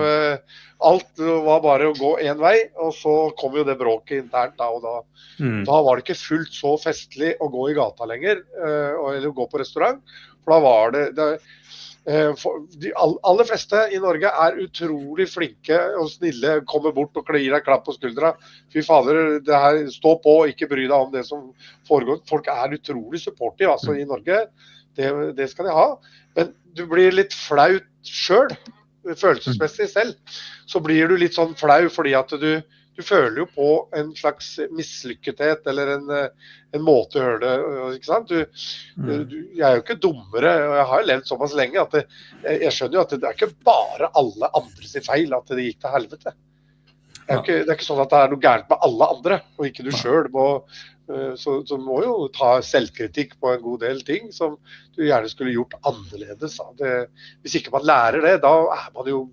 alt var bare å gå en vei. Så kom jo det bråket internt da, og da var det ikke fullt så festlig å gå i gata lenger, eller å gå på restaurant, for da var det, det de aller fleste i Norge utrolig flinke og snille, kommer bort og gir deg klapp på skuldra, fy fader, det her, stå på, og ikke bry deg om det som foregår, folk utrolig supportive altså i Norge, det skal de ha. Men du blir litt flaut selv, følelsesmessig selv, så blir du litt sånn flau fordi at du føler jo på en slags mislykkethet, eller en måte å gjøre det, ikke sant. Du jeg jo ikke dummere, og jeg har jo levd såpass lenge at jeg skjønner jo at det ikke bare alle andres feil at det gikk til helvete, det jo ikke sånn at det noe galt med alle andre, og ikke du selv, må så må jo ta selvkritikk på en god del ting som du gjerne skulle gjort annerledes, da hvis ikke man lærer det, da man jo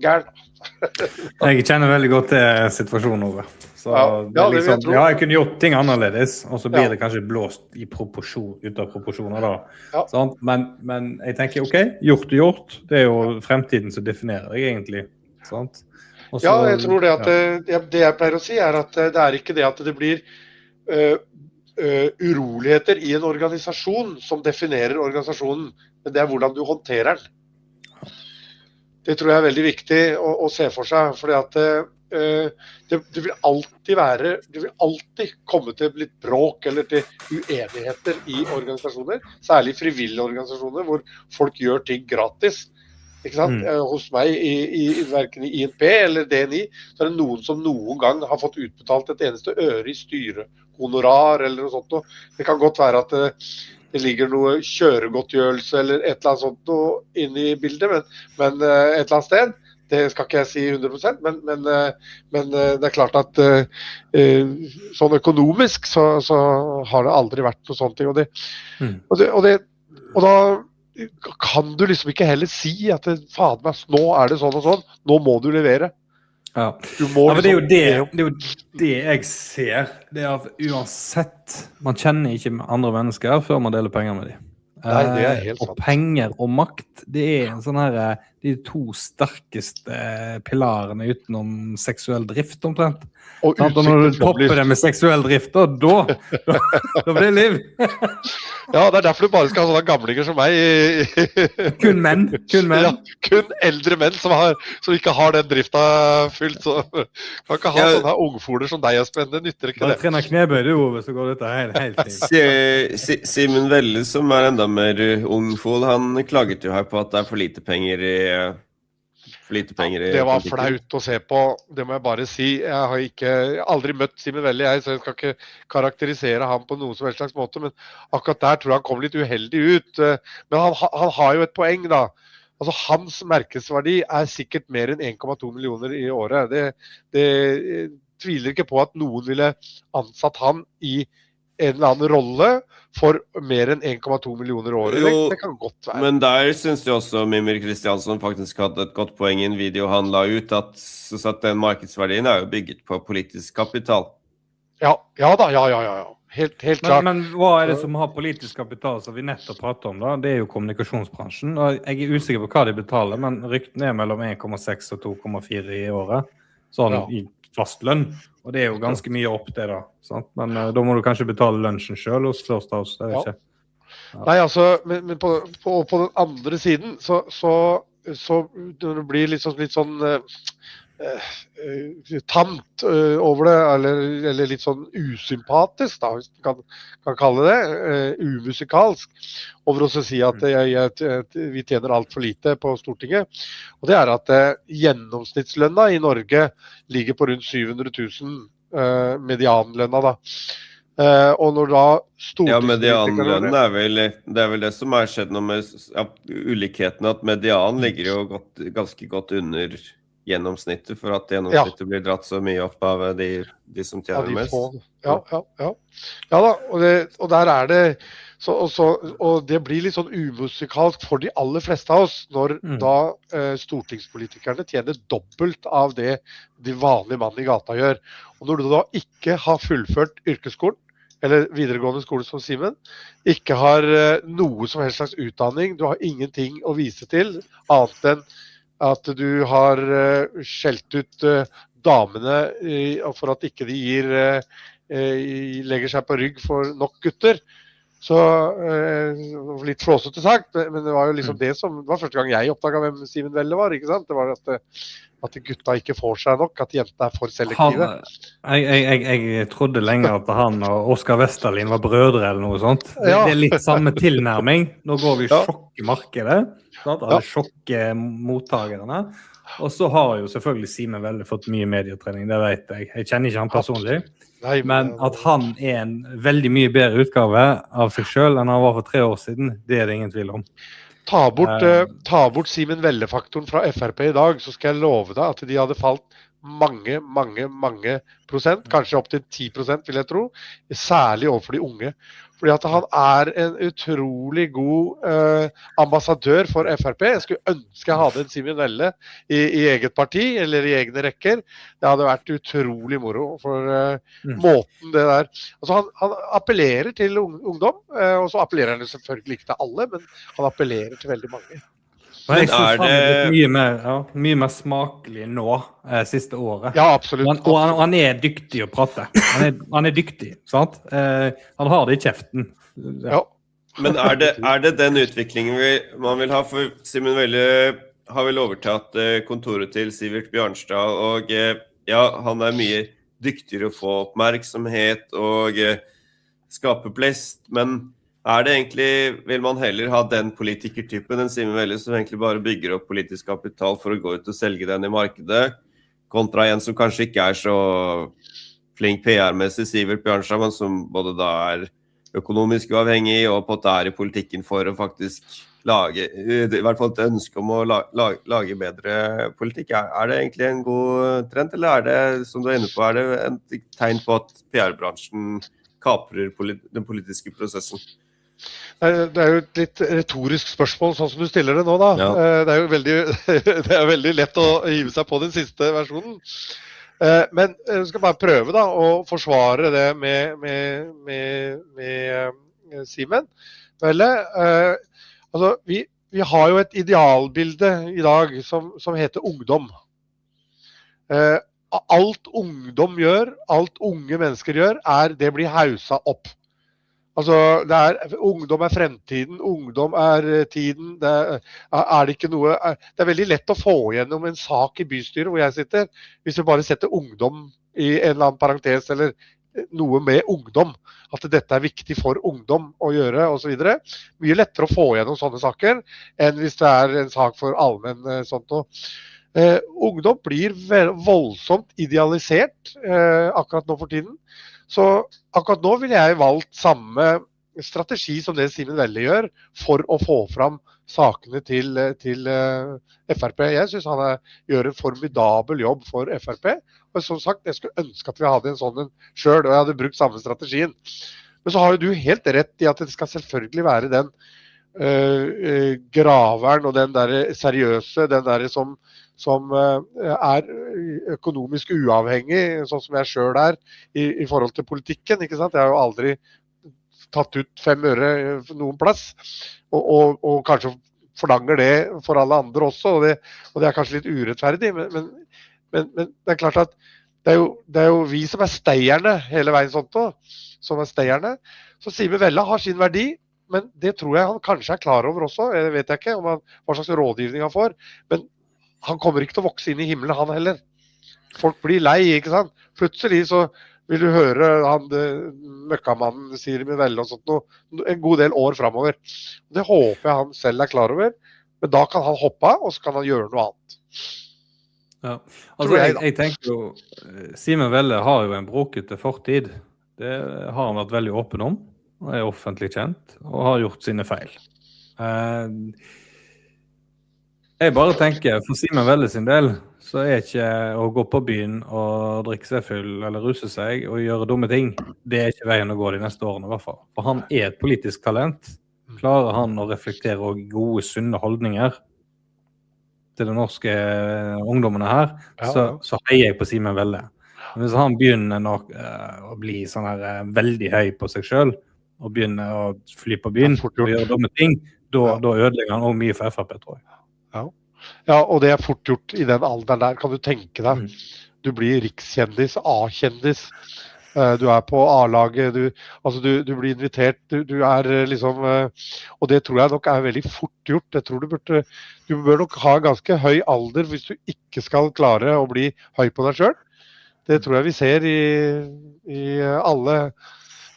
gæren da. Jeg kjenner veldig godt til situasjonen, Ove, så ja, jeg kunne gjort ting annerledes, og så blir det kanskje blåst ut av proporsjon da, men jeg tenker, ok, gjort er gjort, det er jo fremtiden som definerer deg egentlig, og så. Ja, jeg tror det at det jeg pleier å si at det ikke det at det blir uroligheter i en organisasjon som definerer organisasjonen, men det hvordan du håndterer den. Det tror jeg veldig viktig å se for seg, fordi det vil alltid være, det vil alltid komme til litt bråk eller til uenigheter i organisasjoner, særlig frivillige organisasjoner hvor folk gjør ting gratis, ikke sant. Hos meg i verken i INP eller DNI, så det noen som noen gang har fått utbetalt et eneste øre i styrehonorar eller noe sånt noe. Det kan godt være at det ligger noe kjøregodtgjørelse eller et eller annet sånt noe inn i bildet, men et eller annet sted, det skal ikke jeg si 100%, men det klart at sånn økonomisk så har det aldri vært noe sånne ting. Da kan du liksom ikke heller si at "fadernes nå det sånn og sånn, nå må du levere," ja, du må. Ja, men det jeg ser, det at uansett, man kjenner ikke andre mennesker før man deler penger med dem, og penger og makt, det er sånn her, de to sterkeste pilarene utenom seksuell drift omtrent, og når du topper det med seksuell drift, da blir det liv. Ja, det er derfor du bare skal ha sånne gamlinger som meg inn. Kun menn, kun menn. Ja, kun eldre menn som ikke har den driften fullt, så kan ikke ha sånne ungfoller som deg og spennende, nytter ikke det. Jeg trener knebøy, Ove, så går dette helt fint. Simon Velle, som enda mer ungfolk, han klaget jo her på at det for lite penger i, for lite penger i. Det var flaut å se på, det må jeg bare si. Jeg har ikke aldri møtt Simon Velle, jeg, så jeg skal ikke karakterisere ham på noen som helst slags måte, men akkurat der tror jeg han kom litt uheldig ut. Men han har jo et poeng da, altså hans merkeverdi sikkert mer enn 1,2 millioner i året. Det tviler jeg ikke på at noen ville ansatt ham i en eller annen rolle for mer enn 1,2 millioner i året, det kan godt være. Men der synes jeg også Mimir Kristianson faktisk hadde et godt poeng i en video han la ut, at den markedsverdien jo bygget på politisk kapital. Ja, ja da, ja ja ja ja, helt helt klart. Men hva det som har politisk kapital som vi nettopp pratet om da, det er jo kommunikasjonsbransjen, og jeg er usikker på hva de betaler, men ryktene sier mellom 1,6 og 2,4 millioner i året, sånn i fast lønn, og det er jo ganske mye opp det da, sant, men da må du kanskje betale lønnen selv hos First House, jeg vet ikke. Nei, altså, men på den andre siden, så når det blir litt sånn tamt over det, eller litt sånn usympatisk da, hvis man kan kalle det, umusikalsk, og for å si at vi tjener alt for lite på Stortinget, og det at gjennomsnittslønna i Norge ligger på rundt 700,000 medianlønna da, og når da Stortinget. Ja, medianlønna, vel det som har skjedd nå med ulikheten at median ligger jo godt, ganske godt under gjennomsnittet, for at gjennomsnittet blir dratt så mye opp av de som tjener mest. Ja, og det og der det, så og så og det blir litt sånn umusikalsk for de aller fleste av oss når Stortingspolitikerne tjener dobbelt av det de vanlige mannen i gata gjør, og når du da ikke har fullført yrkesskolen, eller videregående skole som Simen, ikke har noe som helst slags utdanning, du har ingenting å vise til, annet enn at du har skjelt ut damene i for at ikke de legger seg på rygg for nok gutter, så litt flåsete sagt, men det var jo liksom det som var første gang jeg oppdaget hvem Simon Velle var, ikke sant, det var at gutta ikke får seg nok, at jentene er for selektive. Jeg trodde lenge at han og Oscar Westerlin var brødre eller noe sånt, det litt samme tilnærming. Nå går vi jo sjokkmarkedet, sant, alle sjokkmottagerne, og så har jo selvfølgelig Simon Velle fått mye medietrening, det vet jeg. Jeg kjenner ikke han personlig, men at han en veldig mye bedre utgave av seg selv enn han var for tre år siden, det det ingen tvil om. Ta bort Simon Velle-faktoren fra FrP i dag, så skal jeg love deg at de hadde falt mange, mange, mange prosent, kanskje opp til 10% vil jeg tro, særlig overfor de unge, fordi han er en utrolig god ambassadør for FrP. Jeg skulle ønske jeg hadde en Simon Velle i eget parti eller i egne rekker, det hadde vært utrolig moro. Måten han appellerer til ungdom, og så appellerer han jo selvfølgelig ikke til alle, men han appellerer til veldig mange. Men det mye mer ja, mye mer smakelig nå siste året. Ja, absolutt, og han er dyktig å prate, han er dyktig, sant, han har det i kjeften. Ja, men det er den utviklingen vi man vil ha, for Simon Velle har vel overtatt kontoret til Sivert Bjørnstad, og ja, han er mye dyktigere å få oppmerksomhet og skape plass, men det egentlig, vil man heller ha den politikertypen, den Simon Velle, som egentlig bare bygger opp politisk kapital for å gå ut og selge den i markedet, kontra en som kanskje ikke er så flink PR-messig, Sivert Bjørnstad, men som er både da økonomisk uavhengig og på en måte i politikken for å faktisk lage, i hvert fall et ønske om å lage bedre politikk? Er det egentlig en god trend, eller er det, som du er inne på, et tegn på at PR-bransjen kaprer den politiske prosessen? Det er jo et litt retorisk spørsmål, sånn som du stiller det nå da, det er jo veldig, det er veldig lett å hive seg på den siste versjonen, men vi skal bare prøve da å forsvare det med Simon Velle, altså vi har jo et idealbilde i dag som heter ungdom, alt ungdom gjør, alt unge mennesker gjør, det blir hauset opp, altså det er ungdom er fremtiden, ungdom er tiden, det er ikke noe, det er veldig lett å få gjennom en sak i bystyret hvor jeg sitter, hvis vi bare setter ungdom i en eller annen parentes, eller noe med ungdom, at dette er viktig for ungdom å gjøre, og så videre, mye lettere å få gjennom sånne saker, enn hvis det er en sak for allmenn sånt noe, ungdom blir voldsomt idealisert, akkurat nå for tiden, så akkurat nå ville jeg valgt samme strategi som det Simon Velle gjør, for å få fram sakene til FrP, jeg synes han gjør en formidabel jobb for FrP, og som sagt, jeg skulle ønske at vi hadde en sånn en selv, og jeg hadde brukt samme strategien, men så har jo du helt rett i at det skal selvfølgelig være den graveren og den seriøse, den som er økonomisk uavhengig, sånn som jeg selv i forhold til politikken, ikke sant, jeg har jo aldri tatt ut fem øre for noen plass, og kanskje forlanger det for alle andre også, og det er kanskje litt urettferdig, men det er klart at det er jo vi som er steierne hele veien sånt noe, som steierne, så Simon Velle har sin verdi, men det tror jeg han kanskje er klar over også, det vet jeg ikke, om han får hva slags rådgivning han får, men han kommer ikke til å vokse inn i himmelen han heller, folk blir lei, ikke sant, plutselig så vil du høre han møkkamannen Simon Velle og sånt noe, en god del år framover, det håper jeg han selv er klar over, men da kan han hoppe, og så kan han gjøre noe annet. Ja, altså jeg tenker jo, Simon Velle har jo en bråkete fortid, det har han vært veldig åpen om, han er offentlig kjent, og har gjort sine feil. Jeg bare tenker, for Simon Velle sin del, så er ikke å gå på byen og drikke seg full eller ruse seg og gjøre dumme ting, det er ikke veien å gå de neste årene i hvert fall, for han er et politisk talent. Klarer han å reflektere og ha gode sunne holdninger til de norske ungdommene her, så heier jeg på Simon Velle. Men hvis han begynner nå å bli sånn her veldig høy på seg selv, og begynner å fly på byen og gjøre dumme ting, da ødelegger han også mye for FrP, tror jeg. Ja, ja, og det fort gjort i den alderen der, kan du tenke deg, du blir rikskjendis, A-kjendis, du på A-laget, du altså du blir invitert, du liksom, og det tror jeg nok veldig fort gjort. Jeg tror du burde, du bør nok ha ganske høy alder hvis du ikke skal klare å bli høy på deg selv, det tror jeg vi ser i alle,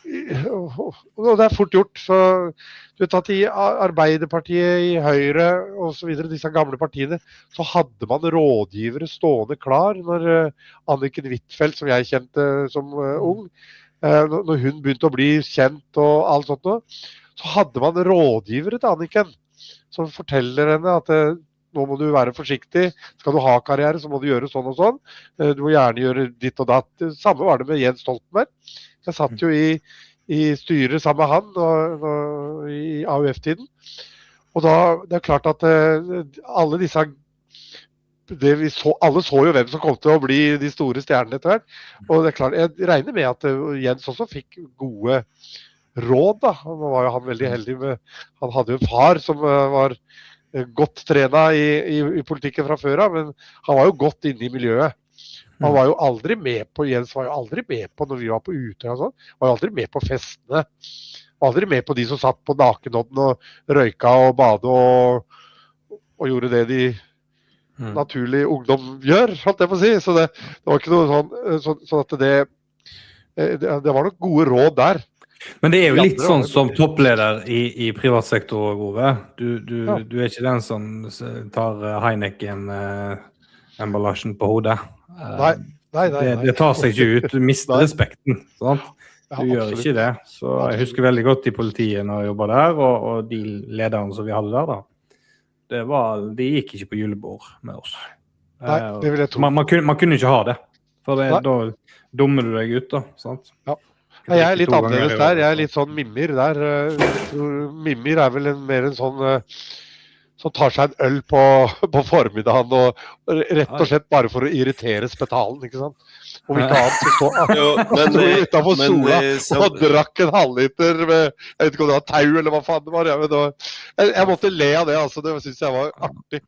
og det fort gjort. Du vet at i Arbeiderpartiet, i Høyre og så videre, disse gamle partiene, så hadde man rådgivere stående klar når Anniken Huitfeldt, som jeg kjente som ung, når hun begynte å bli kjent og alt sånt noe, så hadde man rådgivere til Anniken, som forteller henne at nå må du være forsiktig, skal du ha karriere så må du gjøre sånn og sånn, du må gjerne gjøre ditt og datt. Samme var det med Jens Stoltenberg, jeg satt jo i styret sammen med han og i AUF-tiden, og da, det klart at alle disse, det vi så, alle så jo hvem som kom til å bli de store stjernene etter hvert, og det klart, jeg regner med at Jens også fikk gode råd da. Han var jo veldig heldig med, han hadde jo en far som var godt trent i politikken fra før av, men han var jo godt inne i miljøet. Han var jo aldri med på, Jens var jo aldri med på når vi var på Utøya og sånn, han var jo aldri med på festene, han var aldri med på de som satt på nakenodden og røyket og badet og gjorde det de naturlige ungdom gjør, sånn at jeg får si, så det var ikke noe sånn at det, det var noen gode råd der. Men det er jo litt sånn som toppleder i privat sektor, Ove, du er ikke den som tar Heineken-emballasjen på hodet. No, no, no. Det tar seg ikke ut, du mister respekten, sant, du gjør ikke det, så jeg husker veldig godt de politiene jeg jobbet der, og de lederne som vi hadde der da, det var, de gikk ikke på julebord med oss. Nei, det vil jeg tro. Man kunne ikke ha det, for det da dummer du deg ut da, sant. Ja, jeg litt annerledes der, jeg litt sånn Mimir der. Mimir vel en mer en sånn som tar seg en øl på på formiddagen og rett og slett bare for å irritere spetalen, ikke sant, og vil ikke ha han skal stå. Jeg tror jeg utenfor sola og drakk en halvliter med, jeg vet ikke om det var tau eller hva faen det var, jeg vet du, jeg måtte le av det altså, det synes jeg var artig.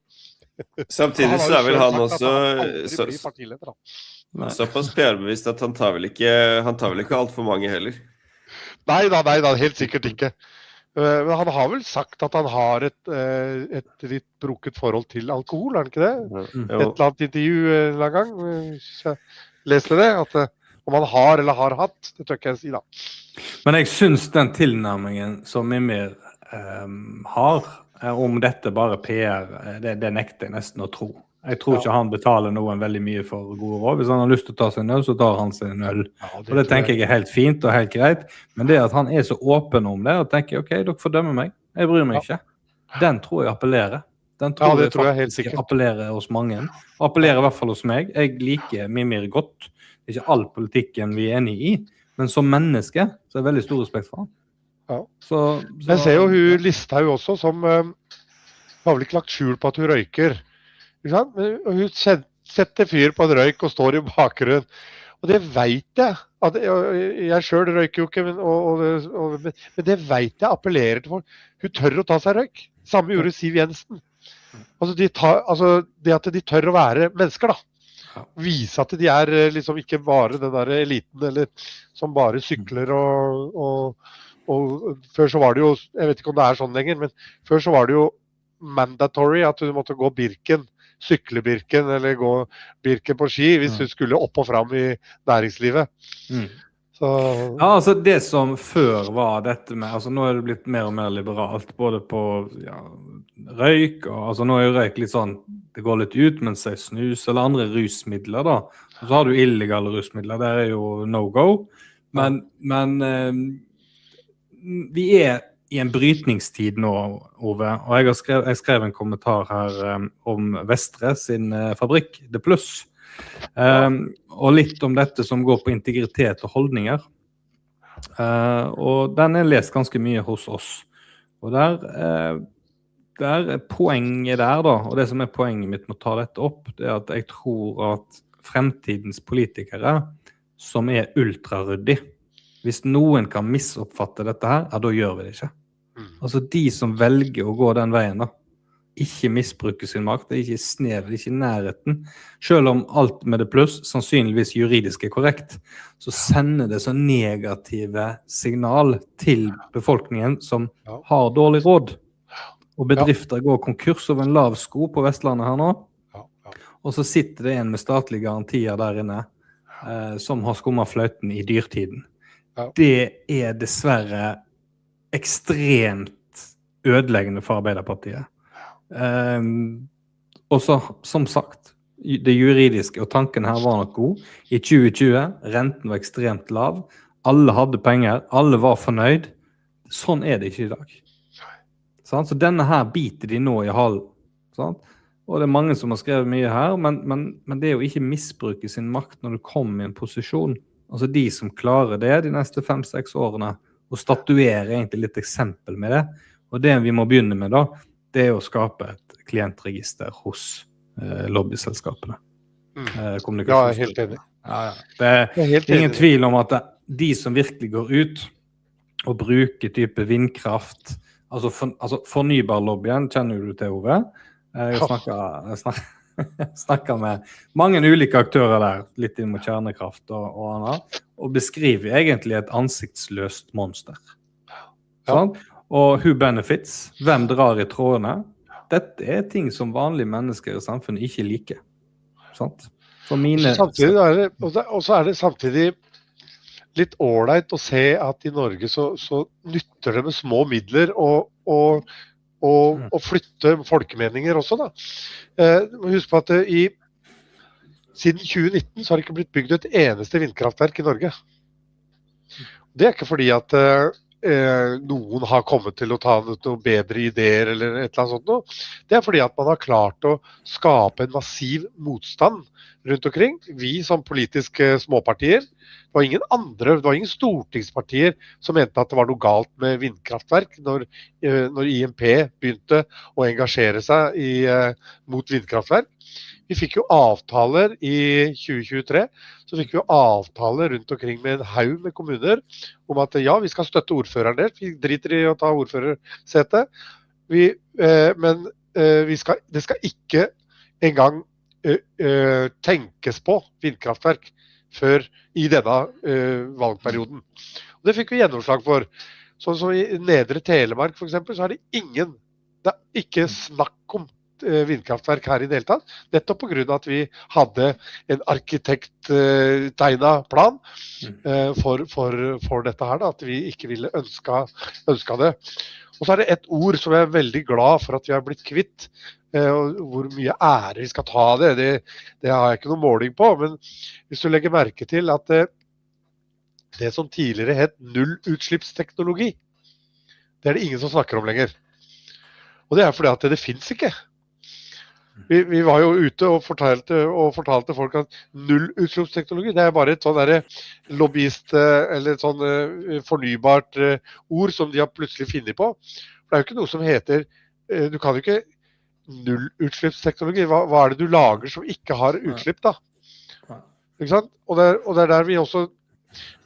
Samtidig så vel han også. Ikke så mye partileder da. Såpass PR-bevisst at han tar vel ikke, han tar vel ikke alt for mange heller. Neida, neida, helt sikkert ikke, men han har vel sagt at han har et litt brukket forhold til alkohol, det ikke det, i et eller annet intervju en eller annen gang. Jeg leste det, at om han har eller har hatt, det tør ikke jeg si da. Men jeg synes den tilnærmingen som Mimir har om dette bare PR, det nekter jeg nesten å tro. Jeg tror ikke han betaler noen veldig mye for gode råd. Hvis han har lyst til å ta seg en øl, så tar han seg en øl, og det tenker jeg helt fint og helt greit. Men det at han så åpen om det, og tenker jeg, ok, dere får dømme meg, jeg bryr meg ikke, den tror jeg appellerer, den tror jeg. Ja, det tror jeg helt sikkert. Appellerer hos mange, appellerer i hvert fall hos meg. Jeg liker Mimir godt, det ikke all politikken vi er enige i, men som menneske, så har jeg veldig stor respekt for han. Ja, så. Men ser jo, hun lista jo også som, hun har vel ikke lagt skjul på at hun røyker, ikke sant, og hun setter fyr på en røyk og står i bakgrunnen, og det vet jeg, at jeg selv røyker jo ikke, men det vet jeg appellerer til folk, hun tør å ta seg røyk, samme gjorde Siv Jensen, altså de tar, altså det at de tør å være mennesker da, vise at de liksom ikke bare den der eliten, eller som bare sykler, og før så var det jo, jeg vet ikke om det sånn lenger, men før så var det jo mandatory, at hun måtte gå Birken, sykle Birken, eller gå Birken på ski, hvis hun skulle opp og fram i næringslivet, så. Ja, altså det som før var dette med, altså nå det blitt mer og mer liberalt, både på, ja, røyk, og altså nå jo røyk litt sånn, det går litt ut mens jeg snus, eller andre rusmidler da, og så har du illegale rusmidler, det jo no-go, men vi er i en brytningstid nå, Ove, og jeg har skrevet, jeg skrev en kommentar her om Vestres fabrikk, The Plus, og litt om dette som går på integritet og holdninger, og den er lest ganske mye hos oss, og der, der er poenget der da, og det som er poenget mitt med å ta dette opp, det er at jeg tror at fremtidens politikere må være ultraryddig, hvis noen kan misoppfatte dette her, ja da gjør vi det ikke, altså de som velger å gå den veien da, ikke misbruke sin makt, det er ikke i snev, det er ikke i nærheten, selv om alt med The Plus sannsynligvis er juridisk korrekt, så sender det så negative signal til befolkningen som har dårlig råd, og bedrifter går konkurs over en lav sko på Vestlandet her nå. Ja og så sitter det en med statlige garantier der inne, som har skummet fløyten i dyrtiden. Ja det er dessverre ekstremt ødeleggende for Arbeiderpartiet. Ja og så, som sagt, det juridiske, og tanken her var nok god, i 2020, renten var ekstremt lav, alle hadde penger, alle var fornøyd, sånn er det ikke i dag. Nei, sant, så denne her biter de nå i hæl, sant, og det er mange som har skrevet mye her, men det er jo ikke å misbruke sin makt når du kommer i en posisjon, altså de som klarer det, de neste 5-6 årene, og statuere egentlig litt eksempel med det, og det vi må begynne med da, det er å skape et klientregister hos lobby-selskapene, kommunikasjonsselskapene. Ja, jeg er helt enig, det er helt enig. Det er ingen tvil om at de som virkelig går ut og bruker type vindkraft, altså fornybar-lobbyen, kjenner jo du til, Ove, jeg har snakket med mange ulike aktører der, litt inn mot kjernekraft og annet, og beskriver egentlig et ansiktsløst monster. Ja sant, og who benefits, hvem drar i trådene, dette ting som vanlige mennesker i samfunnet ikke liker, sant, for mine. Og så er det samtidig litt alright å se at i Norge så nytter det med små midler å flytte folkemengder også da. Må huske på at siden 2019 så har det ikke blitt bygd et eneste vindkraftverk i Norge. Det er ikke fordi at noen har kommet til å ta noen bedre ideer eller et eller annet sånt noe, det er fordi at man har klart å skape en massiv motstand rundt omkring. Vi som politiske småpartier, det var ingen andre, det var ingen stortingspartier som mente at det var noe galt med vindkraftverk når IMP begynte å engasjere seg mot vindkraftverk. Vi fikk jo avtaler i 2023, så fikk vi jo avtaler rundt omkring med en haug med kommuner om at ja, vi skal støtte ordføreren der, vi driter i å ta ordførersetet, men vi skal, det skal ikke en gang tenkes på vindkraftverk før i denne valgperioden, og det fikk vi gjennomslag for. Sånn som i Nedre Telemark for eksempel, så er det ingen, det er ikke snakk om vindkraftverk her i det hele tatt, nettopp på grunn av at vi hadde en arkitekttegnet plan for dette her da, at vi ikke ville ønske det. Og så er det et ord som jeg er veldig glad for at vi har blitt kvitt, og hvor mye ære vi skal ta av det, det har jeg ikke noen måling på, men hvis du legger merke til at det som tidligere het nullutslippsteknologi, det er det ingen som snakker om lenger, og det er fordi at det finnes ikke. Vi var jo ute og fortalte folk at nullutslippsteknologi, det er bare et sånn der lobbyist eller et sånn fornybart ord som de har plutselig funnet på, for det er jo ikke noe som heter, du kan jo ikke nullutslippsteknologi, hva er det du lager som ikke har utslipp da, ikke sant. Og det der, vi også,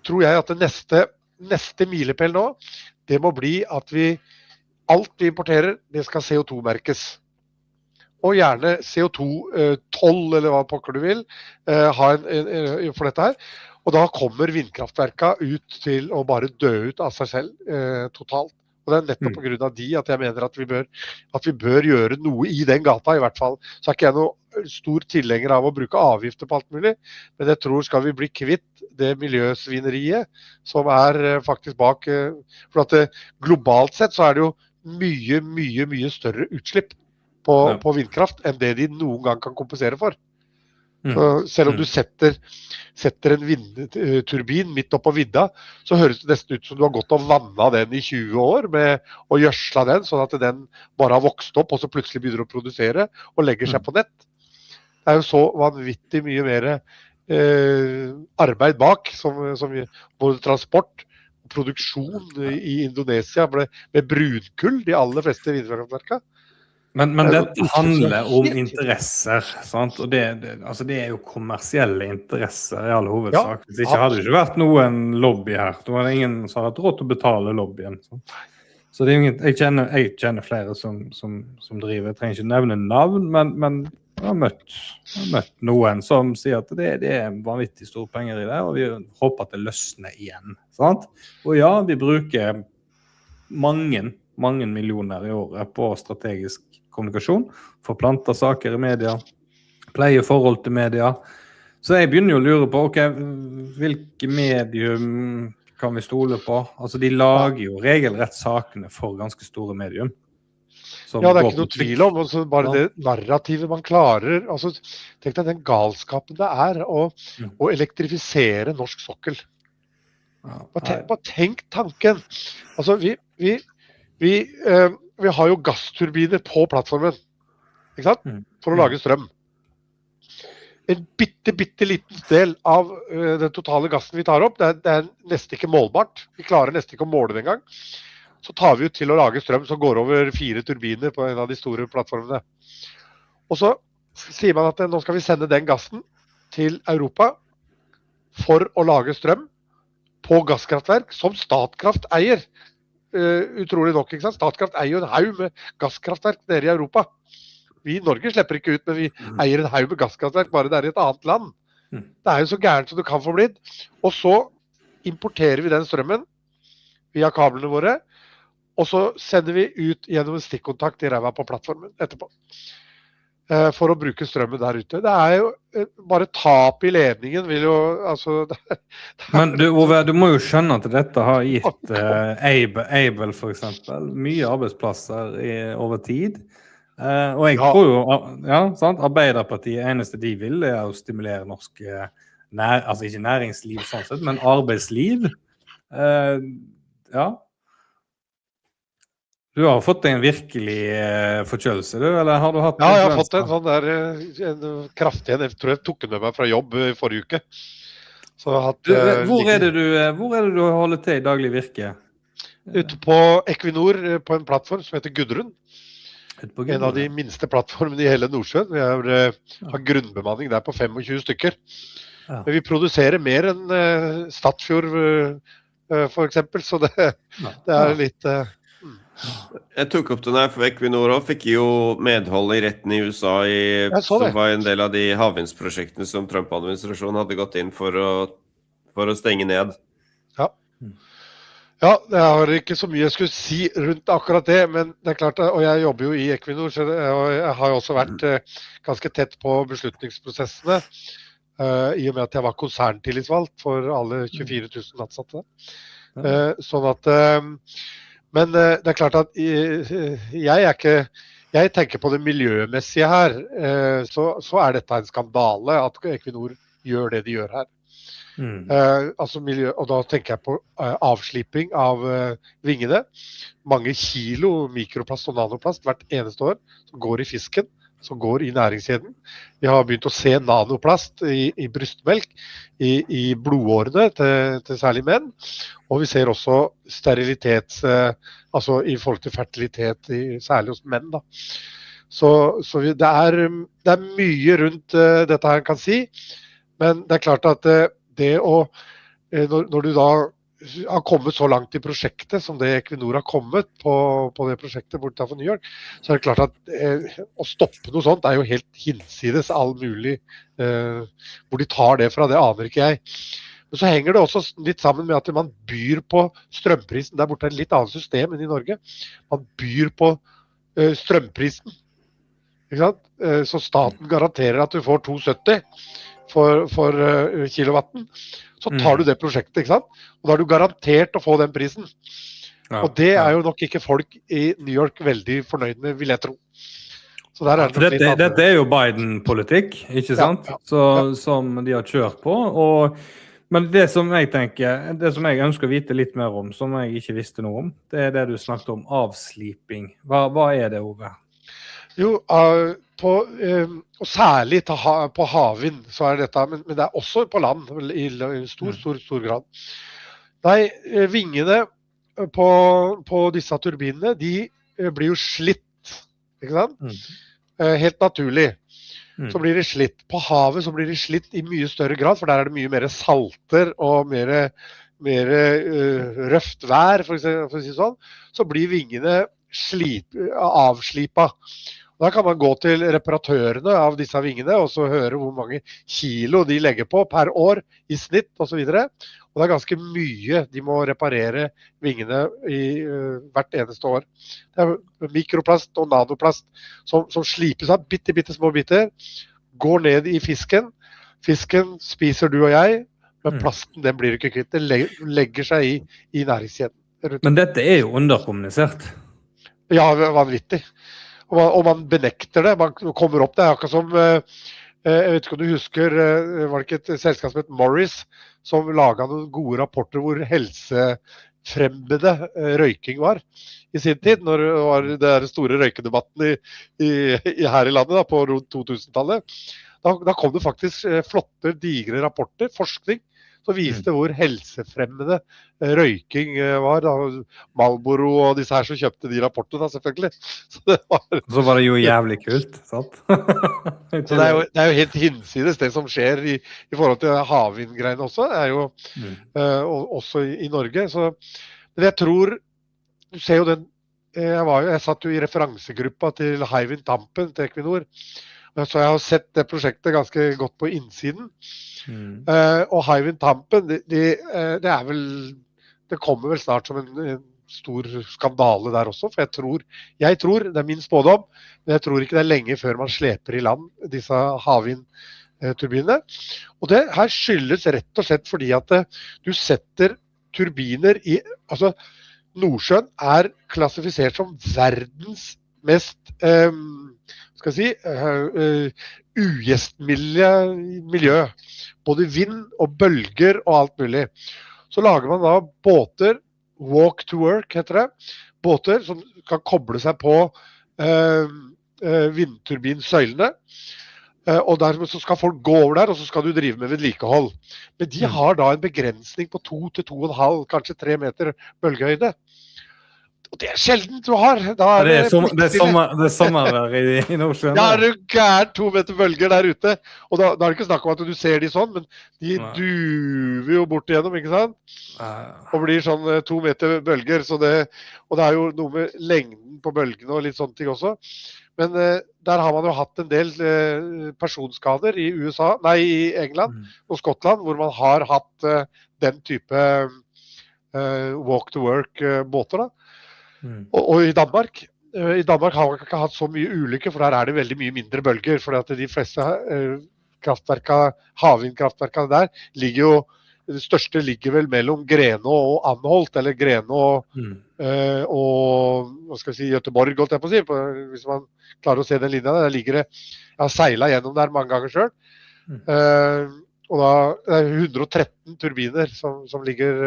tror jeg at det neste milepæl nå, det må bli at vi, alt vi importerer, det skal CO2-merkes, og gjerne CO2-12 eller hva pokker du vil ha en for dette her. Og da kommer vindkraftverkene ut til å bare dø ut av seg selv totalt, og det nettopp på grunn av at jeg mener at vi bør gjøre noe i den gata i hvert fall. Så ikke jeg noe stor tilhenger av å bruke avgifter på alt mulig, men jeg tror skal vi bli kvitt det miljøsvineriet som faktisk er bak. For globalt sett så er det jo mye, mye, mye større utslipp på vindkraft enn det de noen gang kan kompensere for. Så selv om du setter en vindturbin midt opp på vidda, så høres det nesten ut som du har gått og vannet den i 20 år med å gjødsle den, sånn at den bare har vokst opp og så plutselig begynner å produsere og legger seg på nett. Det er jo så vanvittig mye mer arbeid bak, som både transport og produksjon i Indonesia, med brunkull de aller fleste vindkraftverkene. Men det handler om interesser, sant, og det er altså kommersielle interesser i alle hovedsaker. Hadde det ikke vært noen lobby her, da var det ingen som hadde hatt råd til å betale lobbyen, så det er jo ingen. Jeg kjenner flere som driver, jeg trenger ikke å nevne navn, men jeg har møtt noen som sier at det er vanvittig store penger i det, og vi håper at det løsner igjen, sant. Ja, vi bruker mange millioner i året på strategisk kommunikasjon, forplantasaker i media, pleier forhold til media, så jeg begynner jo å lure på: ok, hvilke medium kan vi stole på? De lager jo regelrett sakene for ganske store medium. Ja, det er ikke noe tvil om det, og så bare det narrativet man klarer. Altså tenk deg den galskapen det å elektrifisere norsk sokkel, bare tenk tanken. Altså vi har jo gasturbiner på plattformen, ikke sant, for å lage strøm. En bitte liten del av den totale gassen vi tar opp, det er nesten ikke målbart, vi klarer nesten ikke å måle det en gang. Så tar vi jo til å lage strøm som går over fire turbiner på en av de store plattformene, og så sier man at nå skal vi sende den gassen til Europa for å lage strøm på gaskraftverk som Statkraft eier, utrolig nok, ikke sant. Statkraft eier jo en haug med gaskraftverk nede i Europa. Vi i Norge slipper ikke ut, men vi eier en haug med gaskraftverk bare der i et annet land. Det er jo så gærent som det kan få blitt. Og så importerer vi den strømmen via kablene våre, og så sender vi ut gjennom en stikkontakt i ræva på plattformen etterpå, for å bruke strømmen der ute. Det er jo bare tap i ledningen vil jo, altså. Men du Ove, du må jo skjønne at dette har gitt Able for eksempel mye arbeidsplasser i overtid, og jeg tror jo, ja sant, Arbeiderpartiet, det eneste de vil, det å stimulere norsk, altså ikke næringsliv sånn sett, men arbeidsliv. Ja, du har fått en virkelig forkjølelse du, eller har du hatt det? Ja, jeg har fått det, sånn der, en kraftig en. Jeg tror jeg tok den med meg fra jobb i forrige uke, så jeg har hatt. Hvor det du, hvor det du holder til i daglig virke? Ute på Equinor, på en plattform som heter Gudrun, en av de minste plattformene i hele Nordsjøen. Vi har grunnbemanning der på 25 stykker, men vi produserer mer enn Statfjord for eksempel, så det er litt spesielt. Jeg tok opp det når jeg for Equinor også, fikk jo medhold i retten i USA i som var en del av de havvindsprosjektene som Trump-administrasjonen hadde gått inn for å stenge ned. Ja, ja, det er ikke så mye jeg skulle si rundt akkurat det, men det er klart, og jeg jobber jo i Equinor, og jeg har jo også vært ganske tett på beslutningsprosessene, i og med at jeg var konserntillitsvalgt for alle 24,000 ansatte, sånn at, men det er klart at jeg ikke, jeg tenker på det miljømessige her, så så dette en skandale at Equinor gjør det de gjør her, altså miljø, og da tenker jeg på avsliping av vingene, mange kilo mikroplast og nanoplast hvert eneste år, som går i fisken, som går i næringskjeden, vi har begynt å se nanoplast i brystmelk, i blodårene til særlig menn, og vi ser også sterilitet, altså i forhold til fertilitet, særlig hos menn da, så vi, det er mye rundt dette her jeg kan si, men det er klart at det å, når du da har kommet så langt i prosjektet, som det Equinor har kommet på det prosjektet borte fra New York, så det er klart at å stoppe noe sånt jo helt hinsides all mulig, hvor de tar det fra, det aner ikke jeg, men så henger det også litt sammen med at man byr på strømprisen, der borte er det et litt annet system enn i Norge, man byr på strømprisen, ikke sant, så staten garanterer at du får $2.70 for kilowatt, så tar du det prosjektet, ikke sant, og da er du garantert å få den prisen, og det er jo nok ikke folk i New York veldig fornøyd med, vil jeg tro, så der er det. Dette jo Biden-politikk, ikke sant, så som de har kjørt på, og men det som jeg tenker, det som jeg ønsker å vite litt mer om, som jeg ikke visste noe om, det det du snakket om, avsliping, hva det, Ove? Jo, på og særlig på havvind, så det dette, men det også på land, i stor grad, de vingene på disse turbinene, de blir jo slitt, ikke sant, helt naturlig, så blir de slitt. På havet så blir de slitt i mye større grad, for der det mye mer salt og mer røft vær, for å si det sånn, så blir vingene avslipet. Da kan man gå til reparatørene av disse vingene, og så høre hvor mange kilo de legger på per år i snitt, og så videre, og det ganske mye de må reparere vingene i hvert eneste år. Det mikroplast og nanoplast som sliper seg bittesmå biter, går ned i fisken, fisken spiser du og jeg, men plasten den blir ikke kvitt, den legger seg i næringskjeden. Men dette er jo underkommunisert. Ja, vanvittig, og man benekter det, man kommer opp, det akkurat som, jeg vet ikke om du husker, var det ikke et selskap som het Morris, som laget noen gode rapporter hvor helsefremmende røyking var, i sin tid, når det var det der store røykedebatten her i landet da, på rundt 2000-tallet. Da kom det faktisk flotte, digre rapporter, forskning, som viste hvor helsefremmende røyking var, da Marlboro og disse her som kjøpte de rapportene da selvfølgelig, så det var. Og så var det jo jævlig kult, sant. Det er jo helt hinsides det som skjer i forhold til havvind-greiene også, det jo også i Norge, så jeg tror, du ser jo den, jeg var jo jeg satt jo i referansegruppa til Hywind Tampen til Equinor, så jeg har jo sett det prosjektet ganske godt på innsiden, og Hywind Tampen, det kommer vel snart som en stor skandale der også, for jeg tror, det min spådom, men jeg tror ikke det lenge før man sleper i land disse havvindturbinene, og det her skyldes rett og slett fordi at du setter turbiner i, altså Nordsjøen klassifisert som verdens mest ujævnmiljø, både vind og bølger og alt mulig, så lager man da båter, walk to work heter det, båter som kan koble seg på vindturbinsøylene, og dermed så skal folk gå over der, og så skal du drive med vedlikehold, men de har da en begrensning på 2 til 2,5, kanskje 3 meter bølgehøyde, og det sjeldent du har det. Det er sommervær i Nordsjøen. Da det gærer 2 meter bølger der ute, og da det ikke snakk om at du ser de sånn, men de duver jo bort igjennom, ikke sant, og blir sånn 2 meter bølger, så det, og det jo noe med lengden på bølgene og litt sånne ting også, men der har man jo hatt en del personskader i USA, nei, i England og Skottland, hvor man har hatt den type walk to work-båter da, og i Danmark, i Danmark har man ikke hatt så mye ulykker, for der det veldig mye mindre bølger, fordi at de fleste kraftverkene, havvindkraftverkene der, ligger jo, det største ligger vel mellom Grenå og Anholt, eller Grenå og, hva skal jeg si, Göteborg, holdt jeg på å si, hvis man klarer å se den linjen der, der ligger det, jeg har seilt gjennom der mange ganger selv, og da, det 113 turbiner som ligger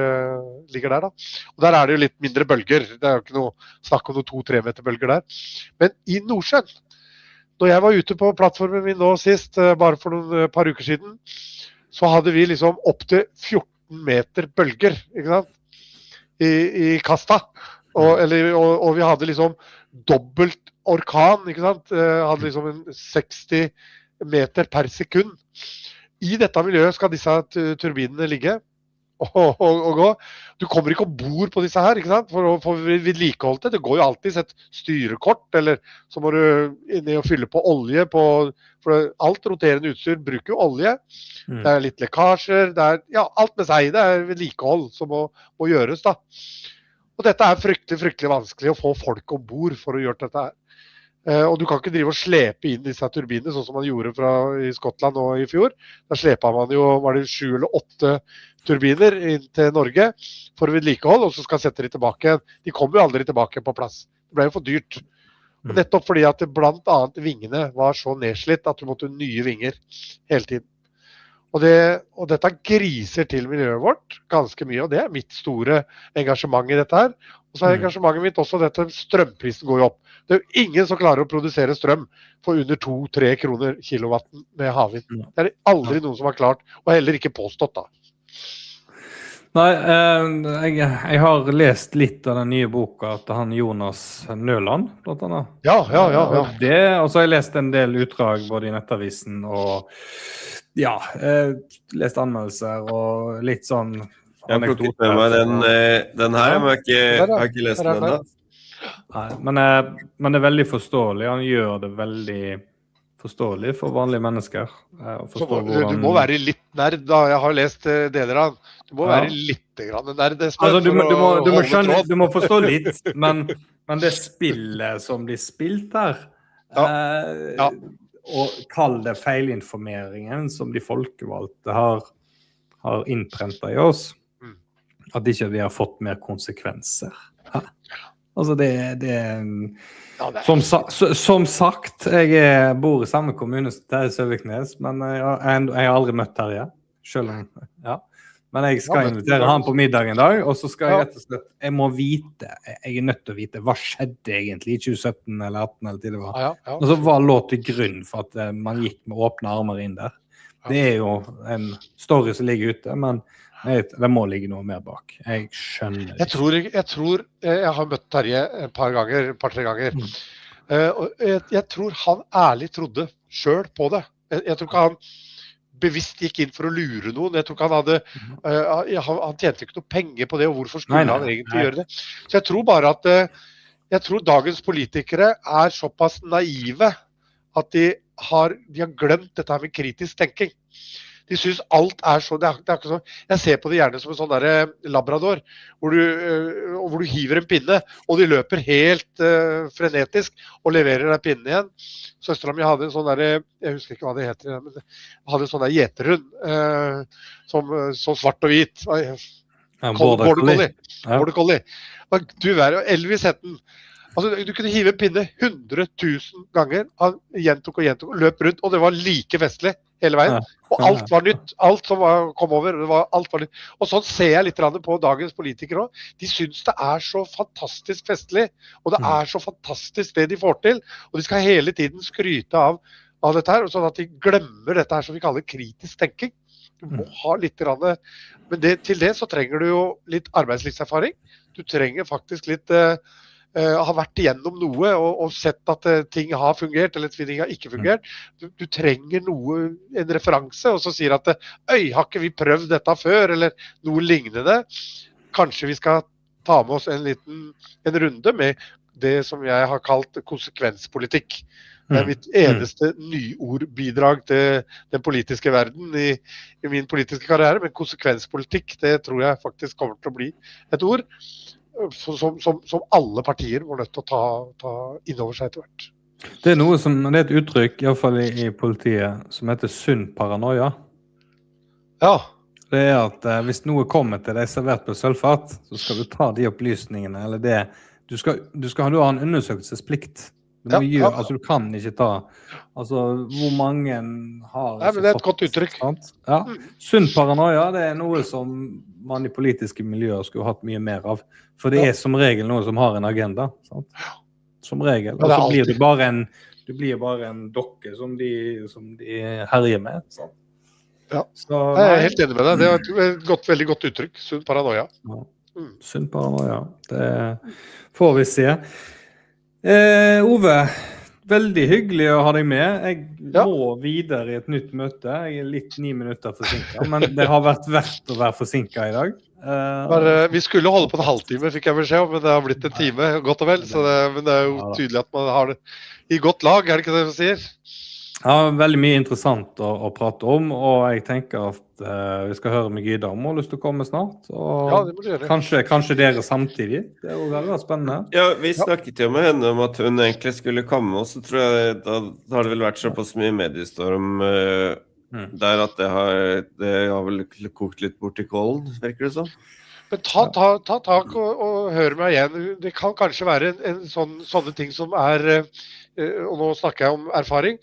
der da, og der det jo litt mindre bølger, det jo ikke noe snakk om noen 2-3 meter bølger der, men i Nordsjøen, når jeg var ute på plattformen min nå sist, bare for noen par uker siden, så hadde vi liksom opptil 14 meter bølger, ikke sant, i kasta, og eller og vi hadde liksom dobbelt orkan, ikke sant, hadde liksom en 60 meter per sekund, i dette miljøet skal disse turbinene ligge og gå, du kommer ikke ombord på disse her, ikke sant, for å få vedlikeholdt det, det går jo alltid, sett styrekort, eller så må du inn i og fylle på olje, for alt roterende utstyr bruker jo olje, det litt lekkasjer, det ja, alt med seg, det vedlikehold som må gjøres da, og dette fryktelig, fryktelig vanskelig å få folk ombord for å gjøre dette her, og du kan ikke drive og slepe inn disse turbinene sånn som man gjorde fra i Skottland og i fjor, da slepet man jo, var det 7 eller 8 turbiner inn til Norge for å vedlikeholde, og så skal jeg sette de tilbake igjen, de kommer jo aldri tilbake på plass, det ble jo for dyrt, nettopp fordi at blant annet vingene var så nedslitt at du måtte ha nye vinger hele tiden, og det, og dette griser til miljøet vårt ganske mye, og det mitt store engasjement i dette her, og så engasjementet mitt også dette at strømprisen går opp, det jo ingen som klarer å produsere strøm for under 2-3 kroner kilowatten med havvind, det det aldri noen som har klart, og heller ikke påstått da. Nei, jeg har lest litt av den nye boka til Jonas Nøland, blant annet. Ja, ja, ja, ja. Og det, og så har jeg lest en del utdrag både i Nettavisen og, ja, lest anmeldelser og litt sånn. Jeg har ikke fått godt med meg den her, men jeg har ikke lest den enda. Nei, men det er veldig forståelig, han gjør det veldig forståelig for vanlige mennesker å forstå hva. Du må være litt, nei, jeg har jo lest deler av, du må være litt, men det det spørsmålet. Altså, du må skjønne, du må forstå litt, men det spillet som blir spilt her, og kall det feilinformasjonen som de folkevalgte har innprentet i oss, at vi ikke har fått mer konsekvenser. Altså det som sagt, jeg bor i samme kommune som deg i Søviknes, men jeg har aldri møtt Terje, selv om, ja, men jeg skal invitere han på middag en dag, og så skal jeg rett og slett, jeg må vite, jeg er nødt til å vite, hva skjedde egentlig i 2017 eller 2018 eller tidligere, og så hva lå til grunn for at man gikk med åpne armer inn der. Det er jo en story som ligger ute, men jeg vet det må ligge noe mer bak, jeg skjønner. Jeg tror, jeg tror, jeg har møtt Terje et par ganger, et par tre ganger, og jeg tror han ærlig trodde selv på det. Jeg tror ikke han bevisst gikk inn for å lure noen, jeg tror ikke han hadde, han tjente ikke noe penger på det, og hvorfor skulle han egentlig gjøre det, så jeg tror bare at, jeg tror dagens politikere såpass naive at de har, de har glemt dette her med kritisk tenkning. De synes alt så, det ikke sånn, jeg ser på det gjerne som en sånn der Labrador, hvor du, og hvor du hiver en pinne, og de løper helt frenetisk og leverer den pinnen igjen. Søsteren min hadde en sånn der, jeg husker ikke hva det heter, men hadde en sånn der gjeterhund, som så svart og hvit, han Border Collie, Border Collie, du jo Elvis het den. Altså du kunne hive en pinne 100 000 ganger, han gjentok og gjentok og løp rundt, og det var like festlig hele veien, og alt var nytt, alt som var kom over, og det var alt var nytt. Sånn ser jeg litt på dagens politikere også, de synes det så fantastisk festlig, og det så fantastisk det de får til, og de skal hele tiden skryte av dette her, og sånn at de glemmer dette her som vi kaller kritisk tenkning. Du må ha litt, men det til det så trenger du jo litt arbeidslivserfaring, du trenger faktisk litt, ha vært igjennom noe, og sett at ting har fungert, eller ting har ikke fungert, du trenger noe, en referanse, og så sier at, oi, har ikke vi prøvd dette før, eller noe lignende. Kanskje vi skal ta med oss en liten, en runde med det som jeg har kalt konsekvenspolitikk, det mitt eneste nyordbidrag til den politiske verden i min politiske karriere, men konsekvenspolitikk, det tror jeg faktisk kommer til å bli et ord, som som som alle partier må nødt til å ta innover seg etter hvert. Det er noe som, det er et uttrykk, i hvert fall i politiet, som heter sunnparanoia, det at hvis noe kommer til deg servert på sølvfat, så skal du ta de opplysningene, eller det, du skal ha en undersøkelsesplikt, det er mye, du kan ikke ta, hvor mange har. Ja, men det er et godt uttrykk. Sant, ja, sunnparanoia, det noe som man i politiske miljøer skulle hatt mye mer av, for det som regel noe som har en agenda, sant, som regel, og så blir det bare en, det blir bare en dokke som de herjer med, sant. Ja, jeg er helt enig med deg, det er godt, veldig godt uttrykk, sunnparanoia. Sunnparanoia, det får vi se, Ove, veldig hyggelig å ha deg med, jeg må videre i et nytt møte, jeg litt 9 minutter forsinket, men det har vært verdt å være forsinket i dag. Vi skulle holde på en halvtime, fikk jeg beskjed om, men det har blitt en time, godt og vel, så det, men det er jo tydelig at man har det i godt lag, er det ikke det du sier? Ja, veldig mye interessant å prate om, og jeg tenker at vi skal høre med Gyda om hun har lyst til å komme snart, og kanskje dere samtidig. Det hadde vært spennende. Ja, vi snakket jo med henne om at hun egentlig skulle komme med oss, så tror jeg da har det vel vært såpass mye mediestorm der at det har kokt litt bort i kålen, virker det som. Men ta tak, og hør meg igjen, det kan kanskje være en sånn sånne ting som og nå snakker jeg om erfaring,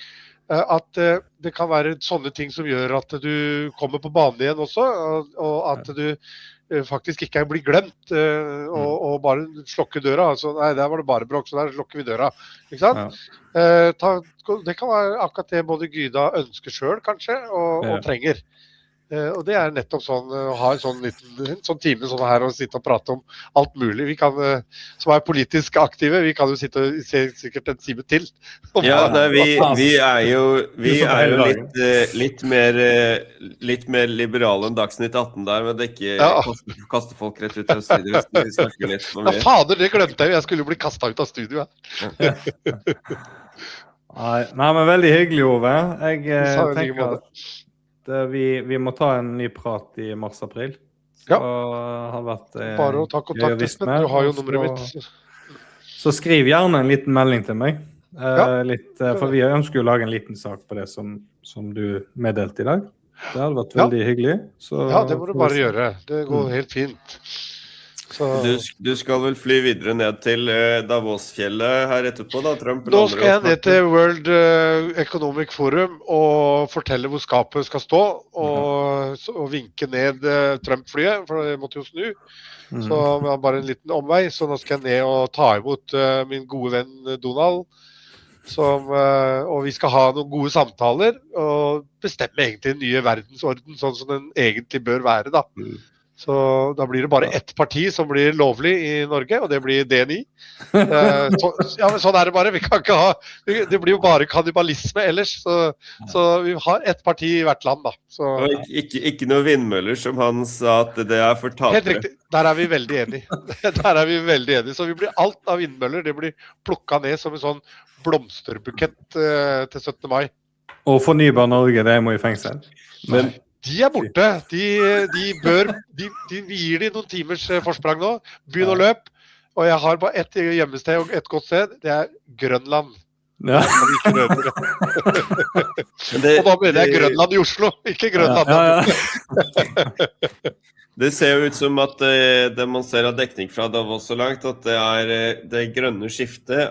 at det kan være sånne ting som gjør at du kommer på banen igjen også, og at du faktisk ikke blir glemt, og bare slukker døra, altså, nei, der var det bare bråk, så der slukker vi døra, ikke sant. Det kan være akkurat det både Gyda ønsker selv kanskje, og trenger, og det nettopp sånn, å ha en sånn liten, en sånn time sånn her og sitte og prate om alt mulig. Vi kan, som politisk aktive, vi kan jo sitte og se sikkert en time til. Ja, det vi, vi jo litt mer liberale enn Dagsnytt 18 der, men det ikke å kaste folk rett ut av studio, hvis vi snakker litt om det. Ja, fader, det glemte jeg, jeg skulle bli kastet ut av studio. Nei, men veldig hyggelig, Ove. Jeg tenker på det, det vi må ta en ny prat i mars-april, så har det vært. Bare å ta kontakt, du har jo nummeret mitt. Så skriv gjerne en liten melding til meg, for vi ønsker jo å lage en liten sak på det som du meddelte i dag, det hadde vært veldig hyggelig. Ja, det må du bare gjøre, det går helt fint. Du skal vel fly videre ned til Davosfjellet her etterpå, da Trump eller noe sånt. Nå skal jeg ned til World Economic Forum og fortelle hvor skapet skal stå, og vinke ned Trump-flyet, for det måtte jo snu, så vi har bare en liten omvei. Så nå skal jeg ned og ta imot min gode venn Donald, og vi skal ha noen gode samtaler, og bestemme egentlig den nye verdensorden sånn som den egentlig bør være da. Så da blir det bare ett parti som blir lovlig i Norge, og det blir DNI. Men sånn det bare, vi kan ikke ha, det blir jo bare kannibalisme ellers, så vi har ett parti i hvert land da. Og ikke noe vindmøller som han sa at det var tapende. Helt riktig, der er vi veldig enige, der er vi veldig enige, så vi blir kvitt alle vindmøllene, det blir plukket ned som en sånn blomsterbukett til 17. mai. Og fornybar Norge, det må i fengsel. Men de borte, de bør gi de noen timers forsprang nå, begynne å løpe, og jeg har bare ett hjemmested og ett godt sted, det Grønland, og da mener jeg Grønland i Oslo, ikke Grønland. Det ser jo ut som at det man ser av dekning fra Davos så langt, at det grønne skiftet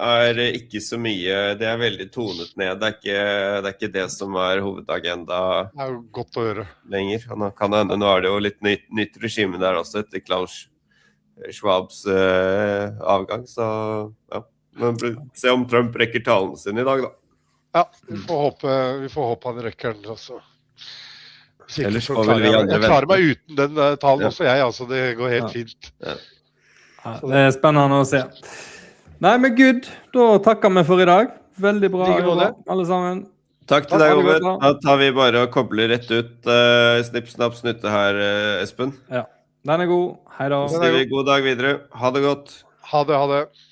ikke så mye, det veldig tonet ned, det ikke det som hovedagenda. Det er jo godt å høre. Lenger, kan det hende, nå det jo litt nytt regime der også, etter Klaus Schwabs avgang, så ja, men se om Trump rekker talen sin i dag da. Ja, vi får håpe han rekker den også. Ellers får vel vi andre klare oss uten den talen også, jeg altså, det går helt fint. Det er spennende å se. Nei, men gud, da takker jeg for i dag, veldig bra alle sammen. Takk til deg, Ove, da tar vi bare og kobler rett ut, snipp snapp snutte her, Espen. Ja, den god, hei da. Da sier vi god dag videre, ha det godt. Ha det, ha det.